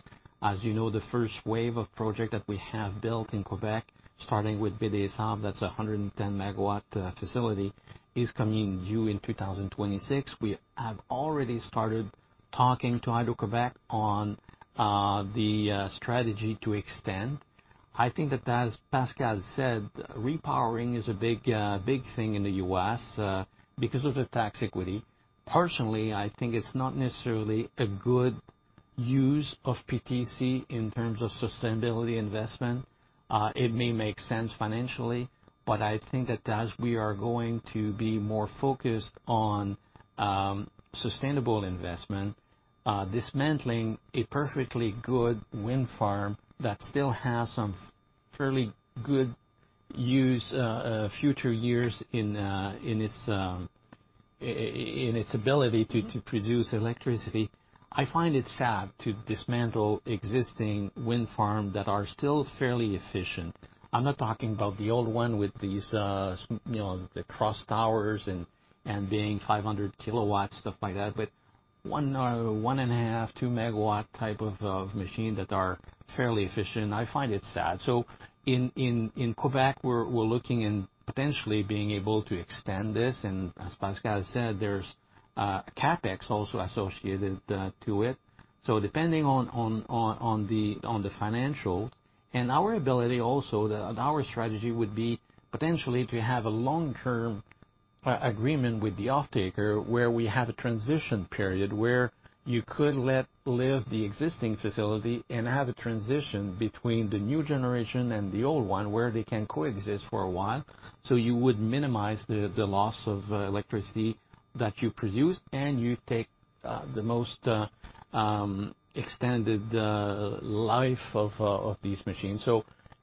As you know, the first wave of project that we have built in Quebec, starting with Baie-des-Sables, that's a 110 MW facility, is coming due in 2026. We have already started talking to Hydro-Québec on the strategy to extend. I think that as Pascale said, repowering is a big thing in the U.S., because of the tax equity. Personally, I think it's not necessarily a good use of PTC in terms of sustainability investment. It may make sense financially, but I think that as we are going to be more focused on sustainable investment, dismantling a perfectly good wind farm that still has some fairly good use future years in its ability to produce electricity, I find it sad to dismantle existing wind farm that are still fairly efficient. I'm not talking about the old one with these, you know, the cross towers and being 500 kilowatts, stuff like that, but 1.5, 2 megawatt type of machine that are fairly efficient, I find it sad. In Quebec, we're looking in potentially being able to extend this. As Pascale said, there's CapEx also associated to it. Depending on the financial and our ability also, our strategy would be potentially to have a long-term agreement with the offtaker, where we have a transition period where you could let live the existing facility and have a transition between the new generation and the old one, where they can coexist for a while. You would minimize the loss of electricity that you produce, and you take the most extended life of these machines.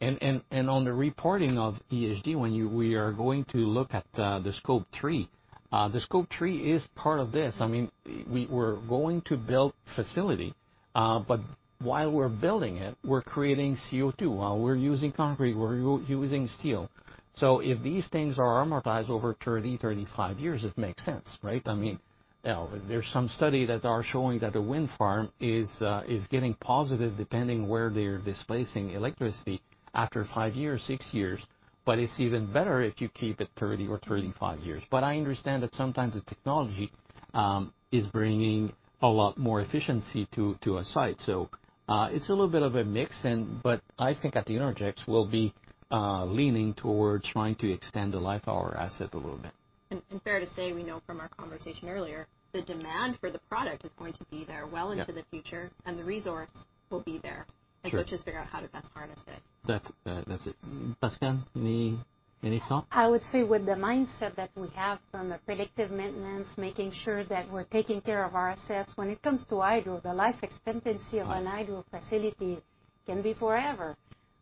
On the reporting of EHD, we are going to look at the scope three, the scope three is part of this. I mean, we're going to build facility, but while we're building it, we're creating CO2. We're using concrete, we're using steel. If these things are amortized over 30-35 years, it makes sense, right? I mean, there's some study that are showing that a wind farm is getting positive depending where they're displacing electricity after five-six years. It's even better if you keep it 30 or 35 years. I understand that sometimes the technology is bringing a lot more efficiency to a site. It's a little bit of a mix, but I think at Innergex, we'll be leaning towards trying to extend the life our asset a little bit. fair to say, we know from our conversation earlier, the demand for the product is going to be there well- Yeah. into the future, and the resource will be there. Sure. It's just to figure out how to best harness it. That's it. Pascale, any thought? I would say with the mindset that we have from a predictive maintenance, making sure that we're taking care of our assets, when it comes to hydro, the life expectancy of a hydro facility can be forever.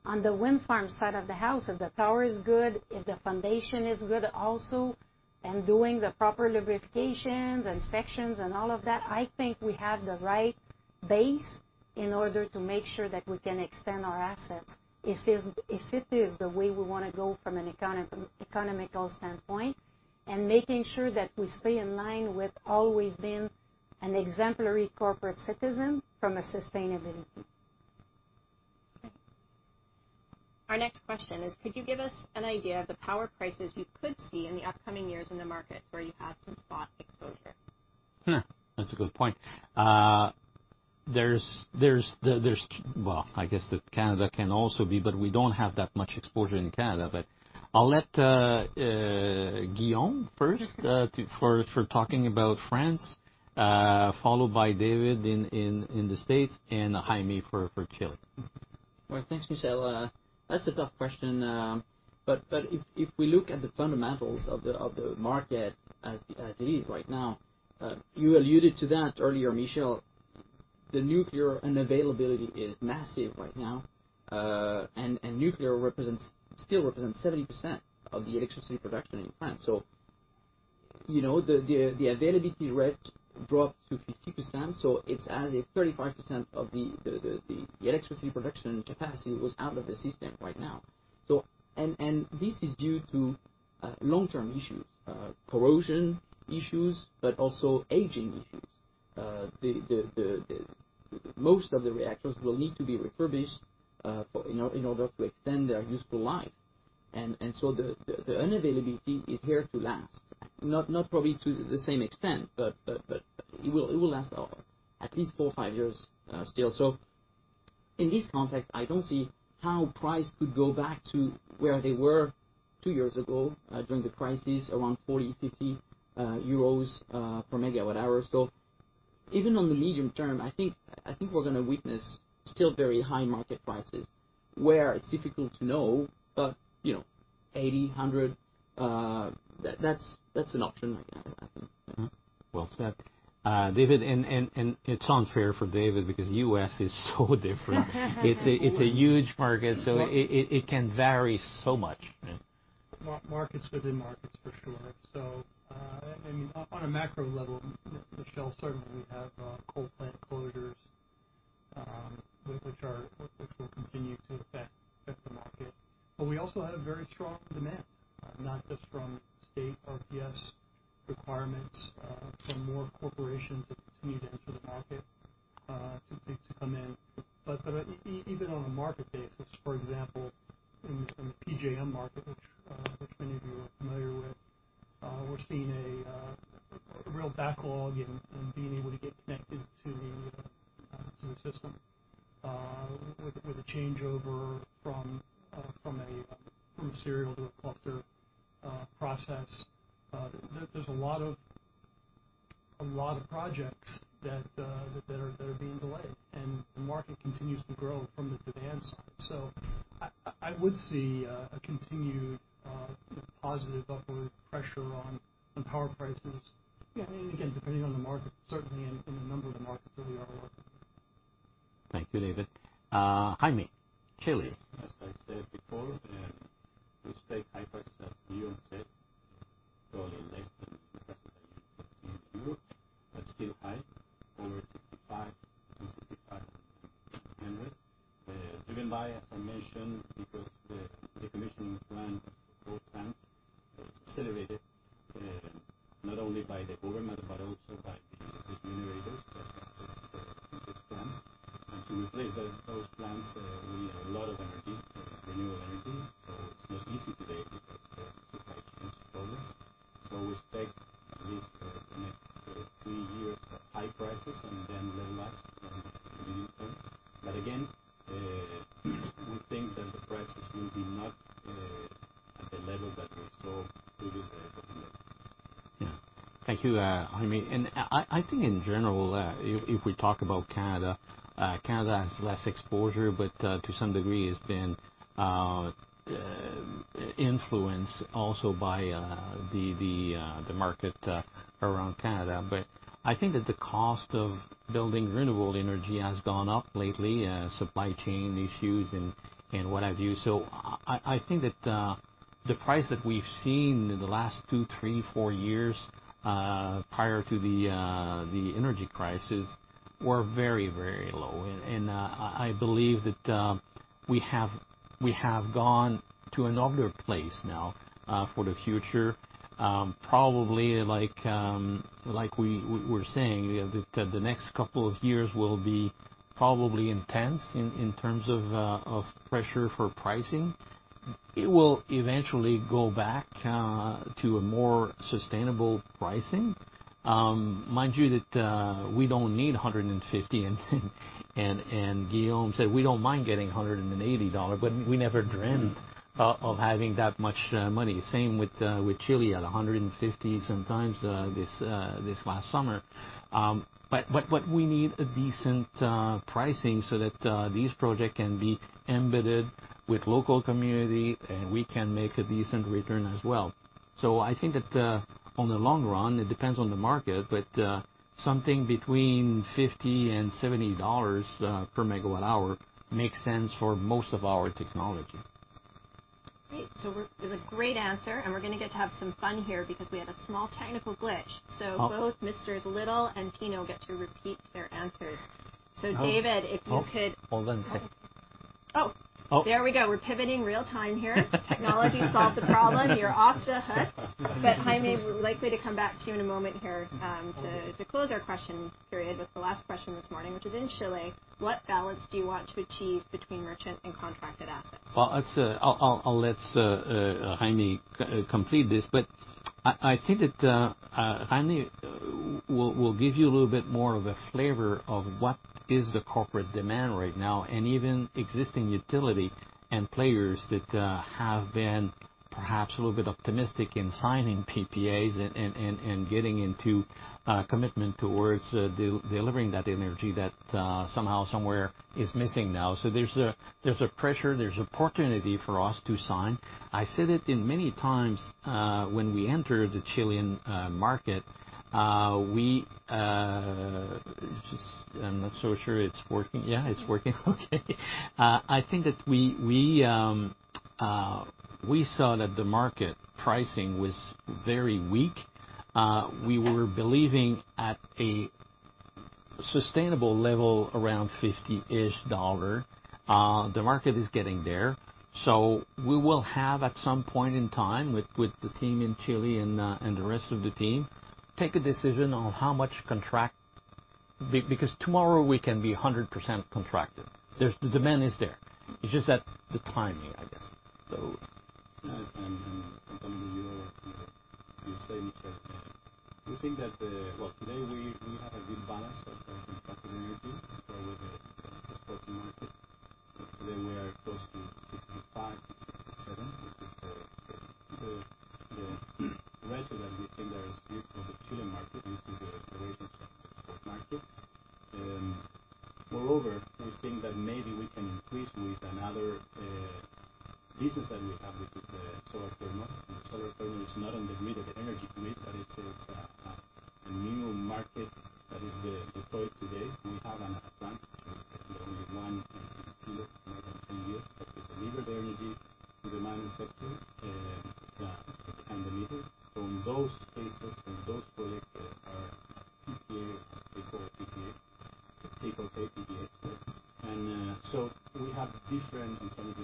On the wind farm side of the house, if the tower is good, if the foundation is good also, and doing the proper lubrications and inspections and all of that, I think we have the right base in order to make sure that we can extend our assets, if it is the way we wanna go from an economical standpoint, and making sure that we stay in line with always being an exemplary corporate citizen from a sustainability. Okay. Our next question is, could you give us an idea of the power prices you could see in the upcoming years in the markets where you have some spot exposure? That's a good point. Well, I guess that Canada can also be, but we don't have that much exposure in Canada. I'll let Guillaume first to talk about France, followed by David in the States and Jaime for Chile. Well, thanks, Michel. That's a tough question. But if we look at the fundamentals of the market as it is right now, you alluded to that earlier, Michel. The nuclear unavailability is massive right now. And nuclear still represents 70% of the electricity production in France. You know, the availability rate dropped to 50%, so it's as if 35% of the electricity production capacity was out of the system right now. This is due to long-term issues, corrosion issues, but also aging issues. The most of the reactors will need to be refurbished for in order to extend their useful life. So the unavailability is here to last. Not probably to the same extent, but it will last at least four or five years still. In this context, I don't see how price could go back to where they were two years ago during the crisis, around 40, 50 euros per MWh. Even on the medium term, I think we're gonna witness still very high market prices where it's difficult to know, but you know, 80, 100, that's an option, I think. Well said. David, and it's unfair for David because the U.S. is so different. It's a huge market, so it can vary so much. Markets within markets for sure. On a macro level, Michel, certainly we have coal plant closures, which will continue to affect the market. We also have very strong demand, not just from state RPS requirements, from more corporations that continue to enter the market, to come in. Even on a market basis, for example, in the PJM market, which many of you are familiar with, we're seeing a real backlog in being able to get connected to the system, with a changeover from serial to a cluster process. There's a lot of projects that are being delayed, and the market continues to grow from the demand side. I would see a continued positive upward pressure on power prices. Yeah, and again, depending on the market, certainly in a number of the markets that we are working in. Thank you, David. Jaime, Chile. Yes. As I said before, we expect high prices as Guillaume said, probably less than the prices that you have seen in Europe, but still high, over 65 to 6,500. Driven by, as I mentioned, because the decommissioning plan for coal plants is accelerated, not only by the government, but also by the big generators that has those plants. To replace those plants, we need a lot of energy, renewable energy. It's not easy today because the supply chain problems. We expect at least the next three years high prices and then level ups in the medium term. Again, we think that the prices will be not at the level that we saw during the pandemic. Yeah. Thank you, Jaime. I think in general, if we talk about Canada has less exposure, but to some degree, it's been influenced also by the market around Canada. I think that the cost of building renewable energy has gone up lately, supply chain issues and what have you. I think that the price that we've seen in the last 2, 3, 4 years prior to the energy crisis were very, very low. I believe that we have gone to another place now for the future. Probably like we were saying, the next couple of years will be probably intense in terms of pressure for pricing. It will eventually go back to a more sustainable pricing. Mind you that we don't need $150. Guillaume said, we don't mind getting $180 dollars, but we never dreamt of having that much money. Same with Chile at $150 sometimes this last summer. We need a decent pricing so that these project can be embedded with local community, and we can make a decent return as well. I think that on the long run, it depends on the market, but something between $50 and $70 dollars per megawatt-hour makes sense for most of our technology. Great. It was a great answer, and we're gonna get to have some fun here because we have a small technical glitch. Oh. Both Misters Little and Pino get to repeat their answers. Oh. David, if you could- Hold on a second. Oh. Oh. There we go. We're pivoting real time here. Technology solved the problem. You're off the hook. Jaime, we're likely to come back to you in a moment here, to close our question period with the last question this morning, which is: In Chile, what balance do you want to achieve between merchant and contracted assets? I'll let Jaime complete this, but I think that Jaime will give you a little bit more of a flavor of what is the corporate demand right now and even existing utility and players that have been perhaps a little bit optimistic in signing PPAs and getting into commitment towards delivering that energy that somehow somewhere is missing now. There's pressure, there's opportunity for us to sign. I said it many times when we entered the Chilean market. I'm not so sure it's working. Yeah, it's working. Okay. I think that we saw that the market pricing was very weak. We were believing at a sustainable level around $50-ish. The market is getting there. We will have, at some point in time, with the team in Chile and the rest of the team, take a decision on how much contract because tomorrow we can be 100% contracted. There's the demand is there. It's just that the timing, I guess. Yes. Pino you were saying that we think that today we have a good balance of contracted energy with the export market. Today we are close to 65%-67%, which is the ratio that we think there is good for the Chilean market into the ratio of export market. Moreover, we think that maybe we can increase with another business that we have, which is the solar thermal. Solar thermal is not in the energy grid, but it is a new market that is today. We have a plant, which is the only one in Chile, more than 10 years, that we deliver the energy to the mining sector and the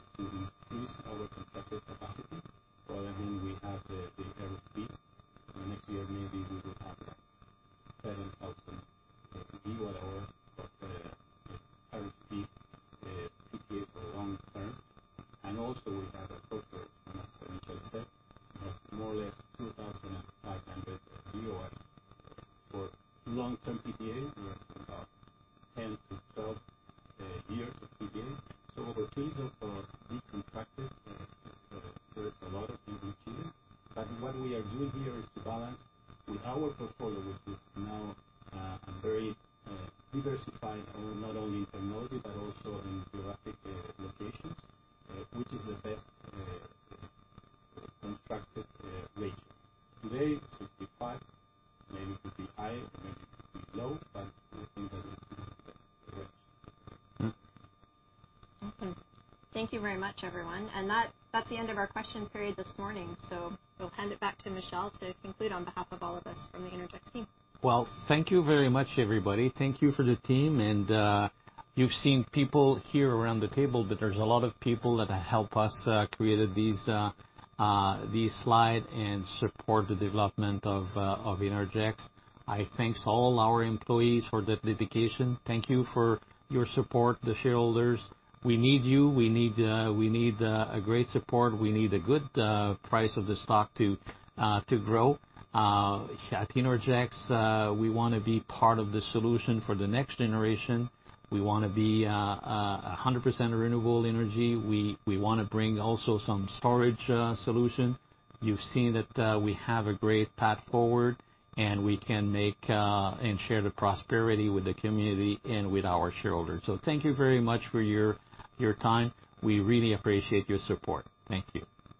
metal. From those projects are PPA, they call it PPA. We have different alternatives to increase our contracted capacity. Well, I mean, we have the RFP. Next year, maybe we will have 7,000 GW of RFP PPA for long-term. We also have a portfolio, as Michel said, of more or less 2,500 GWh. For long-term PPA, we are talking about 10-12 years of PPA. Our teams are dedicated. There's a lot of things in Chile, but what we are doing here is to balance with our portfolio, which is now very diversified, not only in technology but also in geographic locations, which is the best contracted ratio. Today, 65%, maybe could be high or maybe could be low, but we think that this is the range. Mm-hmm. Awesome. Thank you very much, everyone. That, that's the end of our question period this morning. We'll hand it back to Michel to conclude on behalf of all of us from the Innergex team. Well, thank you very much, everybody. Thank you for the team and you've seen people here around the table, but there's a lot of people that help us created these slides and support the development of Innergex. I thank all our employees for their dedication. Thank you for your support, the shareholders. We need you, we need a great support. We need a good price of the stock to grow. At Innergex, we wanna be part of the solution for the next generation. We wanna be 100% renewable energy. We wanna bring also some storage solution. You've seen that we have a great path forward, and we can make and share the prosperity with the community and with our shareholders. Thank you very much for your time. We really appreciate your support. Thank you.